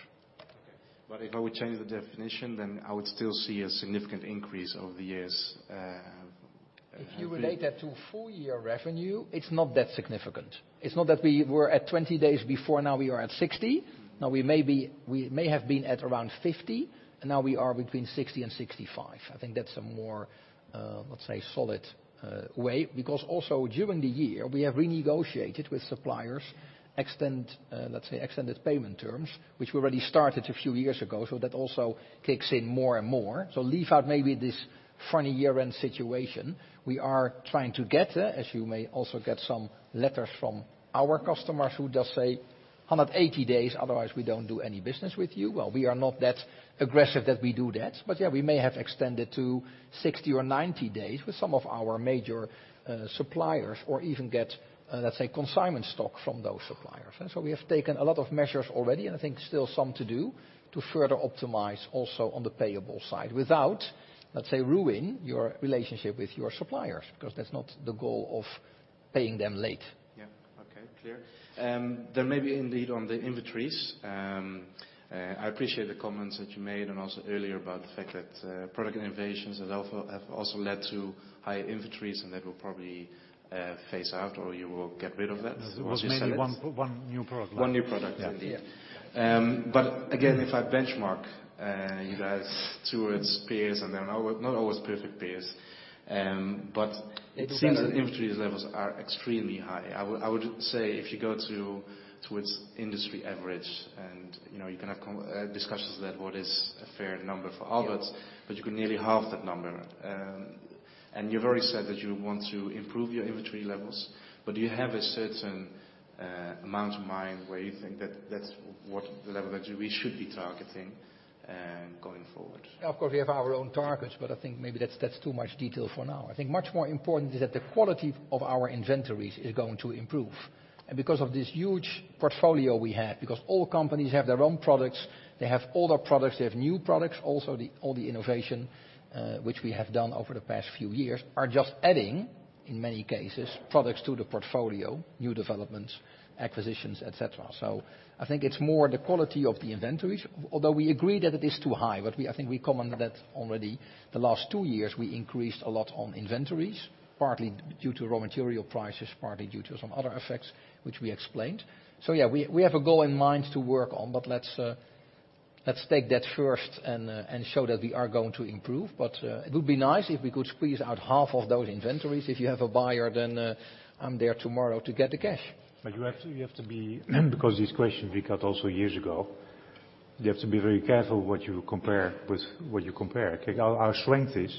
Okay. If I would change the definition, I would still see a significant increase over the years. If you relate that to full year revenue, it's not that significant. It's not that we were at 20 days before, now we are at 60. We may have been at around 50, and now we are between 60 and 65. I think that's a more, let's say, solid way because also during the year, we have renegotiated with suppliers, let's say, extended payment terms, which we already started a few years ago. That also kicks in more and more. Leave out maybe this funny year-end situation. We are trying to get, as you may also get some letters from our customers who just say, "180 days, otherwise we don't do any business with you." We are not that aggressive that we do that. Yeah, we may have extended to 60 or 90 days with some of our major suppliers or even get, let's say, consignment stock from those suppliers. We have taken a lot of measures already, and I think still some to do to further optimize also on the payable side without, let's say, ruin your relationship with your suppliers because that's not the goal of paying them late. Clear. Maybe indeed on the inventories. I appreciate the comments that you made, and also earlier about the fact that product innovations have also led to high inventories and that will probably phase out or you will get rid of that once you sell it. There was maybe one new product. One new product indeed. Yeah. Again, if I benchmark you guys towards peers, and they're not always perfect peers. It seems that inventory levels are extremely high. I would say if you go towards industry average, and you can have discussions about what is a fair number for Aalberts, you could nearly halve that number. You've already said that you want to improve your inventory levels, do you have a certain amount in mind where you think that that's what the level that we should be targeting going forward? Of course, we have our own targets, I think maybe that's too much detail for now. I think much more important is that the quality of our inventories is going to improve. Because of this huge portfolio we have, because all companies have their own products, they have older products, they have new products. Also, all the innovation which we have done over the past few years are just adding, in many cases, products to the portfolio, new developments, acquisitions, et cetera. I think it's more the quality of the inventories, although we agree that it is too high, I think we commented that already the last two years we increased a lot on inventories, partly due to raw material prices, partly due to some other effects which we explained. Yeah, we have a goal in mind to work on. Let's take that first and show that we are going to improve. It would be nice if we could squeeze out half of those inventories. If you have a buyer, then I'm there tomorrow to get the cash. You have to be, because this question we got also years ago, you have to be very careful what you compare. Our strength is,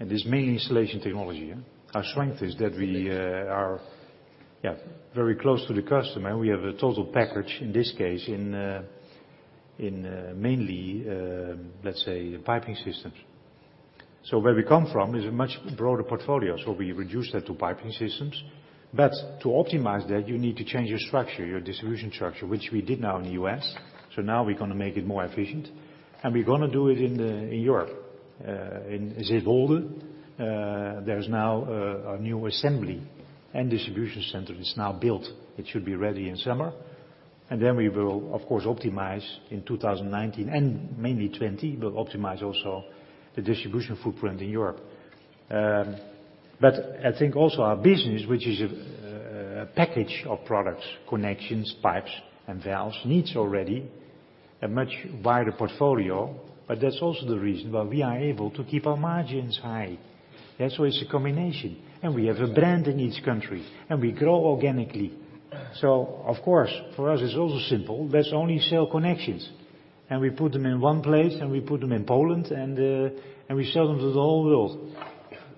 and it's mainly installation technology. Our strength is that we are very close to the customer. We have a total package in this case, in mainly, let's say, piping systems. Where we come from is a much broader portfolio. We reduce that to piping systems. To optimize that, you need to change your structure, your distribution structure, which we did now in the U.S. Now we're going to make it more efficient, and we're going to do it in Europe. In Zeewolde, there's now a new assembly and distribution center that's now built. It should be ready in summer. We will of course optimize in 2019 and mainly 2020, we'll optimize also the distribution footprint in Europe. I think also our business, which is a package of products, connections, pipes and valves, needs already a much wider portfolio. That's also the reason why we are able to keep our margins high. It's a combination. We have a brand in each country, and we grow organically. Of course, for us it's also simple. Let's only sell connections, and we put them in one place and we put them in Poland and we sell them to the whole world.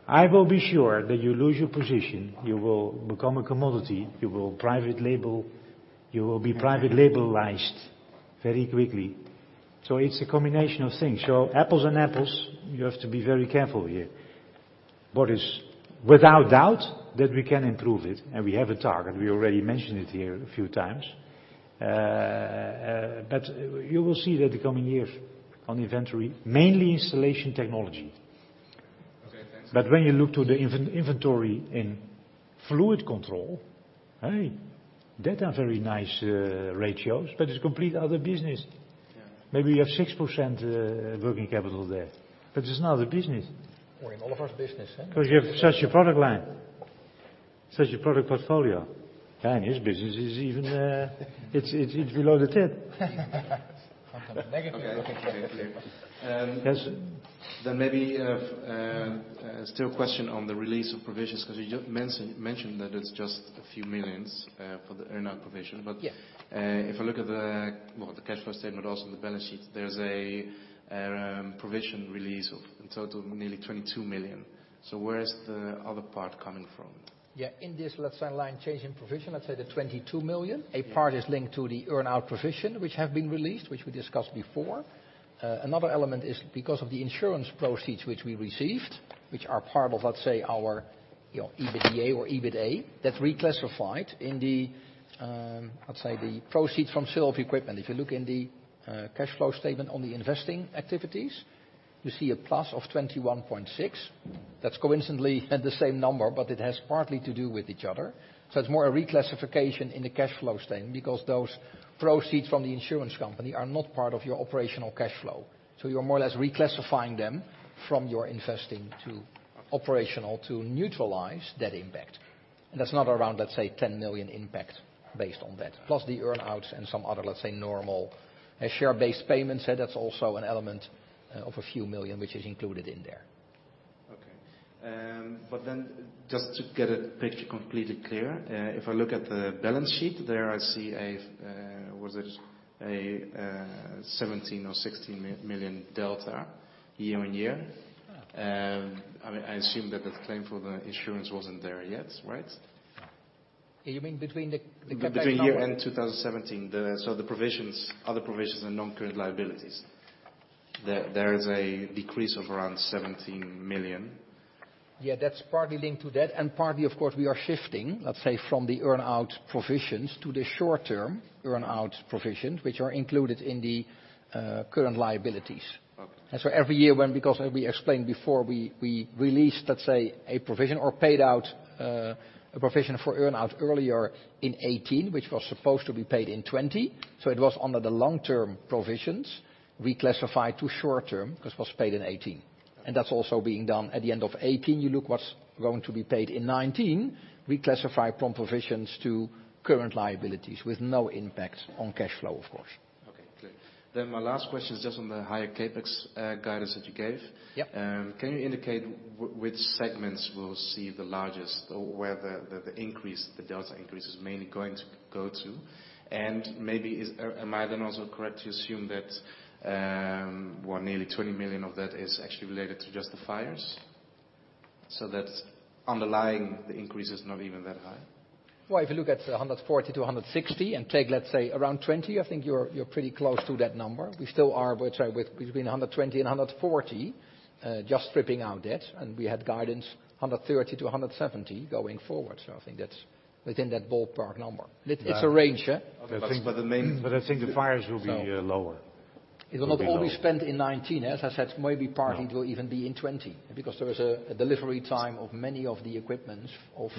I will be sure that you lose your position, you will become a commodity, you will be private labelized very quickly. It's a combination of things. Apples and apples, you have to be very careful here. Without doubt that we can improve it, and we have a target. We already mentioned it here a few times. You will see that the coming years on inventory, mainly installation technology. Okay, thanks. When you look to the inventory in Fluid Control, hey, that are very nice ratios. It's complete other business. Yeah. Maybe you have 6% working capital there. It's another business. We're in all of our business, eh? You have such a product line, such a product portfolio. His business is even, it's below the 10. Negative. Okay. Thank you. Yes. Maybe still a question on the release of provisions, because you mentioned that it's just a few millions for the earn-out provision. Yeah. If I look at the cash flow statement, also in the balance sheet, there's a provision release of in total nearly 22 million. Where is the other part coming from? Yeah. In this, let's say line change in provision, let's say the 22 million Yeah A part is linked to the earn-out provision which have been released, which we discussed before. Another element is because of the insurance proceeds which we received, which are part of, let's say, our EBITDA or EBITA that reclassified in the, let's say, the proceeds from sale of equipment. If you look in the cash flow statement on the investing activities, you see a plus of 21.6. That is coincidentally at the same number, but it has partly to do with each other. It is more a reclassification in the cash flow statement because those proceeds from the insurance company are not part of your operational cash flow. You are more or less reclassifying them from your investing to operational to neutralize that impact. That is another round, let's say, 10 million impact based on that. Plus the earn-outs and some other, let's say, normal share-based payments. That is also an element of a few million which is included in there. Just to get a picture completely clear, if I look at the balance sheet, there I see a 17 million or 16 million delta year-on-year? I assume that the claim for the insurance was not there yet, right? You mean between the Between year end 2017, the provisions, other provisions and non-current liabilities. There is a decrease of around 17 million. Yeah, that's partly linked to that, partly, of course, we are shifting, let's say from the earn-out provisions to the short-term earn-out provisions, which are included in the current liabilities. Okay. Every year, because we explained before, we released, let's say, a provision or paid out a provision for earn-out earlier in 2018, which was supposed to be paid in 2020, it was under the long-term provisions, we classified to short-term because it was paid in 2018. That's also being done at the end of 2018. You look at what's going to be paid in 2019, we classify from provisions to current liabilities with no impact on cash flow, of course. Okay, clear. My last question is just on the higher CapEx guidance that you gave. Yeah. Can you indicate which segments will see the largest, or where the increase, the delta increase, is mainly going to go to? Maybe am I then also correct to assume that nearly 20 million of that is actually related to just the fires? That underlying the increase is not even that high. Well, if you look at 140-160 and take, let's say around 20, I think you're pretty close to that number. We still are between 120 and 140, just stripping out debt, and we had guidance 130-170 going forward. I think that's within that ballpark number. It's a range. The main- I think the fires will be lower. It will not all be spent in 2019. As I said, maybe partly it will even be in 2020 because there is a delivery time of many of the equipment.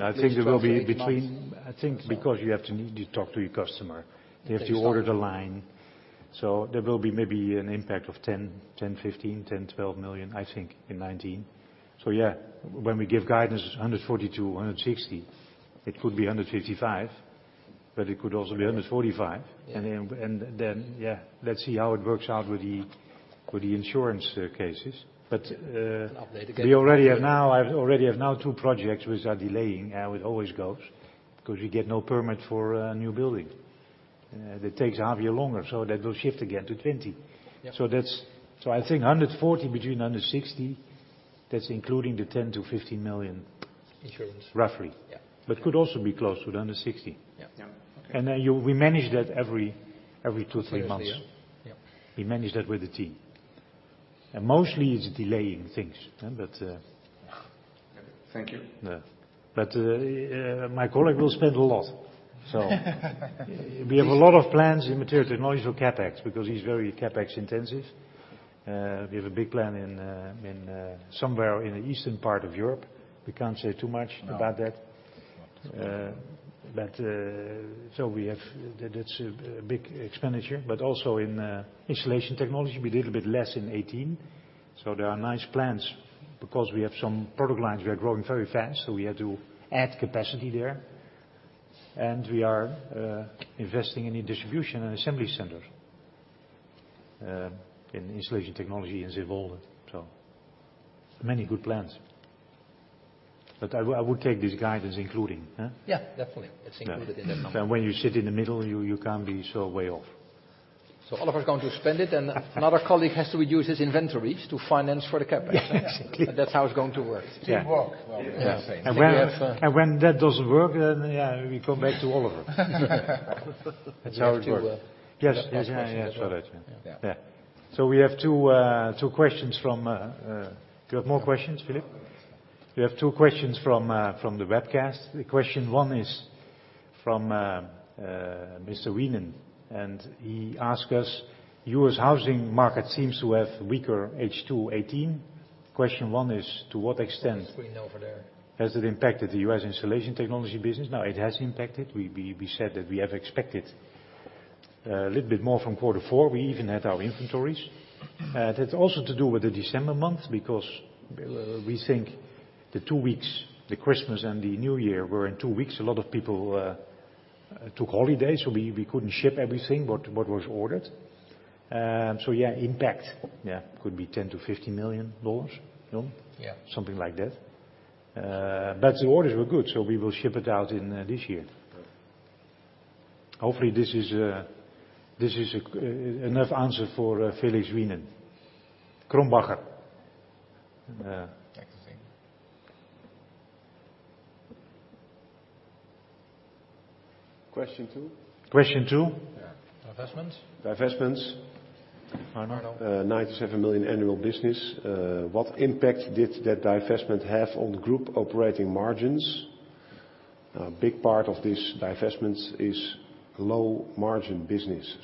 I think because you need to talk to your customer. You have to order the line. There will be maybe an impact of 10 million, 15 million, 12 million, I think in 2019. Yeah, when we give guidance 140-160, it could be 155, but it could also be 145. Yeah, let's see how it works out with the insurance cases. An update again We already have now two projects which are delaying, how it always goes, because we get no permit for a new building. It takes a half year longer. That will shift again to 2020. Yeah. I think 140 between 160, that's including the 10 million-15 million. Insurance roughly. Yeah. Could also be close to 160. Yeah. Yeah. Okay. We manage that every two, three months. Yeah. We manage that with the team. Mostly it's delaying things. Thank you. Yeah. My colleague will spend a lot. We have a lot of plans in Material Technology for CapEx, because he's very CapEx intensive. We have a big plan somewhere in the eastern part of Europe. We can't say too much about that. No. That's a big expenditure, but also in Installation Technology, we did a bit less in 2018. There are nice plans because we have some product lines that are growing very fast, so we have to add capacity there. We are investing in a distribution and assembly center in Installation Technology in Zeewolde. Many good plans. I would take this guidance including, huh? Yeah, definitely. It's included in the number. When you sit in the middle, you can't be so way off. Oliver is going to spend it, and another colleague has to reduce his inventories to finance for the CapEx. Exactly. That's how it's going to work. Teamwork. When that doesn't work, then yeah, we come back to Oliver. That's how it works. Yes. Yeah. We have two questions from Do you have more questions, Philip? We have two questions from the webcast. Question one is from Mr. Wienen, and he asked us, "U.S. housing market seems to have weaker H2 2018. Question one is to what extent- The screen over there has it impacted the U.S. Installation Technology business?" It has impacted. We said that we have expected a little bit more from quarter four. We even had our inventories. That's also to do with the December month because we think the two weeks, the Christmas and the New Year were in two weeks, a lot of people took holidays, so we couldn't ship everything what was ordered. Yeah, impact could be EUR 10 million-EUR 15 million. John? Yeah. Something like that. The orders were good, we will ship it out in this year. Hopefully, this is enough answer for Felix Wienen. [Krombacher]. Check the thing. Question two. Question two. Yeah. Divestments. Divestments. Arno. 97 million annual business. What impact did that divestment have on the group operating margins? A big part of this divestment is low margin business.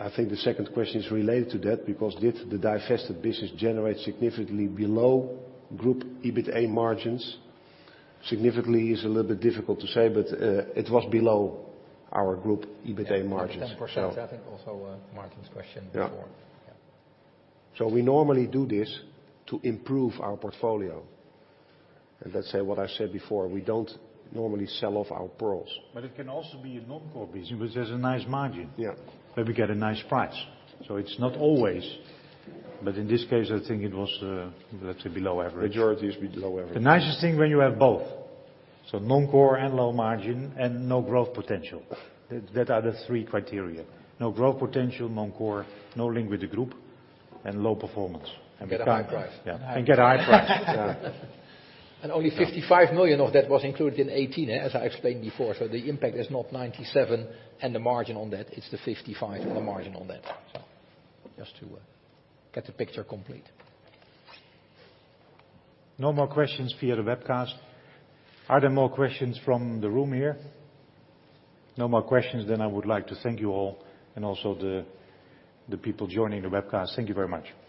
I think the second question is related to that, because did the divested business generate significantly below group EBITA margins? Significantly is a little bit difficult to say, but it was below our group EBITA margins. 10%, I think also Martijn's question before. Yeah. We normally do this to improve our portfolio. Let's say what I said before, we don't normally sell off our pearls. It can also be a non-core business, which has a nice margin. Yeah. We get a nice price. It is not always, but in this case, I think it was let's say below average. Majority is below average. The nicest thing when you have both, so non-core and low margin and no growth potential. That are the three criteria. No growth potential, non-core, no link with the group and low performance. Get a high price. Get a high price. Only 55 million of that was included in 2018, as I explained before. The impact is not 97, and the margin on that, it's the 55 and the margin on that. Just to get the picture complete. No more questions via the webcast. Are there more questions from the room here? No more questions, I would like to thank you all and also the people joining the webcast. Thank you very much. Thank you.